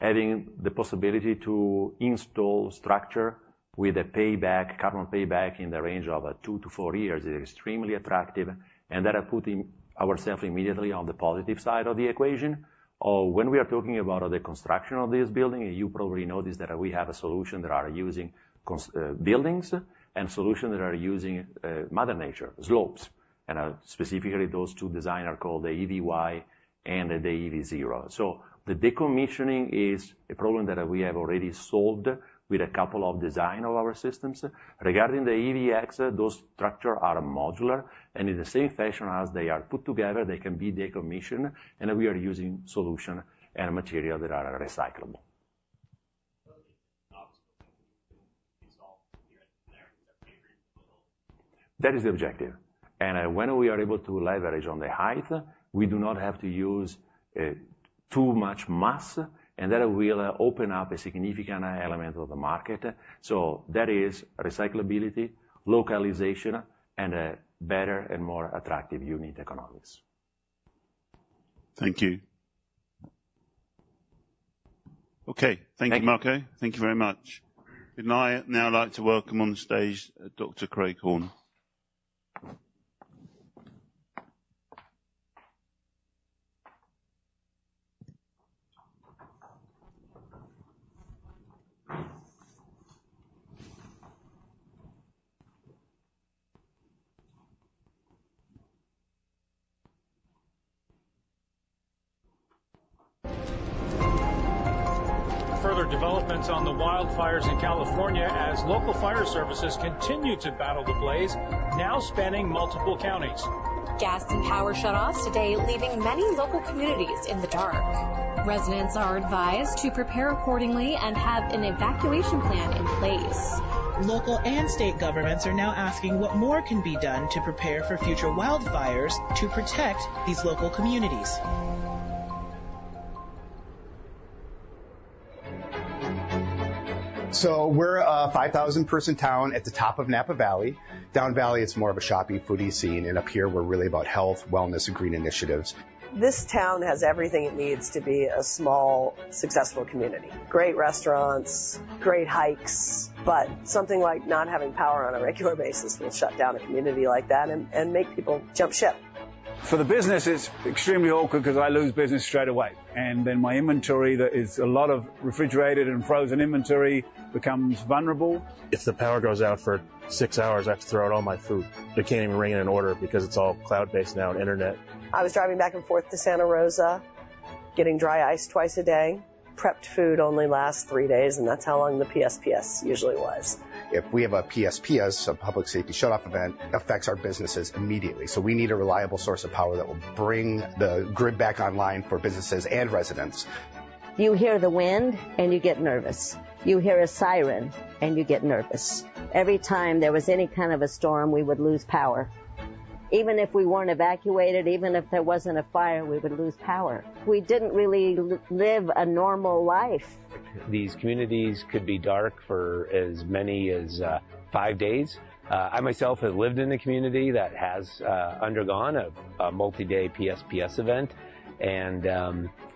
Having the possibility to install structure with a payback, carbon payback in the range of 2-4 years is extremely attractive, and that are putting ourself immediately on the positive side of the equation. When we are talking about the construction of this building, you probably notice that we have a solution that are using buildings and solution that are using Mother Nature, slopes. Specifically, those two design are called the EVy and the EV0. So the decommissioning is a problem that we have already solved with a couple of design of our systems. Regarding the EVx, those structure are modular, and in the same fashion as they are put together, they can be decommissioned, and we are using solution and material that are recyclable. That is the objective. When we are able to leverage on the height, we do not have to use too much mass, and that will open up a significant element of the market. So that is recyclability, localization, and a better and more attractive unit economics. Thank you. Okay. Thank- Thank you, Marco. Thank you very much. I'd now like to welcome on stage Dr. Craig Horne. Further developments on the wildfires in California as local fire services continue to battle the blaze, now spanning multiple counties. Gas and power shutoffs today, leaving many local communities in the dark. Residents are advised to prepare accordingly and have an evacuation plan in place. Local and state governments are now asking what more can be done to prepare for future wildfires to protect these local communities. We're a 5,000 person town at the top of Napa Valley. Down Valley, it's more of a shopping, foodie scene, and up here, we're really about health, wellness, and green initiatives. This town has everything it needs to be a small, successful community, great restaurants, great hikes, but something like not having power on a regular basis will shut down a community like that and make people jump ship. For the business, it's extremely awkward because I lose business straight away, and then my inventory, that is a lot of refrigerated and frozen inventory, becomes vulnerable. If the power goes out for six hours, I have to throw out all my food. I can't even ring in an order because it's all cloud-based now and internet. I was driving back and forth to Santa Rosa, getting dry ice twice a day. Prepped food only lasts three days, and that's how long the PSPS usually was. If we have a PSPS, a public safety power shutoff event, it affects our businesses immediately. So we need a reliable source of power that will bring the grid back online for businesses and residents. You hear the wind, and you get nervous. You hear a siren, and you get nervous. Every time there was any kind of a storm, we would lose power. Even if we weren't evacuated, even if there wasn't a fire, we would lose power. We didn't really live a normal life. These communities could be dark for as many as five days. I myself have lived in a community that has undergone a multi-day PSPS event, and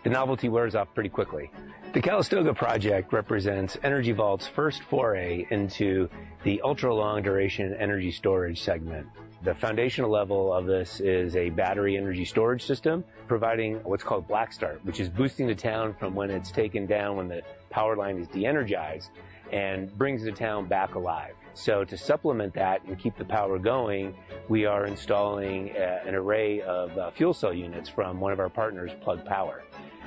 the novelty wears off pretty quickly. The Calistoga project represents Energy Vault's first foray into the ultra-long duration energy storage segment. The foundational level of this is a battery energy storage system, providing what's called Black Start, which is boosting the town from when it's taken down, when the power line is de-energized, and brings the town back alive. So to supplement that and keep the power going, we are installing an array of fuel cell units from one of our partners, Plug Power.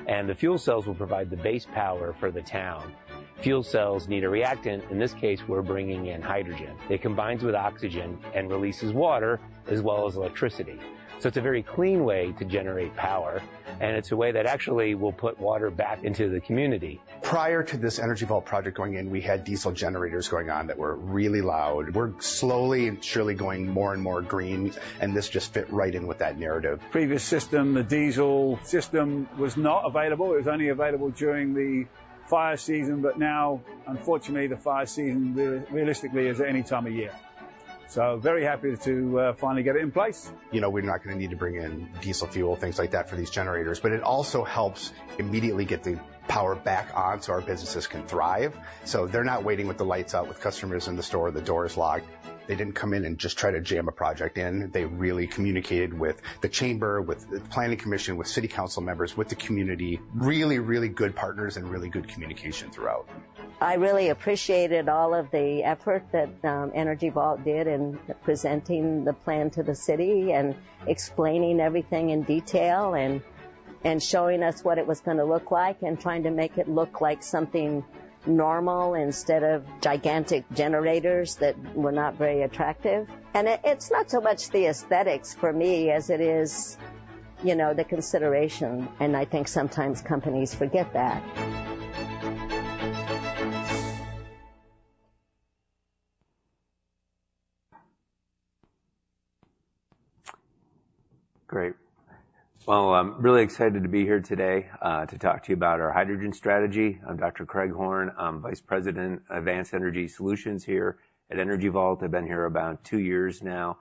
The fuel cells will provide the base power for the town. Fuel cells need a reactant. In this case, we're bringing in hydrogen. It combines with oxygen and releases water, as well as electricity. It's a very clean way to generate power, and it's a way that actually will put water back into the community. Prior to this Energy Vault project going in, we had diesel generators going on that were really loud. We're slowly and surely going more and more green, and this just fit right in with that narrative. Previous system, the diesel system, was not available. It was only available during the fire season, but now, unfortunately, the fire season, realistically, is any time of year. So very happy to finally get it in place. You know, we're not gonna need to bring in diesel fuel, things like that, for these generators. But it also helps immediately get the power back on so our businesses can thrive. So they're not waiting with the lights out with customers in the store, the doors locked. They didn't come in and just try to jam a project in. They really communicated with the chamber, with the planning commission, with city council members, with the community. Really, really good partners and really good communication throughout. I really appreciated all of the effort that Energy Vault did in presenting the plan to the city and explaining everything in detail and showing us what it was gonna look like, and trying to make it look like something normal instead of gigantic generators that were not very attractive. It's not so much the aesthetics for me as it is, you know, the consideration, and I think sometimes companies forget that. Great. Well, I'm really excited to be here today to talk to you about our hydrogen strategy. I'm Dr. Craig Horne. I'm Vice President, Advanced Energy Solutions here at Energy Vault. I've been here about two years now,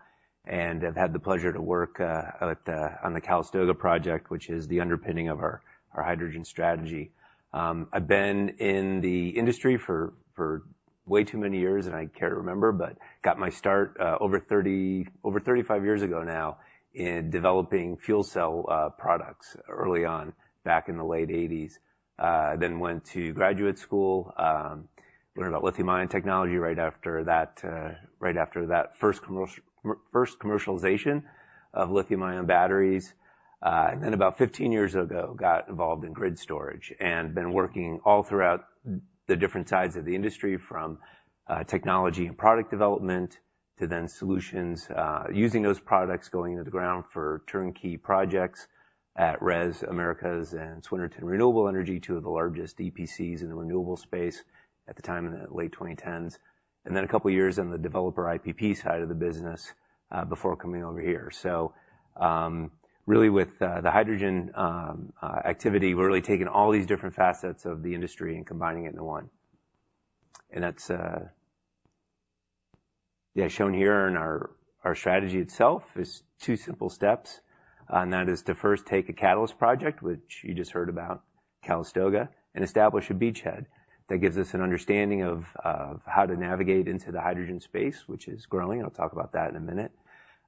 and I've had the pleasure to work at, on the Calistoga project, which is the underpinning of our hydrogen strategy. I've been in the industry for way too many years than I care to remember, but got my start over 35 years ago now, in developing fuel cell products early on, back in the late 1980s. I then went to graduate school, learned about lithium-ion technology right after that, right after that first commercialization of lithium-ion batteries. And then about 15 years ago, got involved in grid storage and been working all throughout the different sides of the industry, from technology and product development to then solutions using those products, going into the ground for turnkey projects at RES Americas and Swinerton Renewable Energy, two of the largest EPCs in the renewable space at the time, in the late 2010s. And then a couple of years in the developer IPP side of the business before coming over here. So really with the hydrogen activity, we're really taking all these different facets of the industry and combining it into one. And that's shown here in our strategy itself: two simple steps, and that is to first take a catalyst project, which you just heard about, Calistoga, and establish a beachhead. That gives us an understanding of how to navigate into the hydrogen space, which is growing. I'll talk about that in a minute.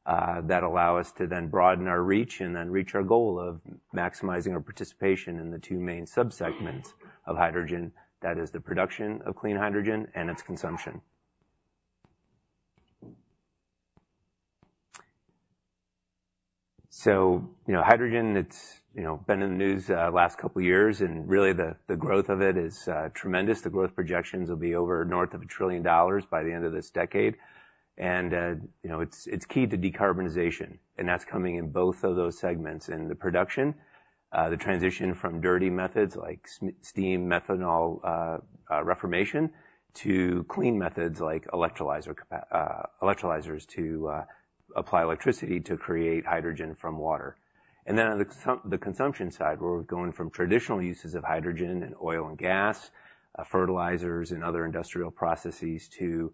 That allow us to then broaden our reach and then reach our goal of maximizing our participation in the two main sub-segments of hydrogen. That is the production of clean hydrogen and its consumption. So, you know, hydrogen, it's, you know, been in the news last couple of years, and really, the growth of it is tremendous. The growth projections will be over north of $1 trillion by the end of this decade. You know, it's key to decarbonization, and that's coming in both of those segments. In the production, the transition from dirty methods like steam, methanol, reformation, to clean methods like electrolyzers to apply electricity to create hydrogen from water. And then on the consumption side, where we're going from traditional uses of hydrogen and oil and gas, fertilizers and other industrial processes, to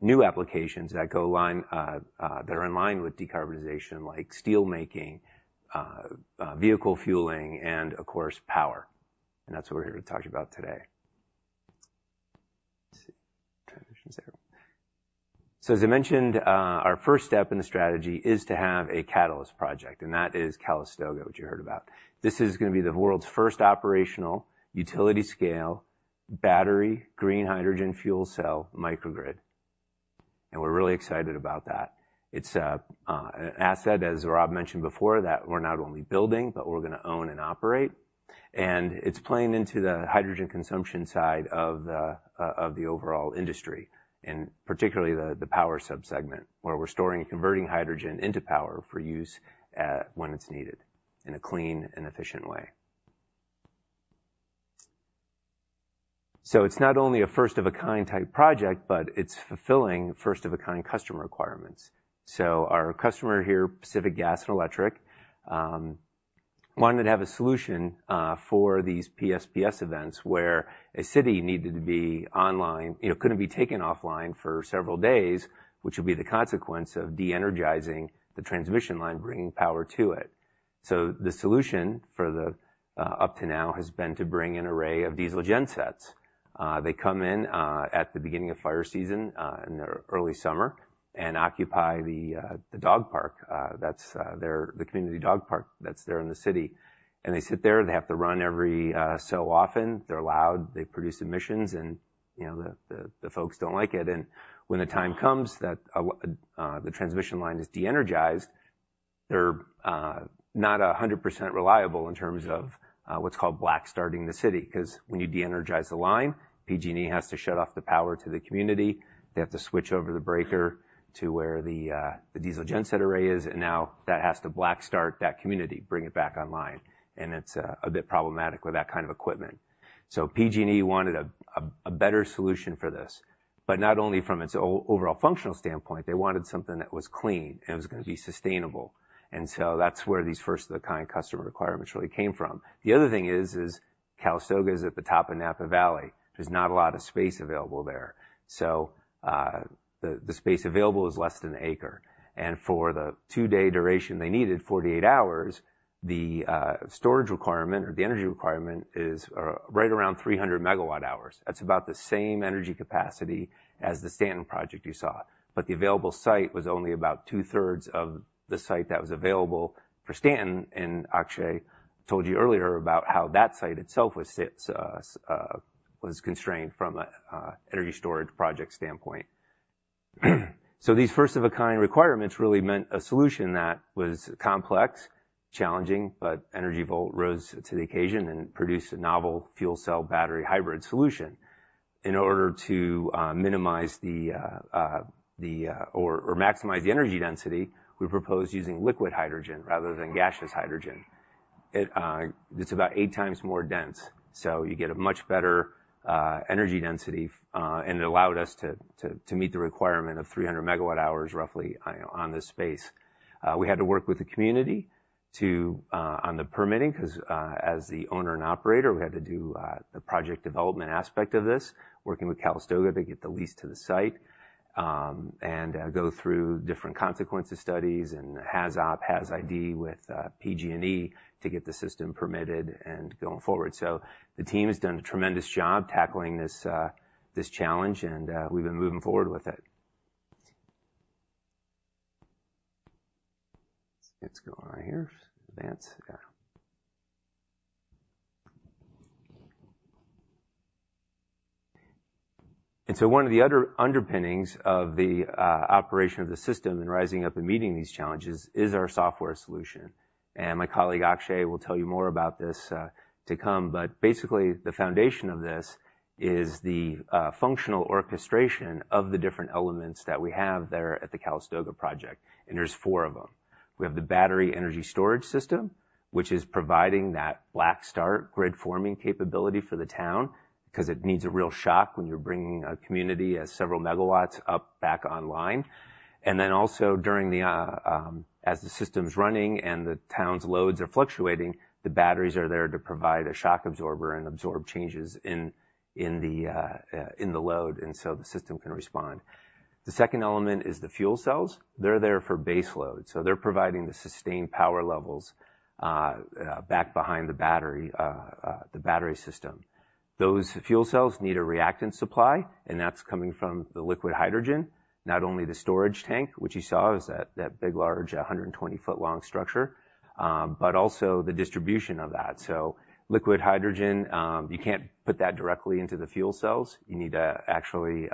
new applications that are in line with decarbonization, like steelmaking, vehicle fueling, and of course, power. And that's what we're here to talk about today. Let's see. Transition zero. So as I mentioned, our first step in the strategy is to have a catalyst project, and that is Calistoga, which you heard about. This is gonna be the world's first operational, utility-scale, battery, green hydrogen fuel cell microgrid, and we're really excited about that. It's an asset, as Rob mentioned before, that we're not only building, but we're gonna own and operate. And it's playing into the hydrogen consumption side of the overall industry, and particularly the power sub-segment, where we're storing and converting hydrogen into power for use when it's needed, in a clean and efficient way. So it's not only a first-of-a-kind type project, but it's fulfilling first-of-a-kind customer requirements. So our customer here, Pacific Gas and Electric, wanted to have a solution for these PSPS events, where a city needed to be online... You know, couldn't be taken offline for several days, which would be the consequence of de-energizing the transmission line, bringing power to it. So the solution for the up to now has been to bring an array of diesel gen sets. They come in at the beginning of fire season in the early summer, and occupy the dog park. That's the community dog park that's there in the city. And they sit there, and they have to run every so often. They're loud, they produce emissions, and, you know, the folks don't like it. And when the time comes that the transmission line is de-energized, they're not 100% reliable in terms of what's called Black Start for the city, 'cause when you de-energize the line, PG&E has to shut off the power to the community. They have to switch over the breaker to where the, the diesel gen set array is, and now that has to black start that community, bring it back online, and it's, a bit problematic with that kind of equipment. So PG&E wanted a better solution for this, but not only from its overall functional standpoint, they wanted something that was clean and was gonna be sustainable. And so that's where these first-of-the-kind customer requirements really came from. The other thing is Calistoga is at the top of Napa Valley. There's not a lot of space available there, so, the space available is less than an acre. And for the two-day duration, they needed 48 hours, the storage requirement or the energy requirement is right around 300 MWh. That's about the same energy capacity as the Stanton project you saw, but the available site was only about 2/3 of the site that was available for Stanton, and Akshay told you earlier about how that site itself was constrained from a energy storage project standpoint. So these first-of-a-kind requirements really meant a solution that was complex, challenging, but Energy Vault rose to the occasion and produced a novel fuel cell battery hybrid solution. In order to minimize the... or maximize the energy density, we proposed using liquid hydrogen rather than gaseous hydrogen. It's about 8 times more dense, so you get a much better energy density, and it allowed us to meet the requirement of 300 MWh, roughly, on this space. We had to work with the community to on the permitting, 'cause as the owner and operator, we had to do the project development aspect of this, working with Calistoga to get the lease to the site, and go through different consequences studies and HAZOP, HazID with PG&E to get the system permitted and going forward. So the team has done a tremendous job tackling this challenge, and we've been moving forward with it. Let's go on here. Advance, yeah. And so one of the other underpinnings of the operation of the system and rising up and meeting these challenges is our software solution, and my colleague, Akshay, will tell you more about this to come. But basically, the foundation of this is the functional orchestration of the different elements that we have there at the Calistoga project, and there's four of them. We have the battery energy storage system, which is providing that black start, grid-forming capability for the town, 'cause it needs a real shock when you're bringing a community as several megawatts up back online. And then also during the as the system's running and the town's loads are fluctuating, the batteries are there to provide a shock absorber and absorb changes in the load, and so the system can respond. The second element is the fuel cells. They're there for base load, so they're providing the sustained power levels back behind the battery system. Those fuel cells need a reactant supply, and that's coming from the liquid hydrogen, not only the storage tank, which you saw is that, that big, large, 120 foot-long structure, but also the distribution of that. So liquid hydrogen, you can't put that directly into the fuel cells. You need to actually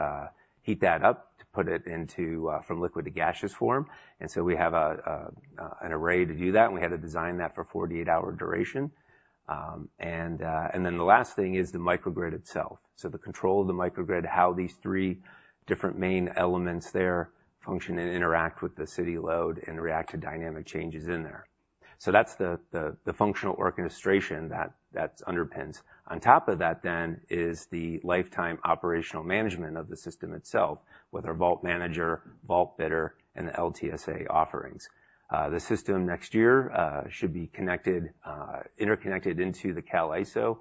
heat that up to put it into, from liquid to gaseous form. And so we have a, an array to do that, and we had to design that for 48 hour duration. And then the last thing is the microgrid itself. So the control of the microgrid, how these three different main elements there function and interact with the city load and react to dynamic changes in there. So that's the, the functional orchestration that underpins. On top of that then, is the lifetime operational management of the system itself, with our Vault Manager, Vault Bidder, and the LTSA offerings. The system next year should be connected, interconnected into the CAISO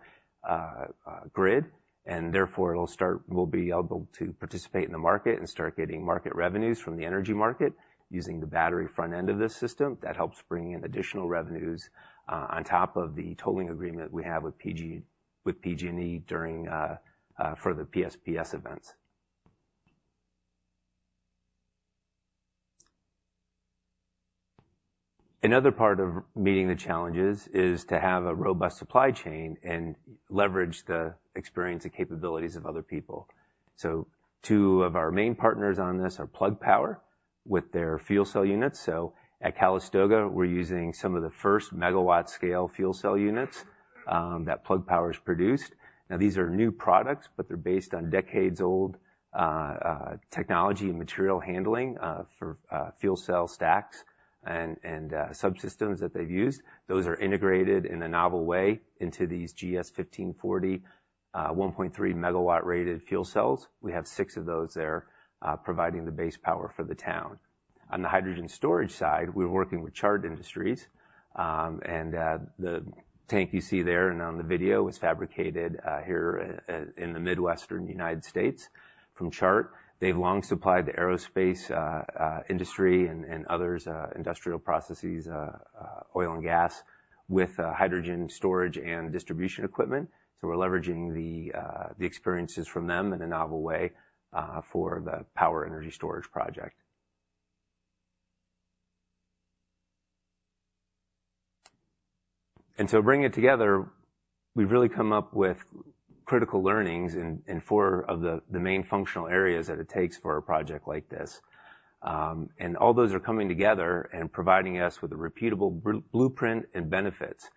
grid, and therefore, it'll be able to participate in the market and start getting market revenues from the energy market using the battery front end of this system. That helps bring in additional revenues on top of the tolling agreement we have with PG&E during for the PSPS events. Another part of meeting the challenges is to have a robust supply chain and leverage the experience and capabilities of other people. So two of our main partners on this are Plug Power with their fuel cell units. So at Calistoga, we're using some of the first megawatt scale fuel cell units that Plug Power's produced. Now, these are new products, but they're based on decades-old technology and material handling for fuel cell stacks and subsystems that they've used. Those are integrated in a novel way into these GS 1540 1.3MW rated fuel cells. We have six of those there, providing the base power for the town. On the hydrogen storage side, we're working with Chart Industries, and the tank you see there and on the video was fabricated here in the Midwestern United States from Chart. They've long supplied the aerospace industry and other industrial processes, oil and gas, with hydrogen storage and distribution equipment. So we're leveraging the experiences from them in a novel way for the power energy storage project. And so bringing it together, we've really come up with critical learnings in four of the main functional areas that it takes for a project like this. And all those are coming together and providing us with a repeatable blueprint and benefits.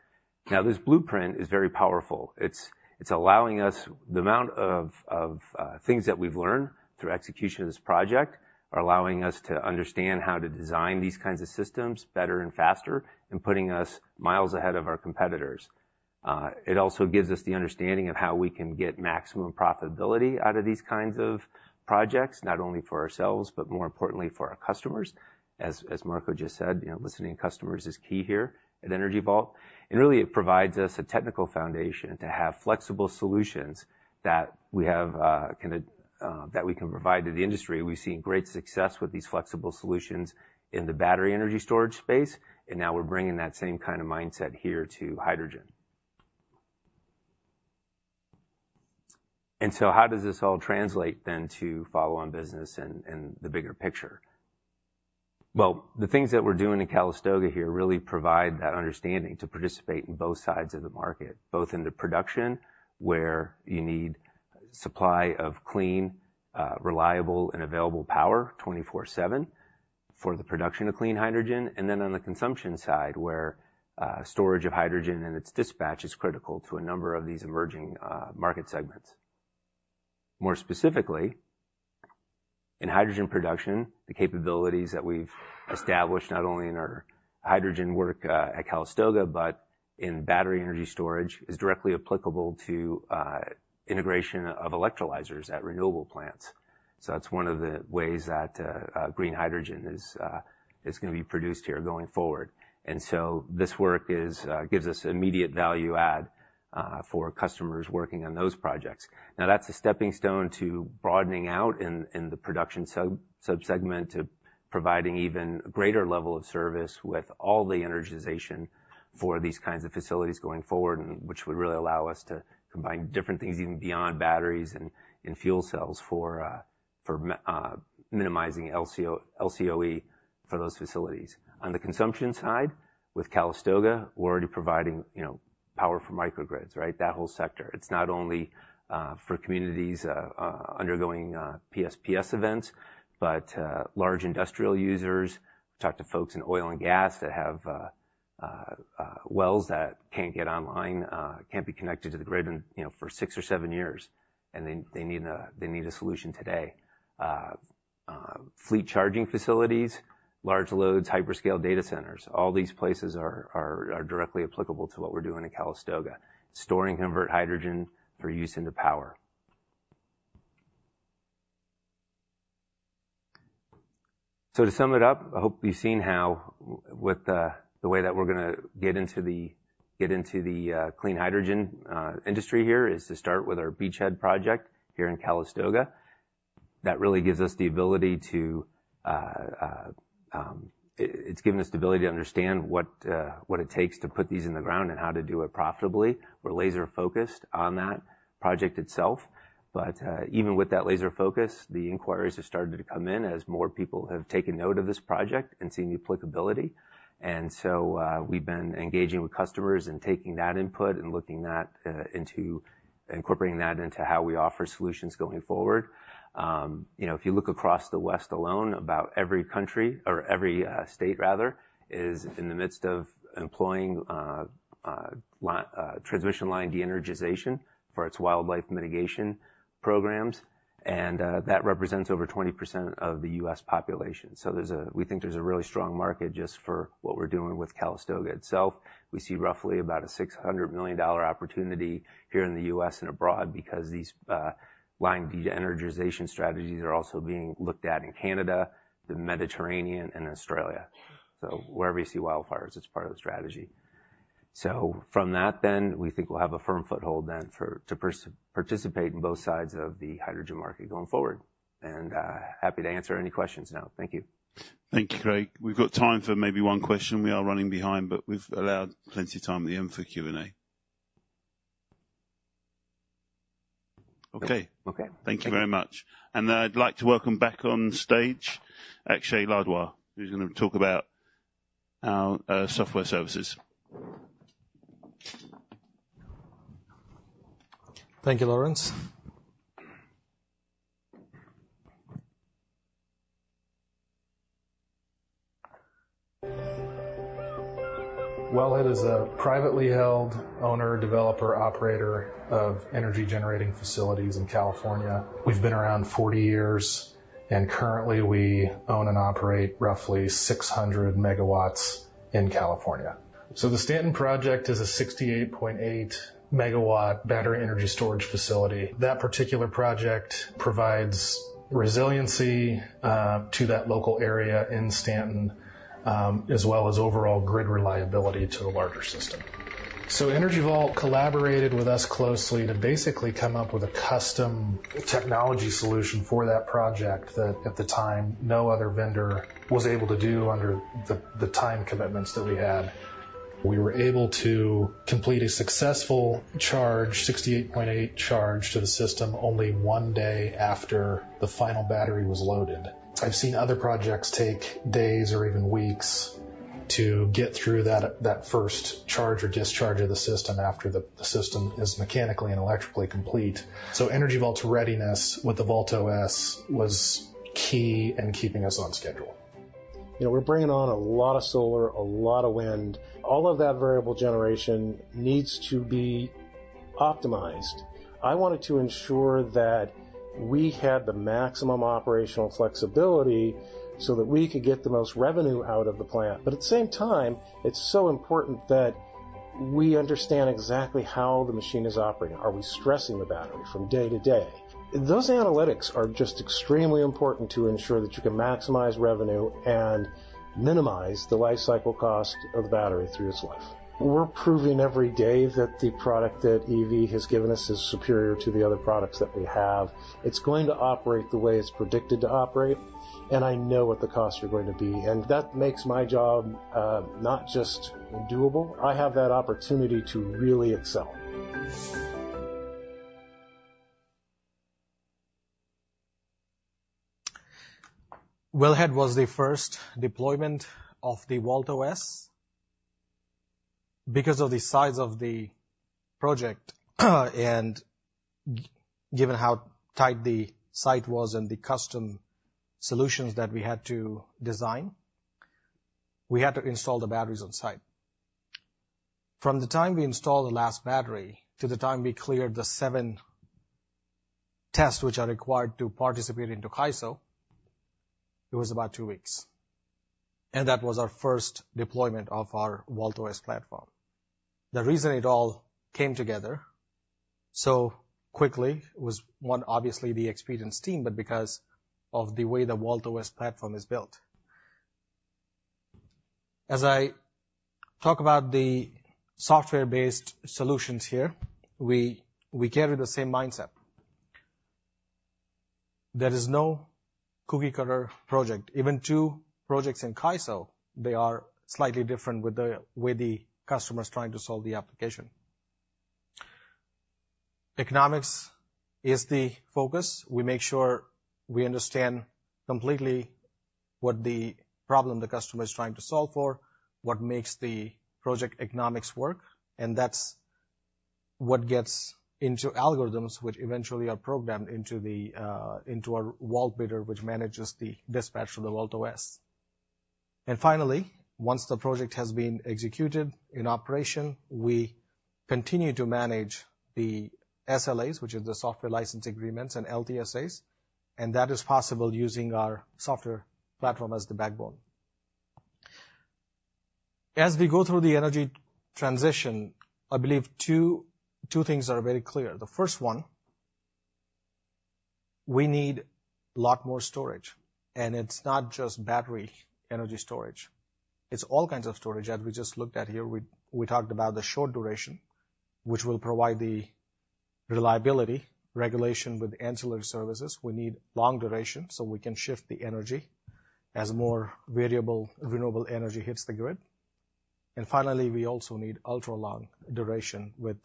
Now, this blueprint is very powerful. It's allowing us. The amount of things that we've learned through execution of this project are allowing us to understand how to design these kinds of systems better and faster, and putting us miles ahead of our competitors. It also gives us the understanding of how we can get maximum profitability out of these kinds of projects, not only for ourselves, but more importantly, for our customers. As Marco just said, you know, listening to customers is key here at Energy Vault. Really, it provides us a technical foundation to have flexible solutions that we have, kind of, that we can provide to the industry. We've seen great success with these flexible solutions in the battery energy storage space, and now we're bringing that same kind of mindset here to hydrogen. And so how does this all translate then to follow-on business and the bigger picture? Well, the things that we're doing in Calistoga here really provide that understanding to participate in both sides of the market, both in the production, where you need supply of clean, reliable, and available power 24/7 for the production of clean hydrogen, and then on the consumption side, where, storage of hydrogen and its dispatch is critical to a number of these emerging, market segments. More specifically, in hydrogen production, the capabilities that we've established, not only in our hydrogen work, at Calistoga, but in battery energy storage, is directly applicable to, integration of electrolyzers at renewable plants. So that's one of the ways that, green hydrogen is, is gonna be produced here going forward. And so this work is, gives us immediate value add, for customers working on those projects. Now, that's a stepping stone to broadening out in the production sub-segment, to providing even greater level of service with all the energization for these kinds of facilities going forward, and which would really allow us to combine different things, even beyond batteries and fuel cells, for minimizing LCOE for those facilities. On the consumption side, with Calistoga, we're already providing, you know, power for microgrids, right? That whole sector. It's not only for communities undergoing PSPS events, but large industrial users. We talked to folks in oil and gas that have wells that can't get online, can't be connected to the grid in, you know, for six or seven years, and they need a solution today. Fleet charging facilities, large loads, hyperscale data centers, all these places are directly applicable to what we're doing at Calistoga, storing, converting hydrogen for use into power. So to sum it up, I hope you've seen how with the way that we're gonna get into the clean hydrogen industry here, is to start with our beachhead project here in Calistoga. That really gives us the ability to understand what it takes to put these in the ground and how to do it profitably. We're laser focused on that project itself. But even with that laser focus, the inquiries have started to come in as more people have taken note of this project and seen the applicability. We've been engaging with customers and taking that input and looking into incorporating that into how we offer solutions going forward. You know, if you look across the West alone, about every country, or every state rather, is in the midst of employing line de-energization for its wildlife mitigation programs, and that represents over 20% of the U.S. population. So there's a we think there's a really strong market just for what we're doing with Calistoga itself. We see roughly about a $600 million opportunity here in the U.S. and abroad, because these line de-energization strategies are also being looked at in Canada, the Mediterranean, and Australia. So wherever you see wildfires, it's part of the strategy. So from that then, we think we'll have a firm foothold then to participate in both sides of the hydrogen market going forward. Happy to answer any questions now. Thank you. Thank you, Craig. We've got time for maybe one question. We are running behind, but we've allowed plenty of time at the end for Q&A. Okay. Okay. Thank you very much. I'd like to welcome back on stage Akshay Ladwa, who's gonna talk about our software services. Thank you, Laurence. Wellhead is a privately held owner, developer, operator of energy-generating facilities in California. We've been around 40 years, and currently, we own and operate roughly 600 MW in California. The Stanton project is a 68.8 MW battery energy storage facility. That particular project provides resiliency to that local area in Stanton, as well as overall grid reliability to the larger system. Energy Vault collaborated with us closely to basically come up with a custom technology solution for that project, that at the time, no other vendor was able to do under the time commitments that we had. We were able to complete a successful charge, 68.8 charge to the system only one day after the final battery was loaded. I've seen other projects take days or even weeks. to get through that, that first charge or discharge of the system after the, the system is mechanically and electrically complete. So Energy Vault's readiness with the VaultOS was key in keeping us on schedule. You know, we're bringing on a lot of solar, a lot of wind. All of that variable generation needs to be optimized. I wanted to ensure that we had the maximum operational flexibility, so that we could get the most revenue out of the plant. But at the same time, it's so important that we understand exactly how the machine is operating. Are we stressing the battery from day to day? Those analytics are just extremely important to ensure that you can maximize revenue and minimize the life cycle cost of the battery through its life. We're proving every day that the product that EV has given us is superior to the other products that we have. It's going to operate the way it's predicted to operate, and I know what the costs are going to be, and that makes my job, not just doable, I have that opportunity to really excel. Wellhead was the first deployment of the VaultOS. Because of the size of the project, and given how tight the site was and the custom solutions that we had to design, we had to install the batteries on site. From the time we installed the last battery, to the time we cleared the seven tests, which are required to participate into CAISO, it was about two weeks. And that was our first deployment of our VaultOS platform. The reason it all came together so quickly was, one, obviously the experienced team, but because of the way the VaultOS platform is built. As I talk about the software-based solutions here, we, we carry the same mindset. There is no cookie-cutter project. Even two projects in CAISO, they are slightly different with the, with the customers trying to solve the application. Economics is the focus. We make sure we understand completely what the problem the customer is trying to solve for, what makes the project economics work, and that's what gets into algorithms, which eventually are programmed into the into our Vault Bidder, which manages the dispatch for the VaultOS. And finally, once the project has been executed in operation, we continue to manage the SLAs, which is the software license agreements, and LTSAs, and that is possible using our software platform as the backbone. As we go through the energy transition, I believe two, two things are very clear. The first one, we need a lot more storage, and it's not just battery energy storage, it's all kinds of storage. As we just looked at here, we, we talked about the short duration, which will provide the reliability, regulation with ancillary services. We need long duration, so we can shift the energy as more variable renewable energy hits the grid. And finally, we also need ultra long duration with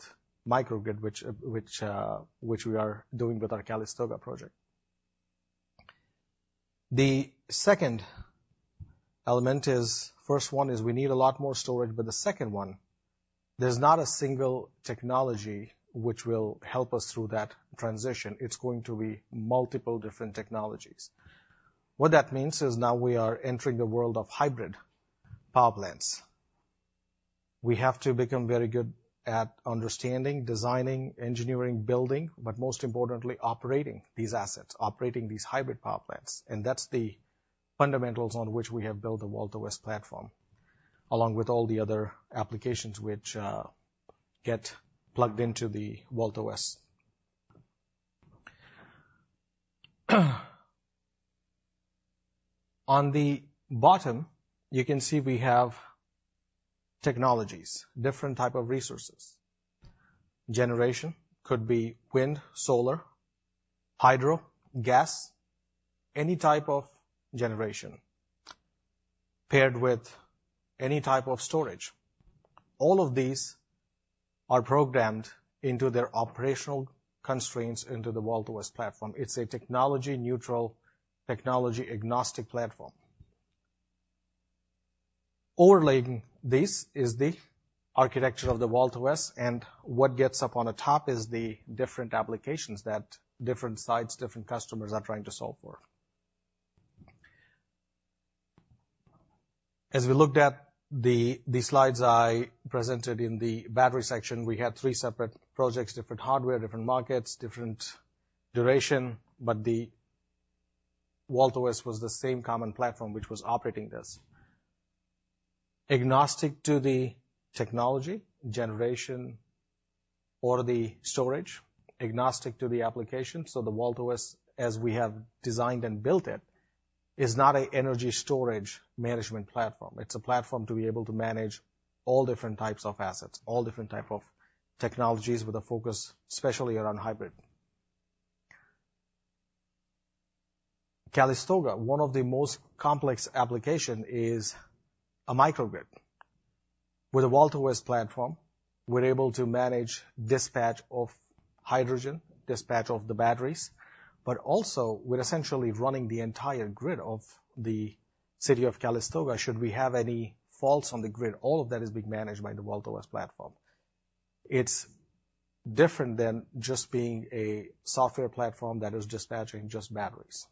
microgrid, which, which, which we are doing with our Calistoga project. The second element is... First one is we need a lot more storage, but the second one, there's not a single technology which will help us through that transition. It's going to be multiple different technologies. What that means is, now we are entering the world of hybrid power plants. We have to become very good at understanding, designing, engineering, building, but most importantly, operating these assets, operating these hybrid power plants, and that's the fundamentals on which we have built the VaultOS platform, along with all the other applications which get plugged into the VaultOS. On the bottom, you can see we have technologies, different type of resources. Generation, could be wind, solar, hydro, gas, any type of generation paired with any type of storage. All of these are programmed into their operational constraints into the VaultOS platform. It's a technology neutral, technology agnostic platform. Overlaying this is the architecture of the VaultOS, and what gets up on the top is the different applications that different sites, different customers are trying to solve for. As we looked at the slides I presented in the battery section, we had three separate projects, different hardware, different markets, different duration, but the VaultOS was the same common platform, which was operating this. Agnostic to the technology, generation, or the storage, agnostic to the application, so the VaultOS, as we have designed and built it, is not an energy storage management platform. It's a platform to be able to manage all different types of assets, all different type of technologies, with a focus, especially around hybrid. Calistoga, one of the most complex application, is a microgrid. With the VaultOS platform, we're able to manage dispatch of hydrogen, dispatch of the batteries, but also we're essentially running the entire grid of the city of Calistoga, should we have any faults on the grid. All of that is being managed by the VaultOS platform. It's different than just being a software platform that is dispatching just batteries.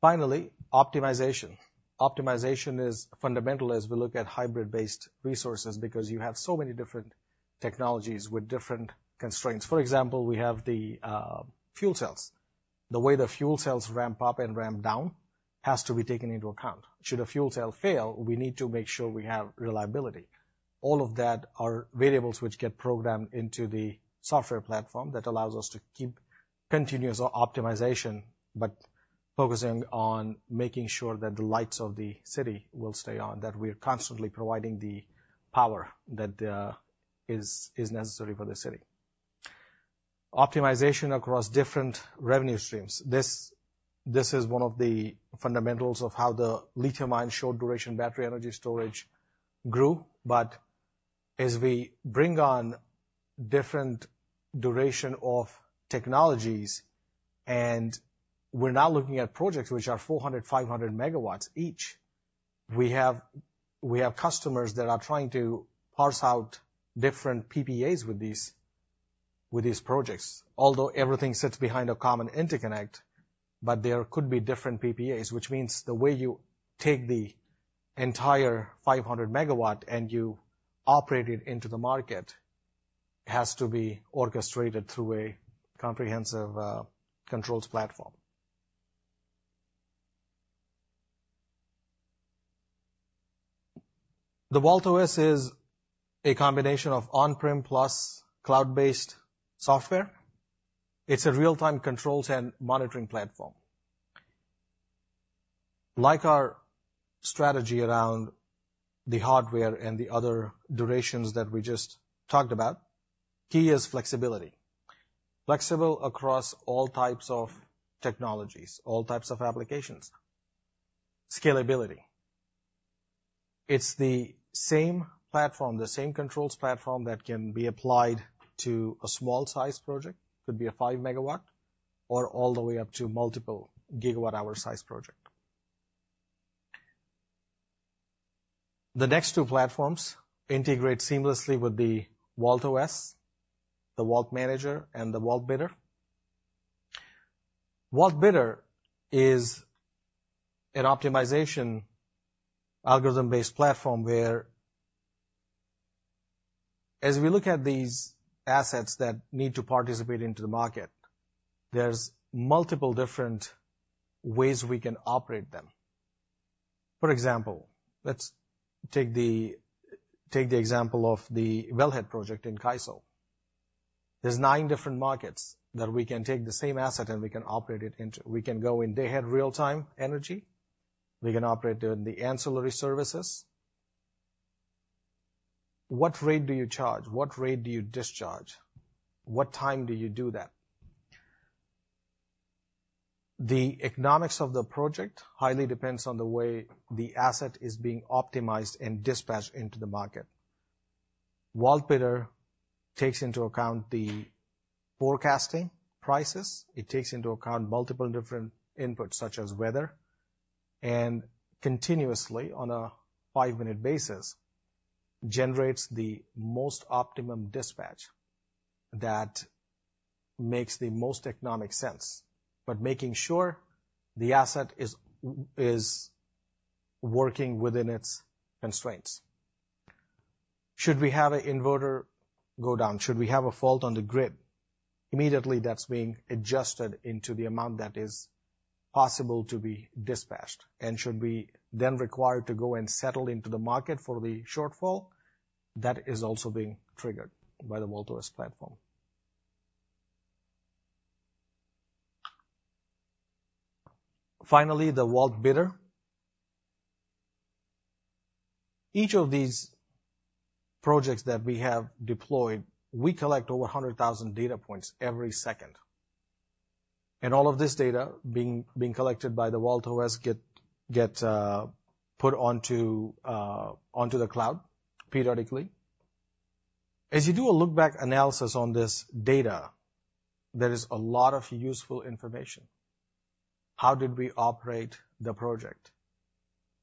Finally, optimization. Optimization is fundamental as we look at hybrid-based resources, because you have so many different technologies with different constraints. For example, we have the fuel cells. The way the fuel cells ramp up and ramp down has to be taken into account. Should a fuel cell fail, we need to make sure we have reliability. All of that are variables which get programmed into the software platform that allows us to keep continuous optimization, but focusing on making sure that the lights of the city will stay on, that we are constantly providing the power that is necessary for the city. Optimization across different revenue streams. This is one of the fundamentals of how the lithium-ion short duration battery energy storage grew. But as we bring on different duration of technologies, and we're now looking at projects which are 400-500 MW each, we have customers that are trying to parse out different PPAs with these projects. Although everything sits behind a common interconnect, but there could be different PPAs, which means the way you take the entire 500 MW and you operate it into the market, has to be orchestrated through a comprehensive controls platform. The VaultOS is a combination of on-prem plus cloud-based software. It's a real-time controls and monitoring platform. Like our strategy around the hardware and the other durations that we just talked about, key is flexibility. Flexible across all types of technologies, all types of applications. Scalability. It's the same platform, the same controls platform, that can be applied to a small-sized project, could be a 5 MW, or all the way up to multiple GWh size project. The next two platforms integrate seamlessly with the VaultOS, the Vault Manager and the Vault Bidder. Vault Bidder is an optimization, algorithm-based platform, whereas we look at these assets that need to participate into the market, there's multiple different ways we can operate them. For example, let's take the example of the Wellhead project in Stanton. There's nine different markets that we can take the same asset and we can operate it into. We can go in day-ahead real time energy. We can operate it in the ancillary services. What rate do you charge? What rate do you discharge? What time do you do that? The economics of the project highly depends on the way the asset is being optimized and dispatched into the market. Vault Bidder takes into account the forecasting prices. It takes into account multiple different inputs, such as weather, and continuously, on a five minute basis, generates the most optimum dispatch that makes the most economic sense, but making sure the asset is working within its constraints. Should we have an inverter go down, should we have a fault on the grid, immediately that's being adjusted into the amount that is possible to be dispatched, and should be then required to go and settle into the market for the shortfall, that is also being triggered by the VaultOS platform. Finally, the Vault Bidder. Each of these projects that we have deployed, we collect over 100,000 data points every second, and all of this data being collected by the VaultOS, get put onto the cloud periodically. As you do a look-back analysis on this data, there is a lot of useful information. How did we operate the project?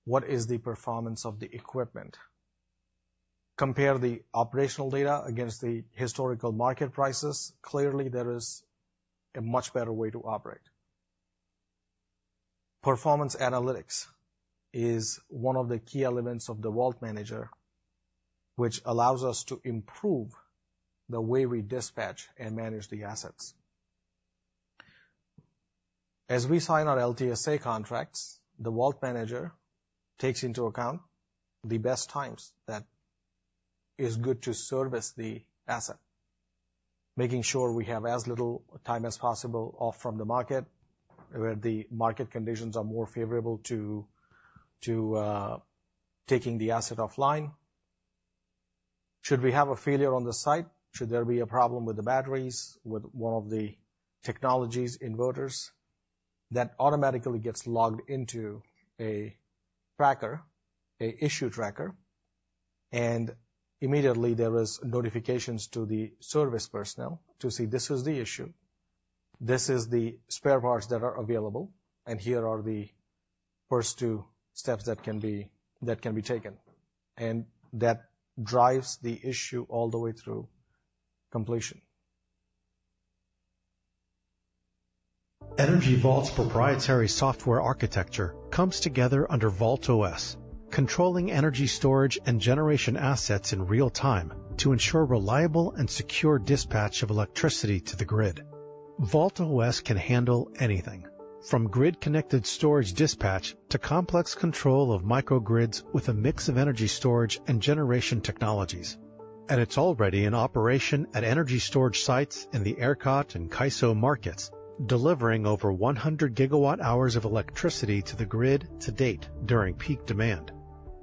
What is the performance of the equipment? Compare the operational data against the historical market prices. Clearly, there is a much better way to operate. Performance analytics is one of the key elements of the Vault Manager, which allows us to improve the way we dispatch and manage the assets. As we sign our LTSA contracts, the Vault Manager takes into account the best times that is good to service the asset, making sure we have as little time as possible off from the market, where the market conditions are more favorable to taking the asset offline. Should we have a failure on the site, should there be a problem with the batteries, with one of the technologies inverters, that automatically gets logged into a tracker, an issue tracker, and immediately, there is notifications to the service personnel to see this is the issue, this is the spare parts that are available, and here are the first two steps that can be taken. And that drives the issue all the way through completion. Energy Vault's proprietary software architecture comes together under VaultOS, controlling energy storage and generation assets in real time to ensure reliable and secure dispatch of electricity to the grid. VaultOS can handle anything, from grid-connected storage dispatch to complex control of microgrids with a mix of energy storage and generation technologies. It's already in operation at energy storage sites in the ERCOT and CAISO markets, delivering over 100 GWh of electricity to the grid to date during peak demand.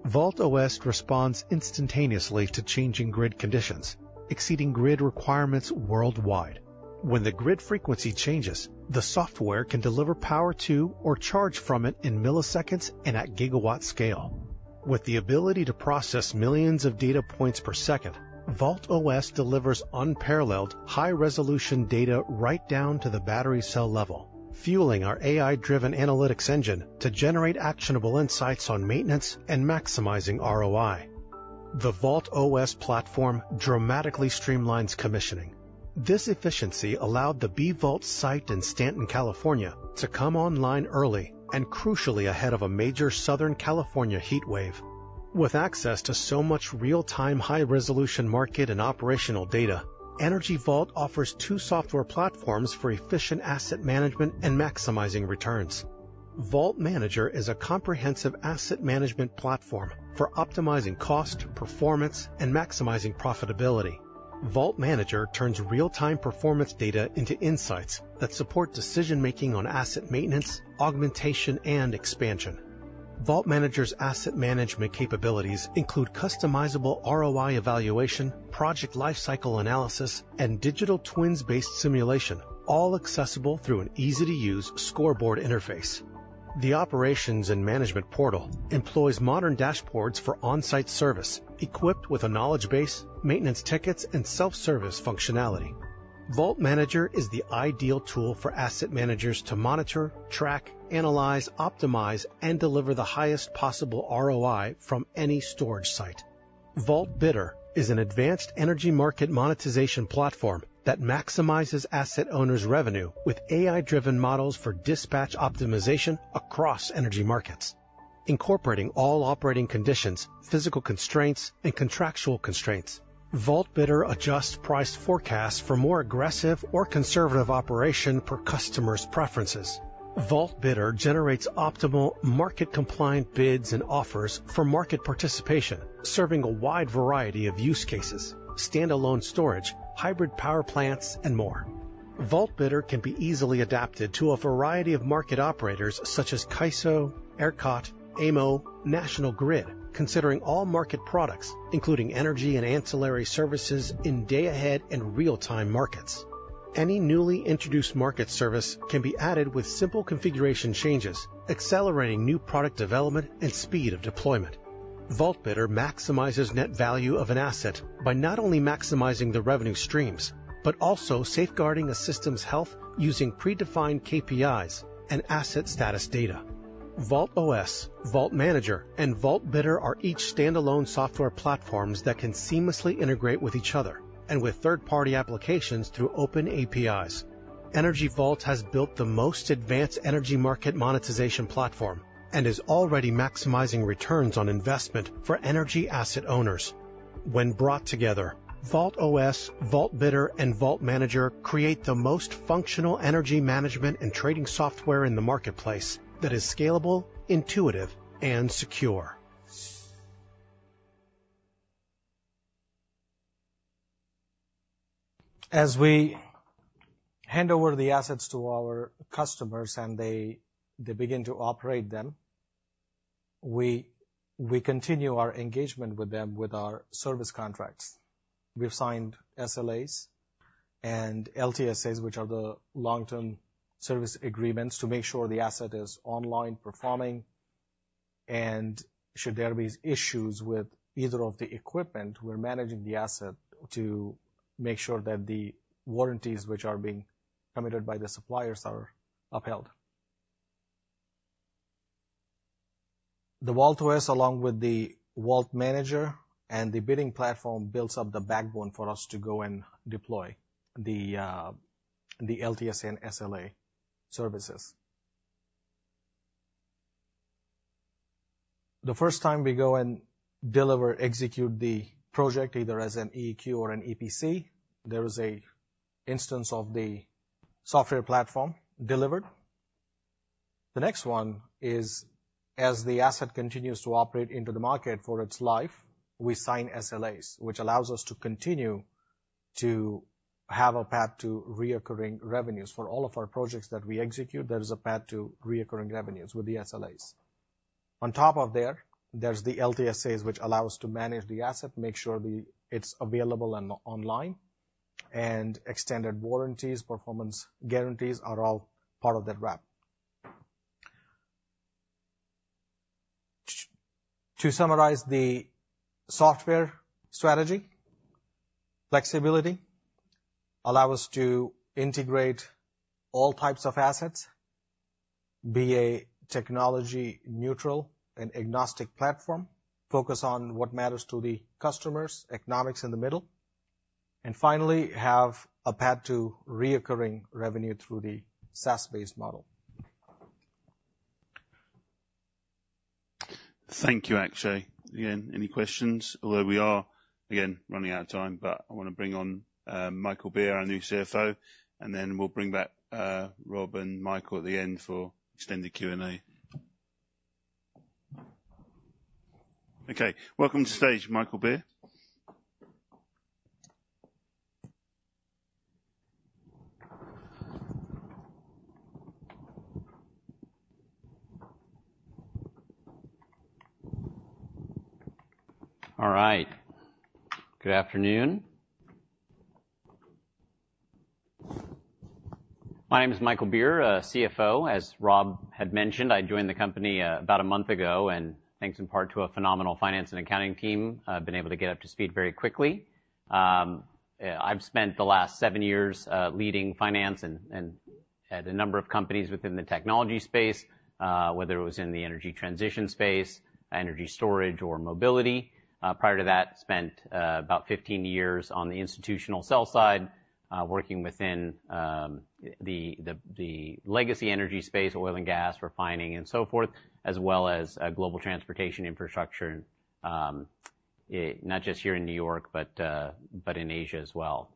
VaultOS responds instantaneously to changing grid conditions, exceeding grid requirements worldwide. When the grid frequency changes, the software can deliver power to or charge from it in milliseconds and at gigawatt scale. With the ability to process millions of data points per second, VaultOS delivers unparalleled high-resolution data right down to the battery cell level, fueling our AI-driven analytics engine to generate actionable insights on maintenance and maximizing ROI. The VaultOS platform dramatically streamlines commissioning. This efficiency allowed the B-Vault site in Stanton, California, to come online early and crucially ahead of a major Southern California heatwave. With access to so much real-time, high-resolution market and operational data, Energy Vault offers two software platforms for efficient asset management and maximizing returns. Vault Manager is a comprehensive asset management platform for optimizing cost, performance, and maximizing profitability. Vault Manager turns real-time performance data into insights that support decision-making on asset maintenance, augmentation, and expansion. Vault Manager's asset management capabilities include customizable ROI evaluation, project lifecycle analysis, and digital twins-based simulation, all accessible through an easy-to-use scoreboard interface. The operations and management portal employs modern dashboards for on-site service, equipped with a knowledge base, maintenance tickets, and self-service functionality. Vault Manager is the ideal tool for asset managers to monitor, track, analyze, optimize, and deliver the highest possible ROI from any storage site. Vault Bidder is an advanced energy market monetization platform that maximizes asset owners' revenue with AI-driven models for dispatch optimization across energy markets. Incorporating all operating conditions, physical constraints, and contractual constraints, Vault Bidder adjusts price forecasts for more aggressive or conservative operation per customer's preferences. Vault Bidder generates optimal market-compliant bids and offers for market participation, serving a wide variety of use cases, standalone storage, hybrid power plants, and more. Vault Bidder can be easily adapted to a variety of market operators such as CAISO, ERCOT, AMO, National Grid, considering all market products, including energy and ancillary services in day-ahead and real-time markets. Any newly introduced market service can be added with simple configuration changes, accelerating new product development and speed of deployment. Vault Bidder maximizes net value of an asset by not only maximizing the revenue streams, but also safeguarding a system's health using predefined KPIs and asset status data. VaultOS, Vault Manager, and Vault Bidder are each standalone software platforms that can seamlessly integrate with each other and with third-party applications through open APIs. Energy Vault has built the most advanced energy market monetization platform and is already maximizing returns on investment for energy asset owners. When brought together, VaultOS, Vault Bidder, and Vault Manager create the most functional energy management and trading software in the marketplace that is scalable, intuitive, and secure. As we hand over the assets to our customers and they begin to operate them, we continue our engagement with them with our service contracts. We've signed SLAs and LTSAs, which are the long-term service agreements, to make sure the asset is online, performing. Should there be issues with either of the equipment, we're managing the asset to make sure that the warranties which are being committed by the suppliers are upheld. The VaultOS, along with the Vault Manager and the bidding platform, builds up the backbone for us to go and deploy the LTS and SLA services. The first time we go and deliver, execute the project, either as an EEQ or an EPC, there is a instance of the software platform delivered. The next one is, as the asset continues to operate into the market for its life, we sign SLAs, which allows us to continue to have a path to recurring revenues. For all of our projects that we execute, there is a path to recurring revenues with the SLAs. On top of that, there's the LTASAs, which allow us to manage the asset, make sure it's available and online, and extended warranties, performance guarantees are all part of that wrap. To, to summarize the software strategy, flexibility allow us to integrate all types of assets, be a technology neutral and agnostic platform, focus on what matters to the customers, economics in the middle, and finally, have a path to recurring revenue through the SaaS-based model. Thank you, Akshay. Again, any questions? Although we are, again, running out of time, but I want to bring on, Michael Beer, our new CFO, and then we'll bring back, Rob and Michael at the end for extended Q&A. Okay, welcome to stage, Michael Beer. All right. Good afternoon. My name is Michael Beer, CFO. As Rob had mentioned, I joined the company, about a month ago, and thanks in part to a phenomenal finance and accounting team, I've been able to get up to speed very quickly. I've spent the last seven years, leading finance and at a number of companies within the technology space, whether it was in the energy transition space, energy storage, or mobility. Prior to that, spent about 15 years on the institutional sell side, working within the legacy energy space, oil and gas, refining, and so forth, as well as global transportation infrastructure, not just here in New York, but in Asia as well,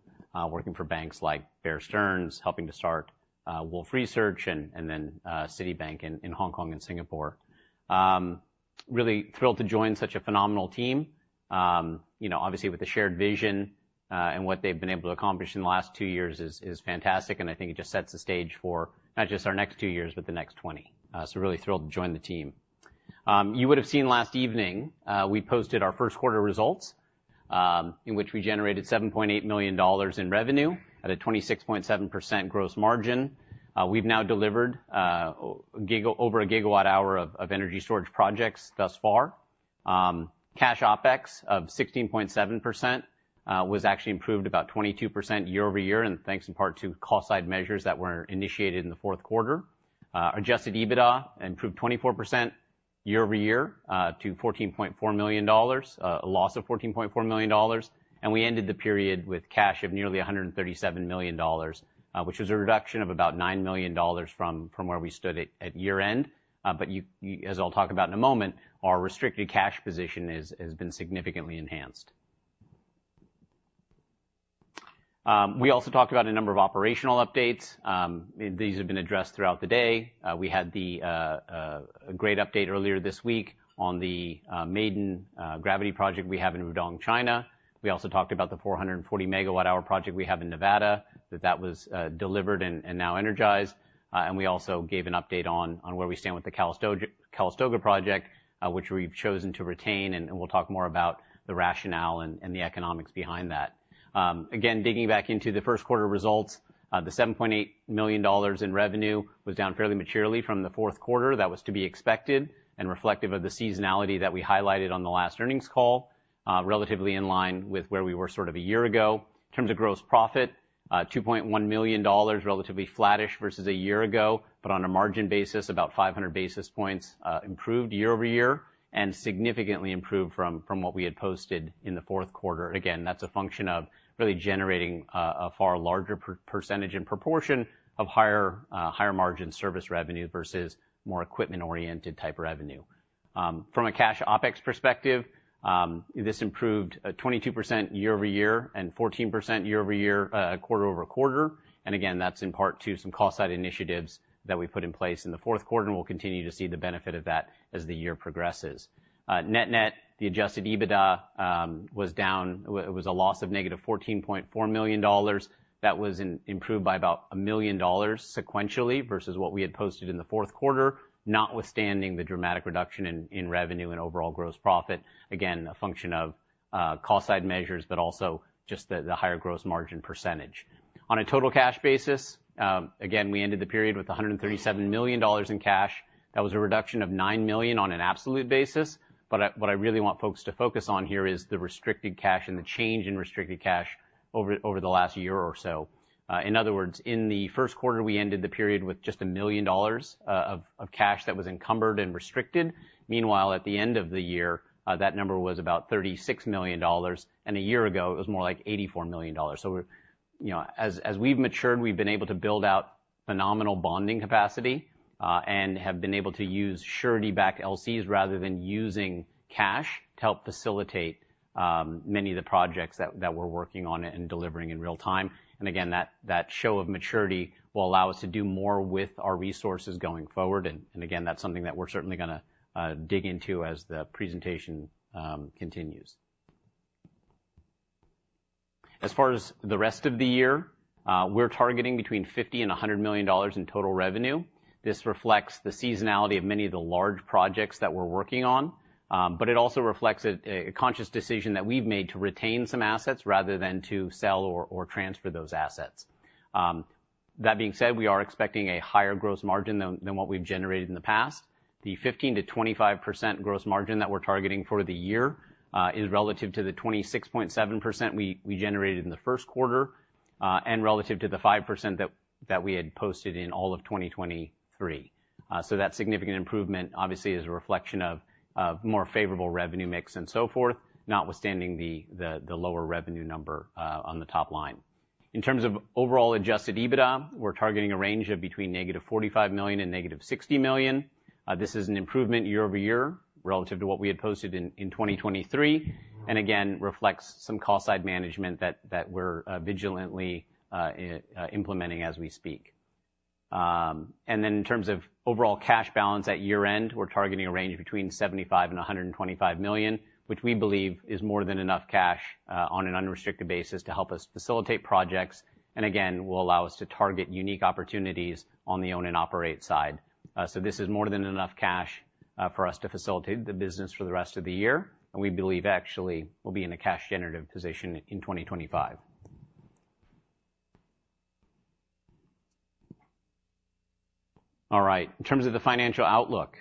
working for banks like Bear Stearns, helping to start Wolfe Research and then Citibank in Hong Kong and Singapore. Really thrilled to join such a phenomenal team. You know, obviously, with the shared vision, and what they've been able to accomplish in the last 2 years is fantastic, and I think it just sets the stage for not just our next two years, but the next 20. So really thrilled to join the team. You would have seen last evening, we posted our first quarter results, in which we generated $7.8 million in revenue at a 26.7% gross margin. We've now delivered over 1 GWh of energy storage projects thus far. Cash OpEx of 16.7% was actually improved about 22% year-over-year, and thanks in part to cost-side measures that were initiated in the fourth quarter. Adjusted EBITDA improved 24% year-over-year to $14.4 million, a loss of $14.4 million, and we ended the period with cash of nearly $137 million, which is a reduction of about $9 million from where we stood at year-end. But you, as I'll talk about in a moment, our restricted cash position is, has been significantly enhanced. We also talked about a number of operational updates. These have been addressed throughout the day. We had a great update earlier this week on the maiden gravity project we have in Rudong, China. We also talked about the 440 MWh project we have in Nevada, that was delivered and now energized. And we also gave an update on where we stand with the Calistoga project, which we've chosen to retain, and we'll talk more about the rationale and the economics behind that. Again, digging back into the first quarter results, the $7.8 million in revenue was down fairly materially from the fourth quarter. That was to be expected and reflective of the seasonality that we highlighted on the last earnings call, relatively in line with where we were sort of a year ago. In terms of gross profit, $2.1 million, relatively flattish versus a year ago, but on a margin basis, about 500 basis points improved year-over-year, and significantly improved from what we had posted in the fourth quarter. Again, that's a function of really generating a far larger per percentage and proportion of higher higher margin service revenue versus more equipment-oriented type revenue. From a cash OpEx perspective, this improved 22% year-over-year and 14% year-over-year quarter-over-quarter. And again, that's in part to some cost side initiatives that we put in place in the fourth quarter, and we'll continue to see the benefit of that as the year progresses. Net-net, the Adjusted EBITDA was down. It was a loss of negative $14.4 million. That was improved by about $1 million sequentially versus what we had posted in the fourth quarter, notwithstanding the dramatic reduction in revenue and overall gross profit. Again, a function of cost side measures, but also just the higher gross margin percentage. On a total cash basis, again, we ended the period with $137 million in cash. That was a reduction of $9 million on an absolute basis, but what I really want folks to focus on here is the restricted cash and the change in restricted cash over the last year or so. In other words, in the first quarter, we ended the period with just $1 million of cash that was encumbered and restricted. Meanwhile, at the end of the year, that number was about $36 million, and a year ago, it was more like $84 million. So we're, you know, as we've matured, we've been able to build out phenomenal bonding capacity, and have been able to use surety-backed LCs rather than using cash to help facilitate many of the projects that we're working on and delivering in real time. And again, that show of maturity will allow us to do more with our resources going forward. And again, that's something that we're certainly gonna dig into as the presentation continues... As far as the rest of the year, we're targeting between $50 million and $100 million in total revenue. This reflects the seasonality of many of the large projects that we're working on, but it also reflects a conscious decision that we've made to retain some assets rather than to sell or transfer those assets. That being said, we are expecting a higher gross margin than what we've generated in the past. The 15%-25% gross margin that we're targeting for the year is relative to the 26.7% we, we generated in the first quarter, and relative to the 5% that, that we had posted in all of 2023. So that significant improvement, obviously, is a reflection of, of more favorable revenue mix and so forth, notwithstanding the, the, the lower revenue number on the top line. In terms of overall Adjusted EBITDA, we're targeting a range of between -$45 million and -$60 million. This is an improvement year-over-year relative to what we had posted in, in 2023, and again, reflects some cost side management that, that we're vigilantly implementing as we speak. And then in terms of overall cash balance at year-end, we're targeting a range of between $75 million and $125 million, which we believe is more than enough cash on an unrestricted basis to help us facilitate projects, and again, will allow us to target unique opportunities on the own and operate side. So this is more than enough cash for us to facilitate the business for the rest of the year, and we believe actually will be in a cash-generative position in 2025. All right, in terms of the financial outlook,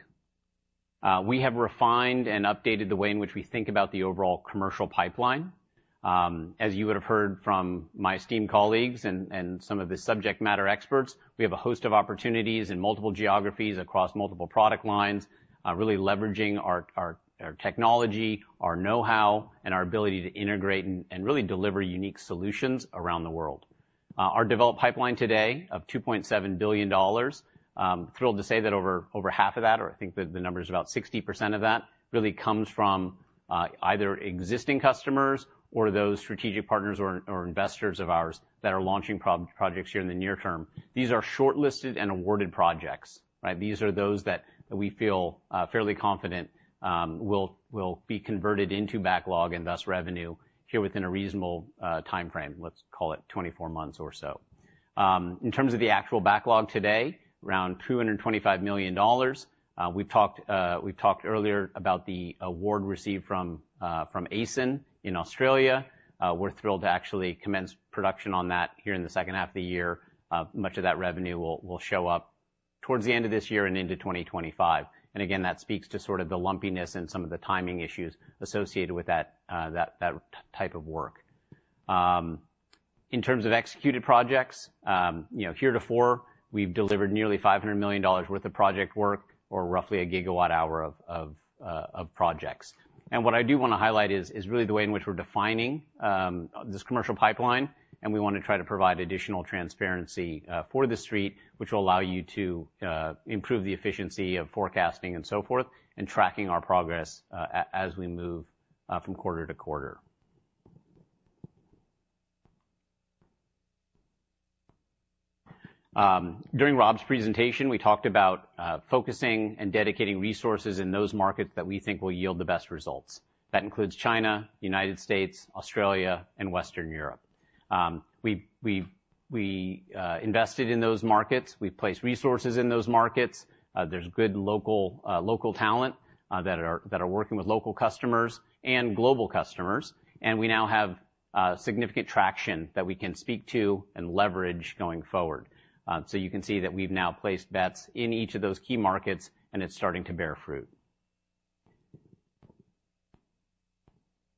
we have refined and updated the way in which we think about the overall commercial pipeline. As you would have heard from my esteemed colleagues and some of the subject matter experts, we have a host of opportunities in multiple geographies across multiple product lines, really leveraging our technology, our know-how, and our ability to integrate and really deliver unique solutions around the world. Our developed pipeline today of $2.7 billion, I'm thrilled to say that over half of that, or I think that the number is about 60% of that, really comes from either existing customers or those strategic partners or investors of ours that are launching projects here in the near term. These are shortlisted and awarded projects, right? These are those that we feel fairly confident will be converted into backlog and thus revenue here within a reasonable time frame, let's call it 24 months or so. In terms of the actual backlog today, around $225 million. We've talked earlier about the award received from ACEN in Australia. We're thrilled to actually commence production on that here in the second half of the year. Much of that revenue will show up towards the end of this year and into 2025. And again, that speaks to sort of the lumpiness and some of the timing issues associated with that type of work. In terms of executed projects, you know, year-to-date, we've delivered nearly $500 million worth of project work, or roughly 1 GWh of projects. What I do wanna highlight is really the way in which we're defining this commercial pipeline, and we wanna try to provide additional transparency for the street, which will allow you to improve the efficiency of forecasting and so forth, and tracking our progress as we move from quarter to quarter. During Rob's presentation, we talked about focusing and dedicating resources in those markets that we think will yield the best results. That includes China, United States, Australia, and Western Europe. We invested in those markets. We've placed resources in those markets. There's good local talent that are working with local customers and global customers, and we now have significant traction that we can speak to and leverage going forward. So you can see that we've now placed bets in each of those key markets, and it's starting to bear fruit.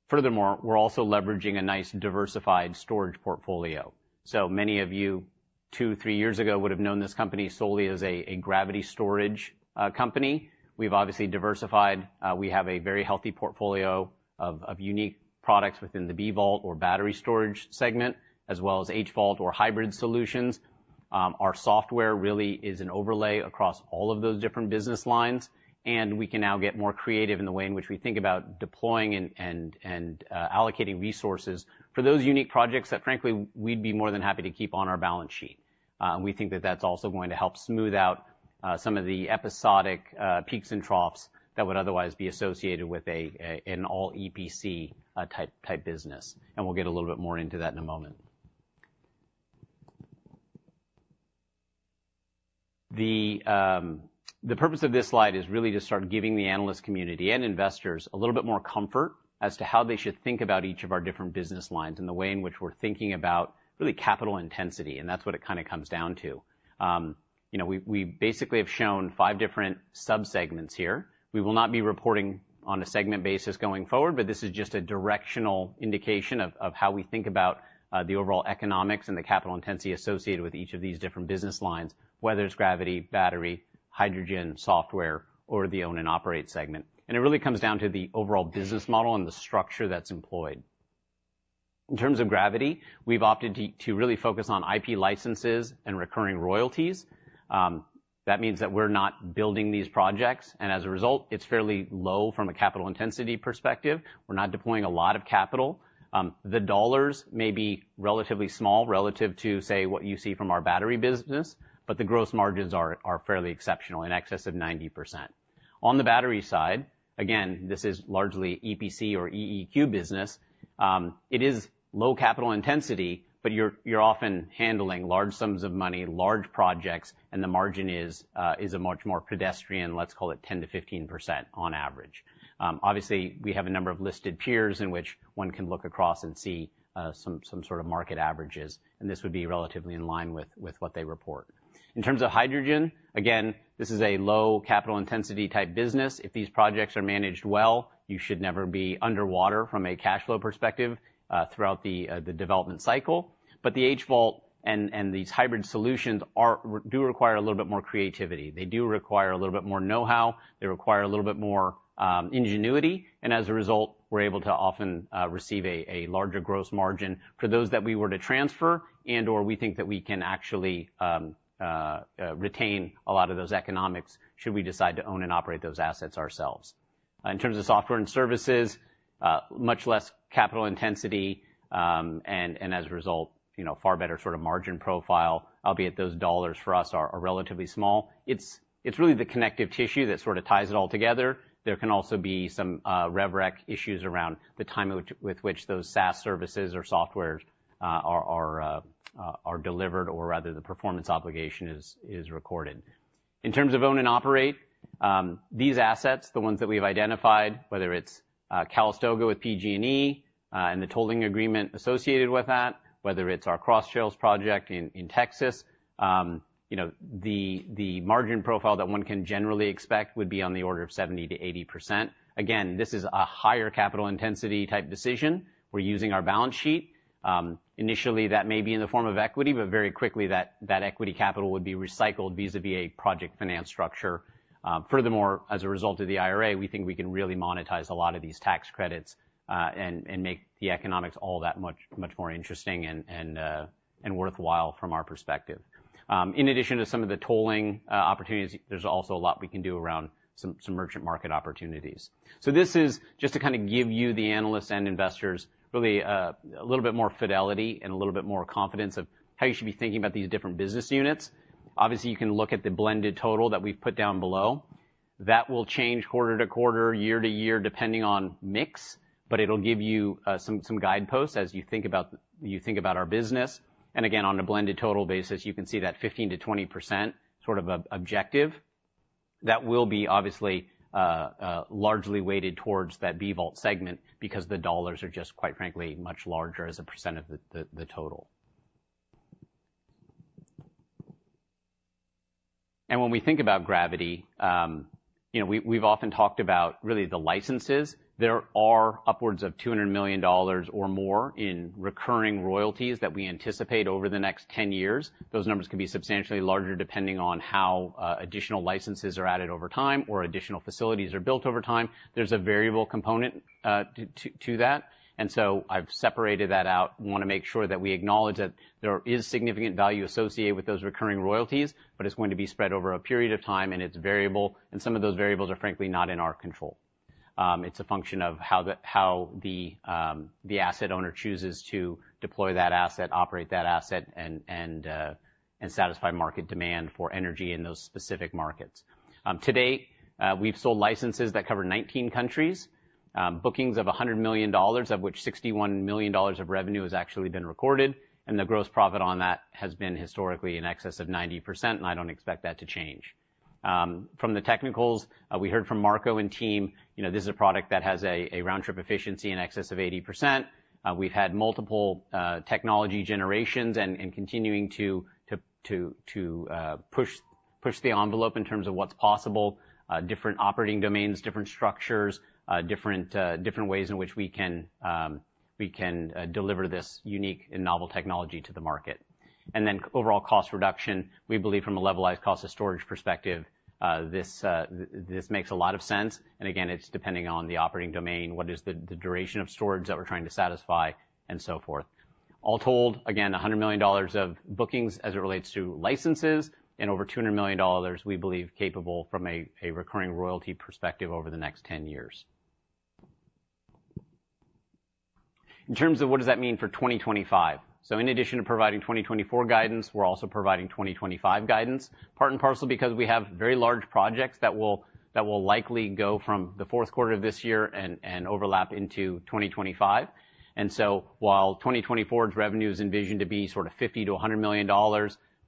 Furthermore, we're also leveraging a nice, diversified storage portfolio. So many of you, two, three years ago, would have known this company solely as a gravity storage company. We've obviously diversified. We have a very healthy portfolio of unique products within the B-Vault or battery storage segment, as well as H-Vault or hybrid solutions. Our software really is an overlay across all of those different business lines, and we can now get more creative in the way in which we think about deploying and allocating resources for those unique projects that, frankly, we'd be more than happy to keep on our balance sheet. We think that that's also going to help smooth out some of the episodic peaks and troughs that would otherwise be associated with an all EPC type business, and we'll get a little bit more into that in a moment. The purpose of this slide is really to start giving the analyst community and investors a little bit more comfort as to how they should think about each of our different business lines and the way in which we're thinking about really capital intensity, and that's what it kind of comes down to. You know, we basically have shown five different subsegments here. We will not be reporting on a segment basis going forward, but this is just a directional indication of how we think about the overall economics and the capital intensity associated with each of these different business lines, whether it's gravity, battery, hydrogen, software, or the own and operate segment. And it really comes down to the overall business model and the structure that's employed. In terms of gravity, we've opted to really focus on IP licenses and recurring royalties. That means that we're not building these projects, and as a result, it's fairly low from a capital intensity perspective. We're not deploying a lot of capital. The dollars may be relatively small relative to, say, what you see from our battery business, but the gross margins are fairly exceptional, in excess of 90%.... On the battery side, again, this is largely EPC or EEQ business. It is low capital intensity, but you're often handling large sums of money, large projects, and the margin is a much more pedestrian, let's call it 10%-15% on average. Obviously, we have a number of listed peers in which one can look across and see some sort of market averages, and this would be relatively in line with what they report. In terms of hydrogen, again, this is a low capital intensity type business. If these projects are managed well, you should never be underwater from a cash flow perspective, throughout the development cycle. But the H-Vault and these hybrid solutions do require a little bit more creativity. They do require a little bit more know-how, they require a little bit more ingenuity, and as a result, we're able to often receive a larger gross margin for those that we were to transfer and/or we think that we can actually retain a lot of those economics should we decide to own and operate those assets ourselves. In terms of software and services, much less capital intensity, and as a result, you know, far better sort of margin profile, albeit those dollars for us are relatively small. It's really the connective tissue that sort of ties it all together. There can also be some rev rec issues around the timing with which those SaaS services or softwares are delivered, or rather, the performance obligation is recorded. In terms of own and operate, these assets, the ones that we've identified, whether it's Calistoga with PG&E and the tolling agreement associated with that, whether it's our Cross Shields project in Texas, you know, the margin profile that one can generally expect would be on the order of 70%-80%. Again, this is a higher capital intensity type decision. We're using our balance sheet. Initially, that may be in the form of equity, but very quickly, that equity capital would be recycled vis-a-vis a project finance structure. Furthermore, as a result of the IRA, we think we can really monetize a lot of these tax credits, and make the economics all that much more interesting and worthwhile from our perspective. In addition to some of the tolling opportunities, there's also a lot we can do around some merchant market opportunities. So this is just to kind of give you, the analysts and investors, really a little bit more fidelity and a little bit more confidence of how you should be thinking about these different business units. Obviously, you can look at the blended total that we've put down below. That will change quarter to quarter, year to year, depending on mix, but it'll give you some guideposts as you think about our business. Again, on a blended total basis, you can see that 15%-20% sort of objective. That will be obviously largely weighted towards that B-Vault segment because the dollars are just, quite frankly, much larger as a percent of the total. When we think about gravity, you know, we've often talked about really the licenses. There are upwards of $200 million or more in recurring royalties that we anticipate over the next 10 years. Those numbers could be substantially larger, depending on how additional licenses are added over time or additional facilities are built over time. There's a variable component to that, and so I've separated that out. We wanna make sure that we acknowledge that there is significant value associated with those recurring royalties, but it's going to be spread over a period of time, and it's variable, and some of those variables are, frankly, not in our control. It's a function of how the asset owner chooses to deploy that asset, operate that asset, and and satisfy market demand for energy in those specific markets. To date, we've sold licenses that cover 19 countries, bookings of $100 million, of which $61 million of revenue has actually been recorded, and the gross profit on that has been historically in excess of 90%, and I don't expect that to change. From the technicals, we heard from Marco and team, you know, this is a product that has a round-trip efficiency in excess of 80%. We've had multiple technology generations and continuing to push the envelope in terms of what's possible, different operating domains, different structures, different ways in which we can deliver this unique and novel technology to the market. Then overall cost reduction, we believe from a levelized cost of storage perspective, this makes a lot of sense, and again, it's depending on the operating domain, what is the duration of storage that we're trying to satisfy, and so forth. All told, again, $100 million of bookings as it relates to licenses and over $200 million, we believe, capable from a recurring royalty perspective over the next 10 years. In terms of what does that mean for 2025? So in addition to providing 2024 guidance, we're also providing 2025 guidance, part and parcel, because we have very large projects that will likely go from the fourth quarter of this year and overlap into 2025. While 2024's revenue is envisioned to be sort of $50-$100 million,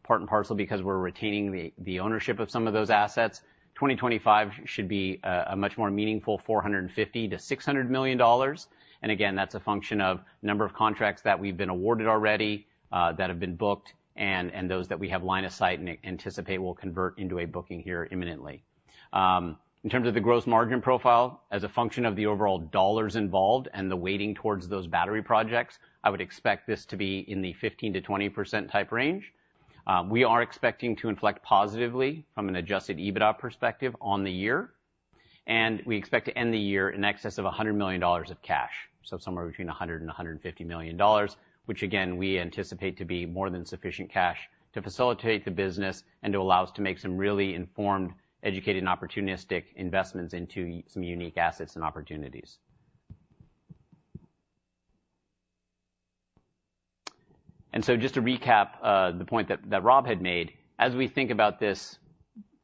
part and parcel because we're retaining the, the ownership of some of those assets, 2025 should be a, a much more meaningful $450-$600 million. And again, that's a function of number of contracts that we've been awarded already, that have been booked, and, and those that we have line of sight and anticipate will convert into a booking year imminently. In terms of the gross margin profile, as a function of the overall dollars involved and the weighting towards those battery projects, I would expect this to be in the 15%-20% type range. We are expecting to inflect positively from an Adjusted EBITDA perspective on the year, and we expect to end the year in excess of $100 million of cash, so somewhere between $100 and $150 million, which again, we anticipate to be more than sufficient cash to facilitate the business and to allow us to make some really informed, educated, and opportunistic investments into some unique assets and opportunities. And so just to recap, the point that, that Rob had made, as we think about this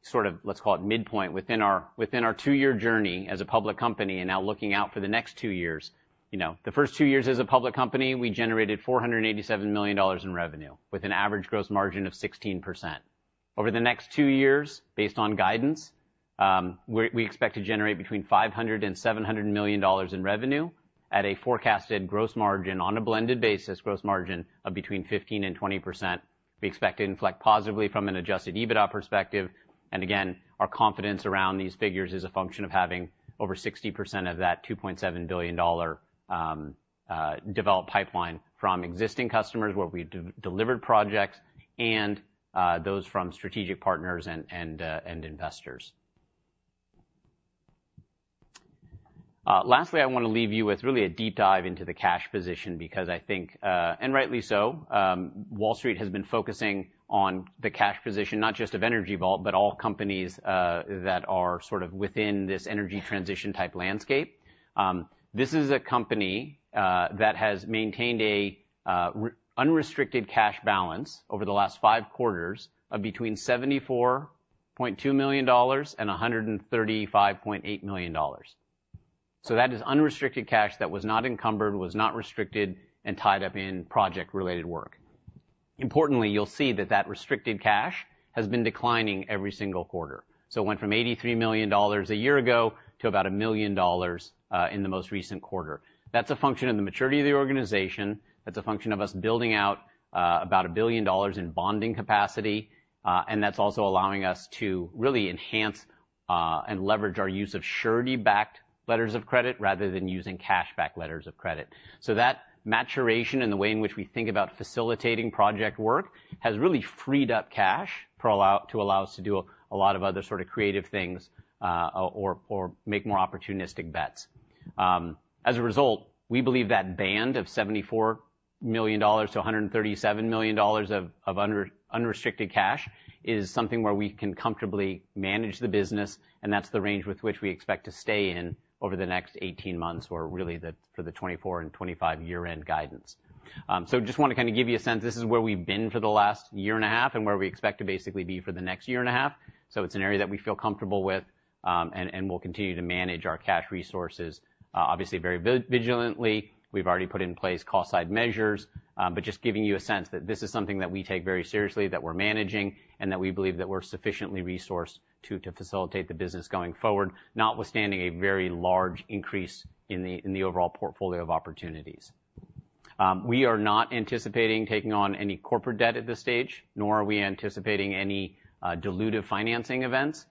sort of, let's call it, midpoint within our, within our two-year journey as a public company, and now looking out for the next two years, you know, the first two years as a public company, we generated $487 million in revenue, with an average gross margin of 16%. Over the next two years, based on guidance, we expect to generate between $500 million and $700 million in revenue at a forecasted gross margin, on a blended basis, gross margin of between 15% and 20%. We expect to inflect positively from an adjusted EBITDA perspective. And again, our confidence around these figures is a function of having over 60% of that $2.7 billion developed pipeline from existing customers, where we delivered projects and those from strategic partners and investors. Lastly, I want to leave you with really a deep dive into the cash position, because I think, and rightly so, Wall Street has been focusing on the cash position, not just of Energy Vault, but all companies that are sort of within this energy transition-type landscape. This is a company that has maintained a unrestricted cash balance over the last five quarters of between $74.2 million and $135.8 million. So that is unrestricted cash that was not encumbered, was not restricted and tied up in project-related work. Importantly, you'll see that that restricted cash has been declining every single quarter. So it went from $83 million a year ago to about $1 million in the most recent quarter. That's a function of the maturity of the organization. That's a function of us building out about $1 billion in bonding capacity, and that's also allowing us to really enhance and leverage our use of surety-backed letters of credit rather than using cash-backed letters of credit. So that maturation and the way in which we think about facilitating project work has really freed up cash to allow, to allow us to do a lot of other sort of creative things, or, or make more opportunistic bets. As a result, we believe that band of $74 million-$137 million of unrestricted cash is something where we can comfortably manage the business, and that's the range with which we expect to stay in over the next 18 months, or really for the 2024 and 2025 year-end guidance. So just want to kind of give you a sense, this is where we've been for the last year and a half and where we expect to basically be for the next year and a half. So it's an area that we feel comfortable with, and we'll continue to manage our cash resources, obviously, very vigilantly. We've already put in place cost side measures, but just giving you a sense that this is something that we take very seriously, that we're managing, and that we believe that we're sufficiently resourced to facilitate the business going forward, notwithstanding a very large increase in the overall portfolio of opportunities. We are not anticipating taking on any corporate debt at this stage, nor are we anticipating any dilutive financing events.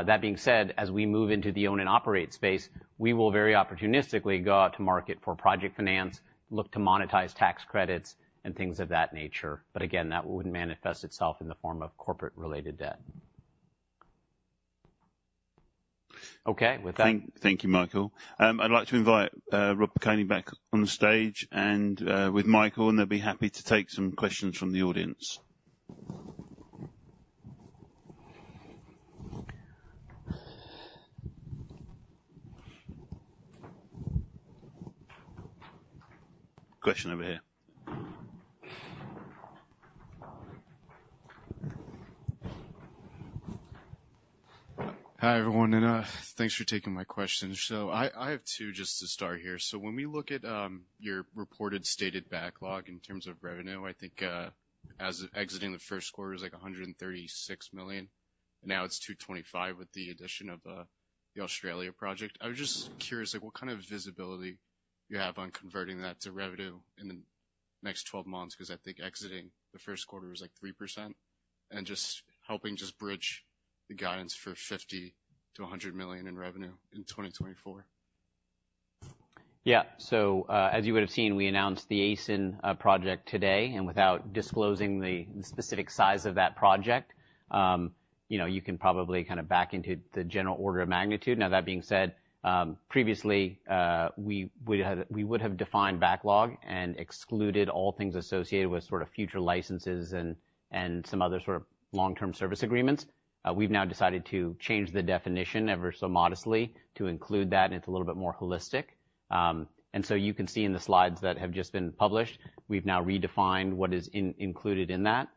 That being said, as we move into the own and operate space, we will very opportunistically go out to market for project finance, look to monetize tax credits, and things of that nature. But again, that would manifest itself in the form of corporate-related debt. Okay, with that- Thank you, Michael. I'd like to invite Rob Piconi on the stage and with Michael, and they'll be happy to take some questions from the audience. Question over here. Hi, everyone, and, thanks for taking my question. So I, I have two just to start here. So when we look at, your reported stated backlog in terms of revenue, I think, as of exiting the first quarter, it was like $136 million, and now it's $225 million with the addition of, the Australia project. I was just curious, like, what kind of visibility you have on converting that to revenue in the next twelve months? Because I think exiting the first quarter was, like, 3%, and just helping just bridge the guidance for $50 million-$100 million in revenue in 2024. Yeah. So, as you would have seen, we announced the ACEN project today, and without disclosing the specific size of that project, you know, you can probably kind of back into the general order of magnitude. Now, that being said, previously, we would have defined backlog and excluded all things associated with sort of future licenses and some other sort of long-term service agreements. We've now decided to change the definition ever so modestly to include that, and it's a little bit more holistic. And so you can see in the slides that have just been published, we've now redefined what is included in that.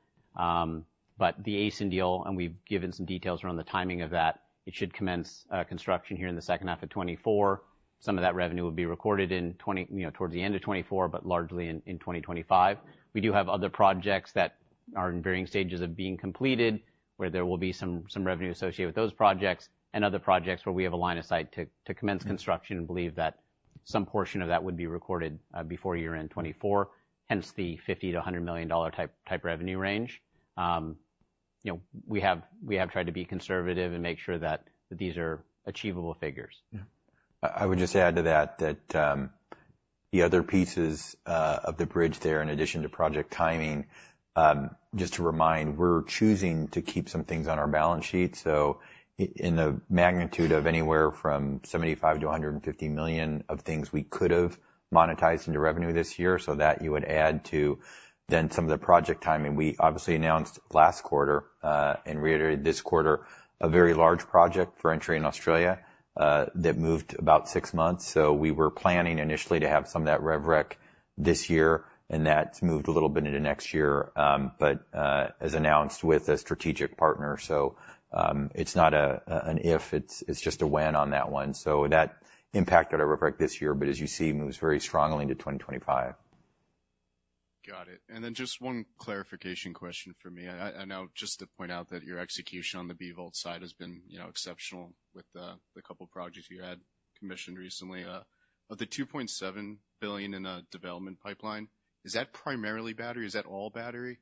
But the ACEN deal, and we've given some details around the timing of that, it should commence construction here in the second half of 2024. Some of that revenue will be recorded in 2024, you know, towards the end of 2024, but largely in 2025. We do have other projects that are in varying stages of being completed, where there will be some revenue associated with those projects, and other projects where we have a line of sight to commence- Mm-hmm. construction and believe that some portion of that would be recorded before year-end 2024, hence the $50-$100 million type revenue range. You know, we have tried to be conservative and make sure that these are achievable figures. Yeah. I would just add to that, the other pieces of the bridge there, in addition to project timing, just to remind, we're choosing to keep some things on our balance sheet. So- in the magnitude of anywhere from $75 million-$150 million of things we could have monetized into revenue this year, so that you would add to then some of the project timing. We obviously announced last quarter and reiterated this quarter a very large project for entry in Australia that moved about 6 months. So we were planning initially to have some of that rev rec this year, and that's moved a little bit into next year, but as announced with a strategic partner. So it's not an if, it's just a when on that one. So that impacted our rev rec this year, but as you see, moves very strongly into 2025. Got it. And then just one clarification question for me. I know just to point out that your execution on the B-Vault side has been, you know, exceptional with the couple of projects you had commissioned recently. But the $2.7 billion in a development pipeline, is that primarily battery? Is that all battery,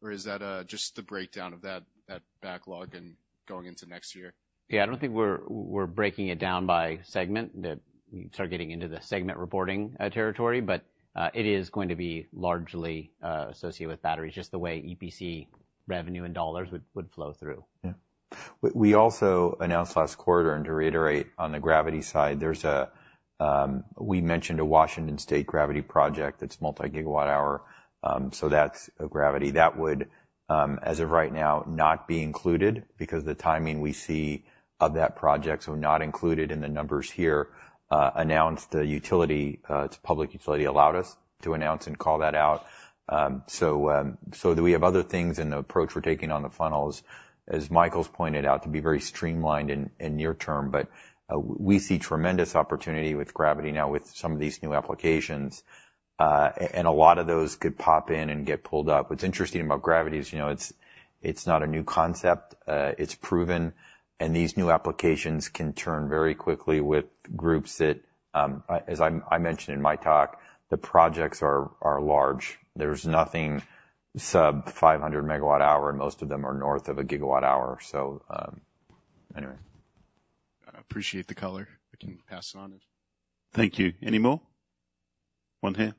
or is that just the breakdown of that backlog and going into next year? Yeah, I don't think we're breaking it down by segment that we start getting into the segment reporting territory, but it is going to be largely associated with batteries, just the way EPC revenue and dollars would flow through. Yeah. We also announced last quarter, and to reiterate on the gravity side, there's a... We mentioned a Washington State gravity project that's multi-GWh. So that's a gravity. That would, as of right now, not be included because the timing we see of that project, so not included in the numbers here. Announced the utility, it's a public utility, allowed us to announce and call that out. So, so do we have other things in the approach we're taking on the funnels, as Michael's pointed out, to be very streamlined in, in near term. But, we see tremendous opportunity with gravity now with some of these new applications, and a lot of those could pop in and get pulled up. What's interesting about gravity is, you know, it's not a new concept, it's proven, and these new applications can turn very quickly with groups that, as I mentioned in my talk, the projects are large. There's nothing sub 500 MWh, and most of them are north of 1 GWh. So, anyway. I appreciate the color. I can pass it on. Thank you. Any more? One here.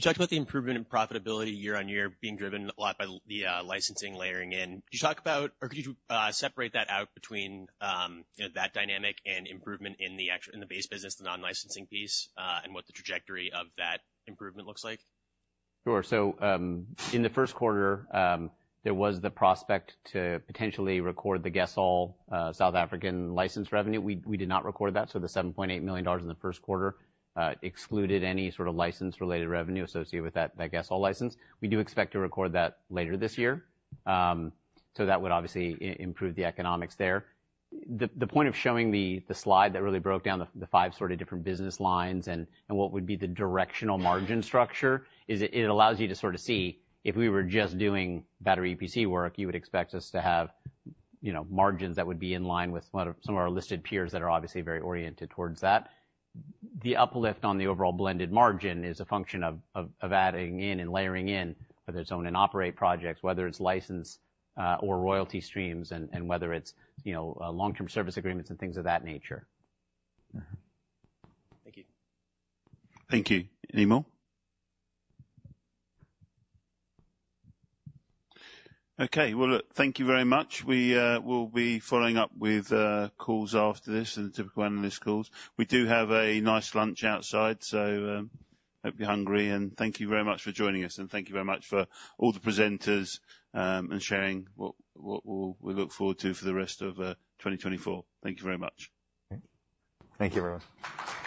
You talked about the improvement in profitability year on year being driven a lot by the licensing layering in. Could you talk about, or could you, separate that out between, you know, that dynamic and improvement in the actual - in the base business, the non-licensing piece, and what the trajectory of that improvement looks like? Sure. So, in the first quarter, there was the prospect to potentially record the GESSOL South African license revenue. We did not record that, so the $7.8 million in the first quarter excluded any sort of license-related revenue associated with that GESSOL license. We do expect to record that later this year. So that would obviously improve the economics there. The point of showing the slide that really broke down the five sort of different business lines and what would be the directional margin structure is it allows you to sort of see if we were just doing battery EPC work, you would expect us to have, you know, margins that would be in line with some of our listed peers that are obviously very oriented towards that. The uplift on the overall blended margin is a function of adding in and layering in, whether it's own and operate projects, whether it's license or royalty streams, and whether it's, you know, long-term service agreements and things of that nature. Thank you. Thank you. Any more? Okay, well, look, thank you very much. We will be following up with calls after this and typical analyst calls. We do have a nice lunch outside, so hope you're hungry, and thank you very much for joining us, and thank you very much for all the presenters, and sharing what we look forward to for the rest of 2024. Thank you very much. Thank you, everyone.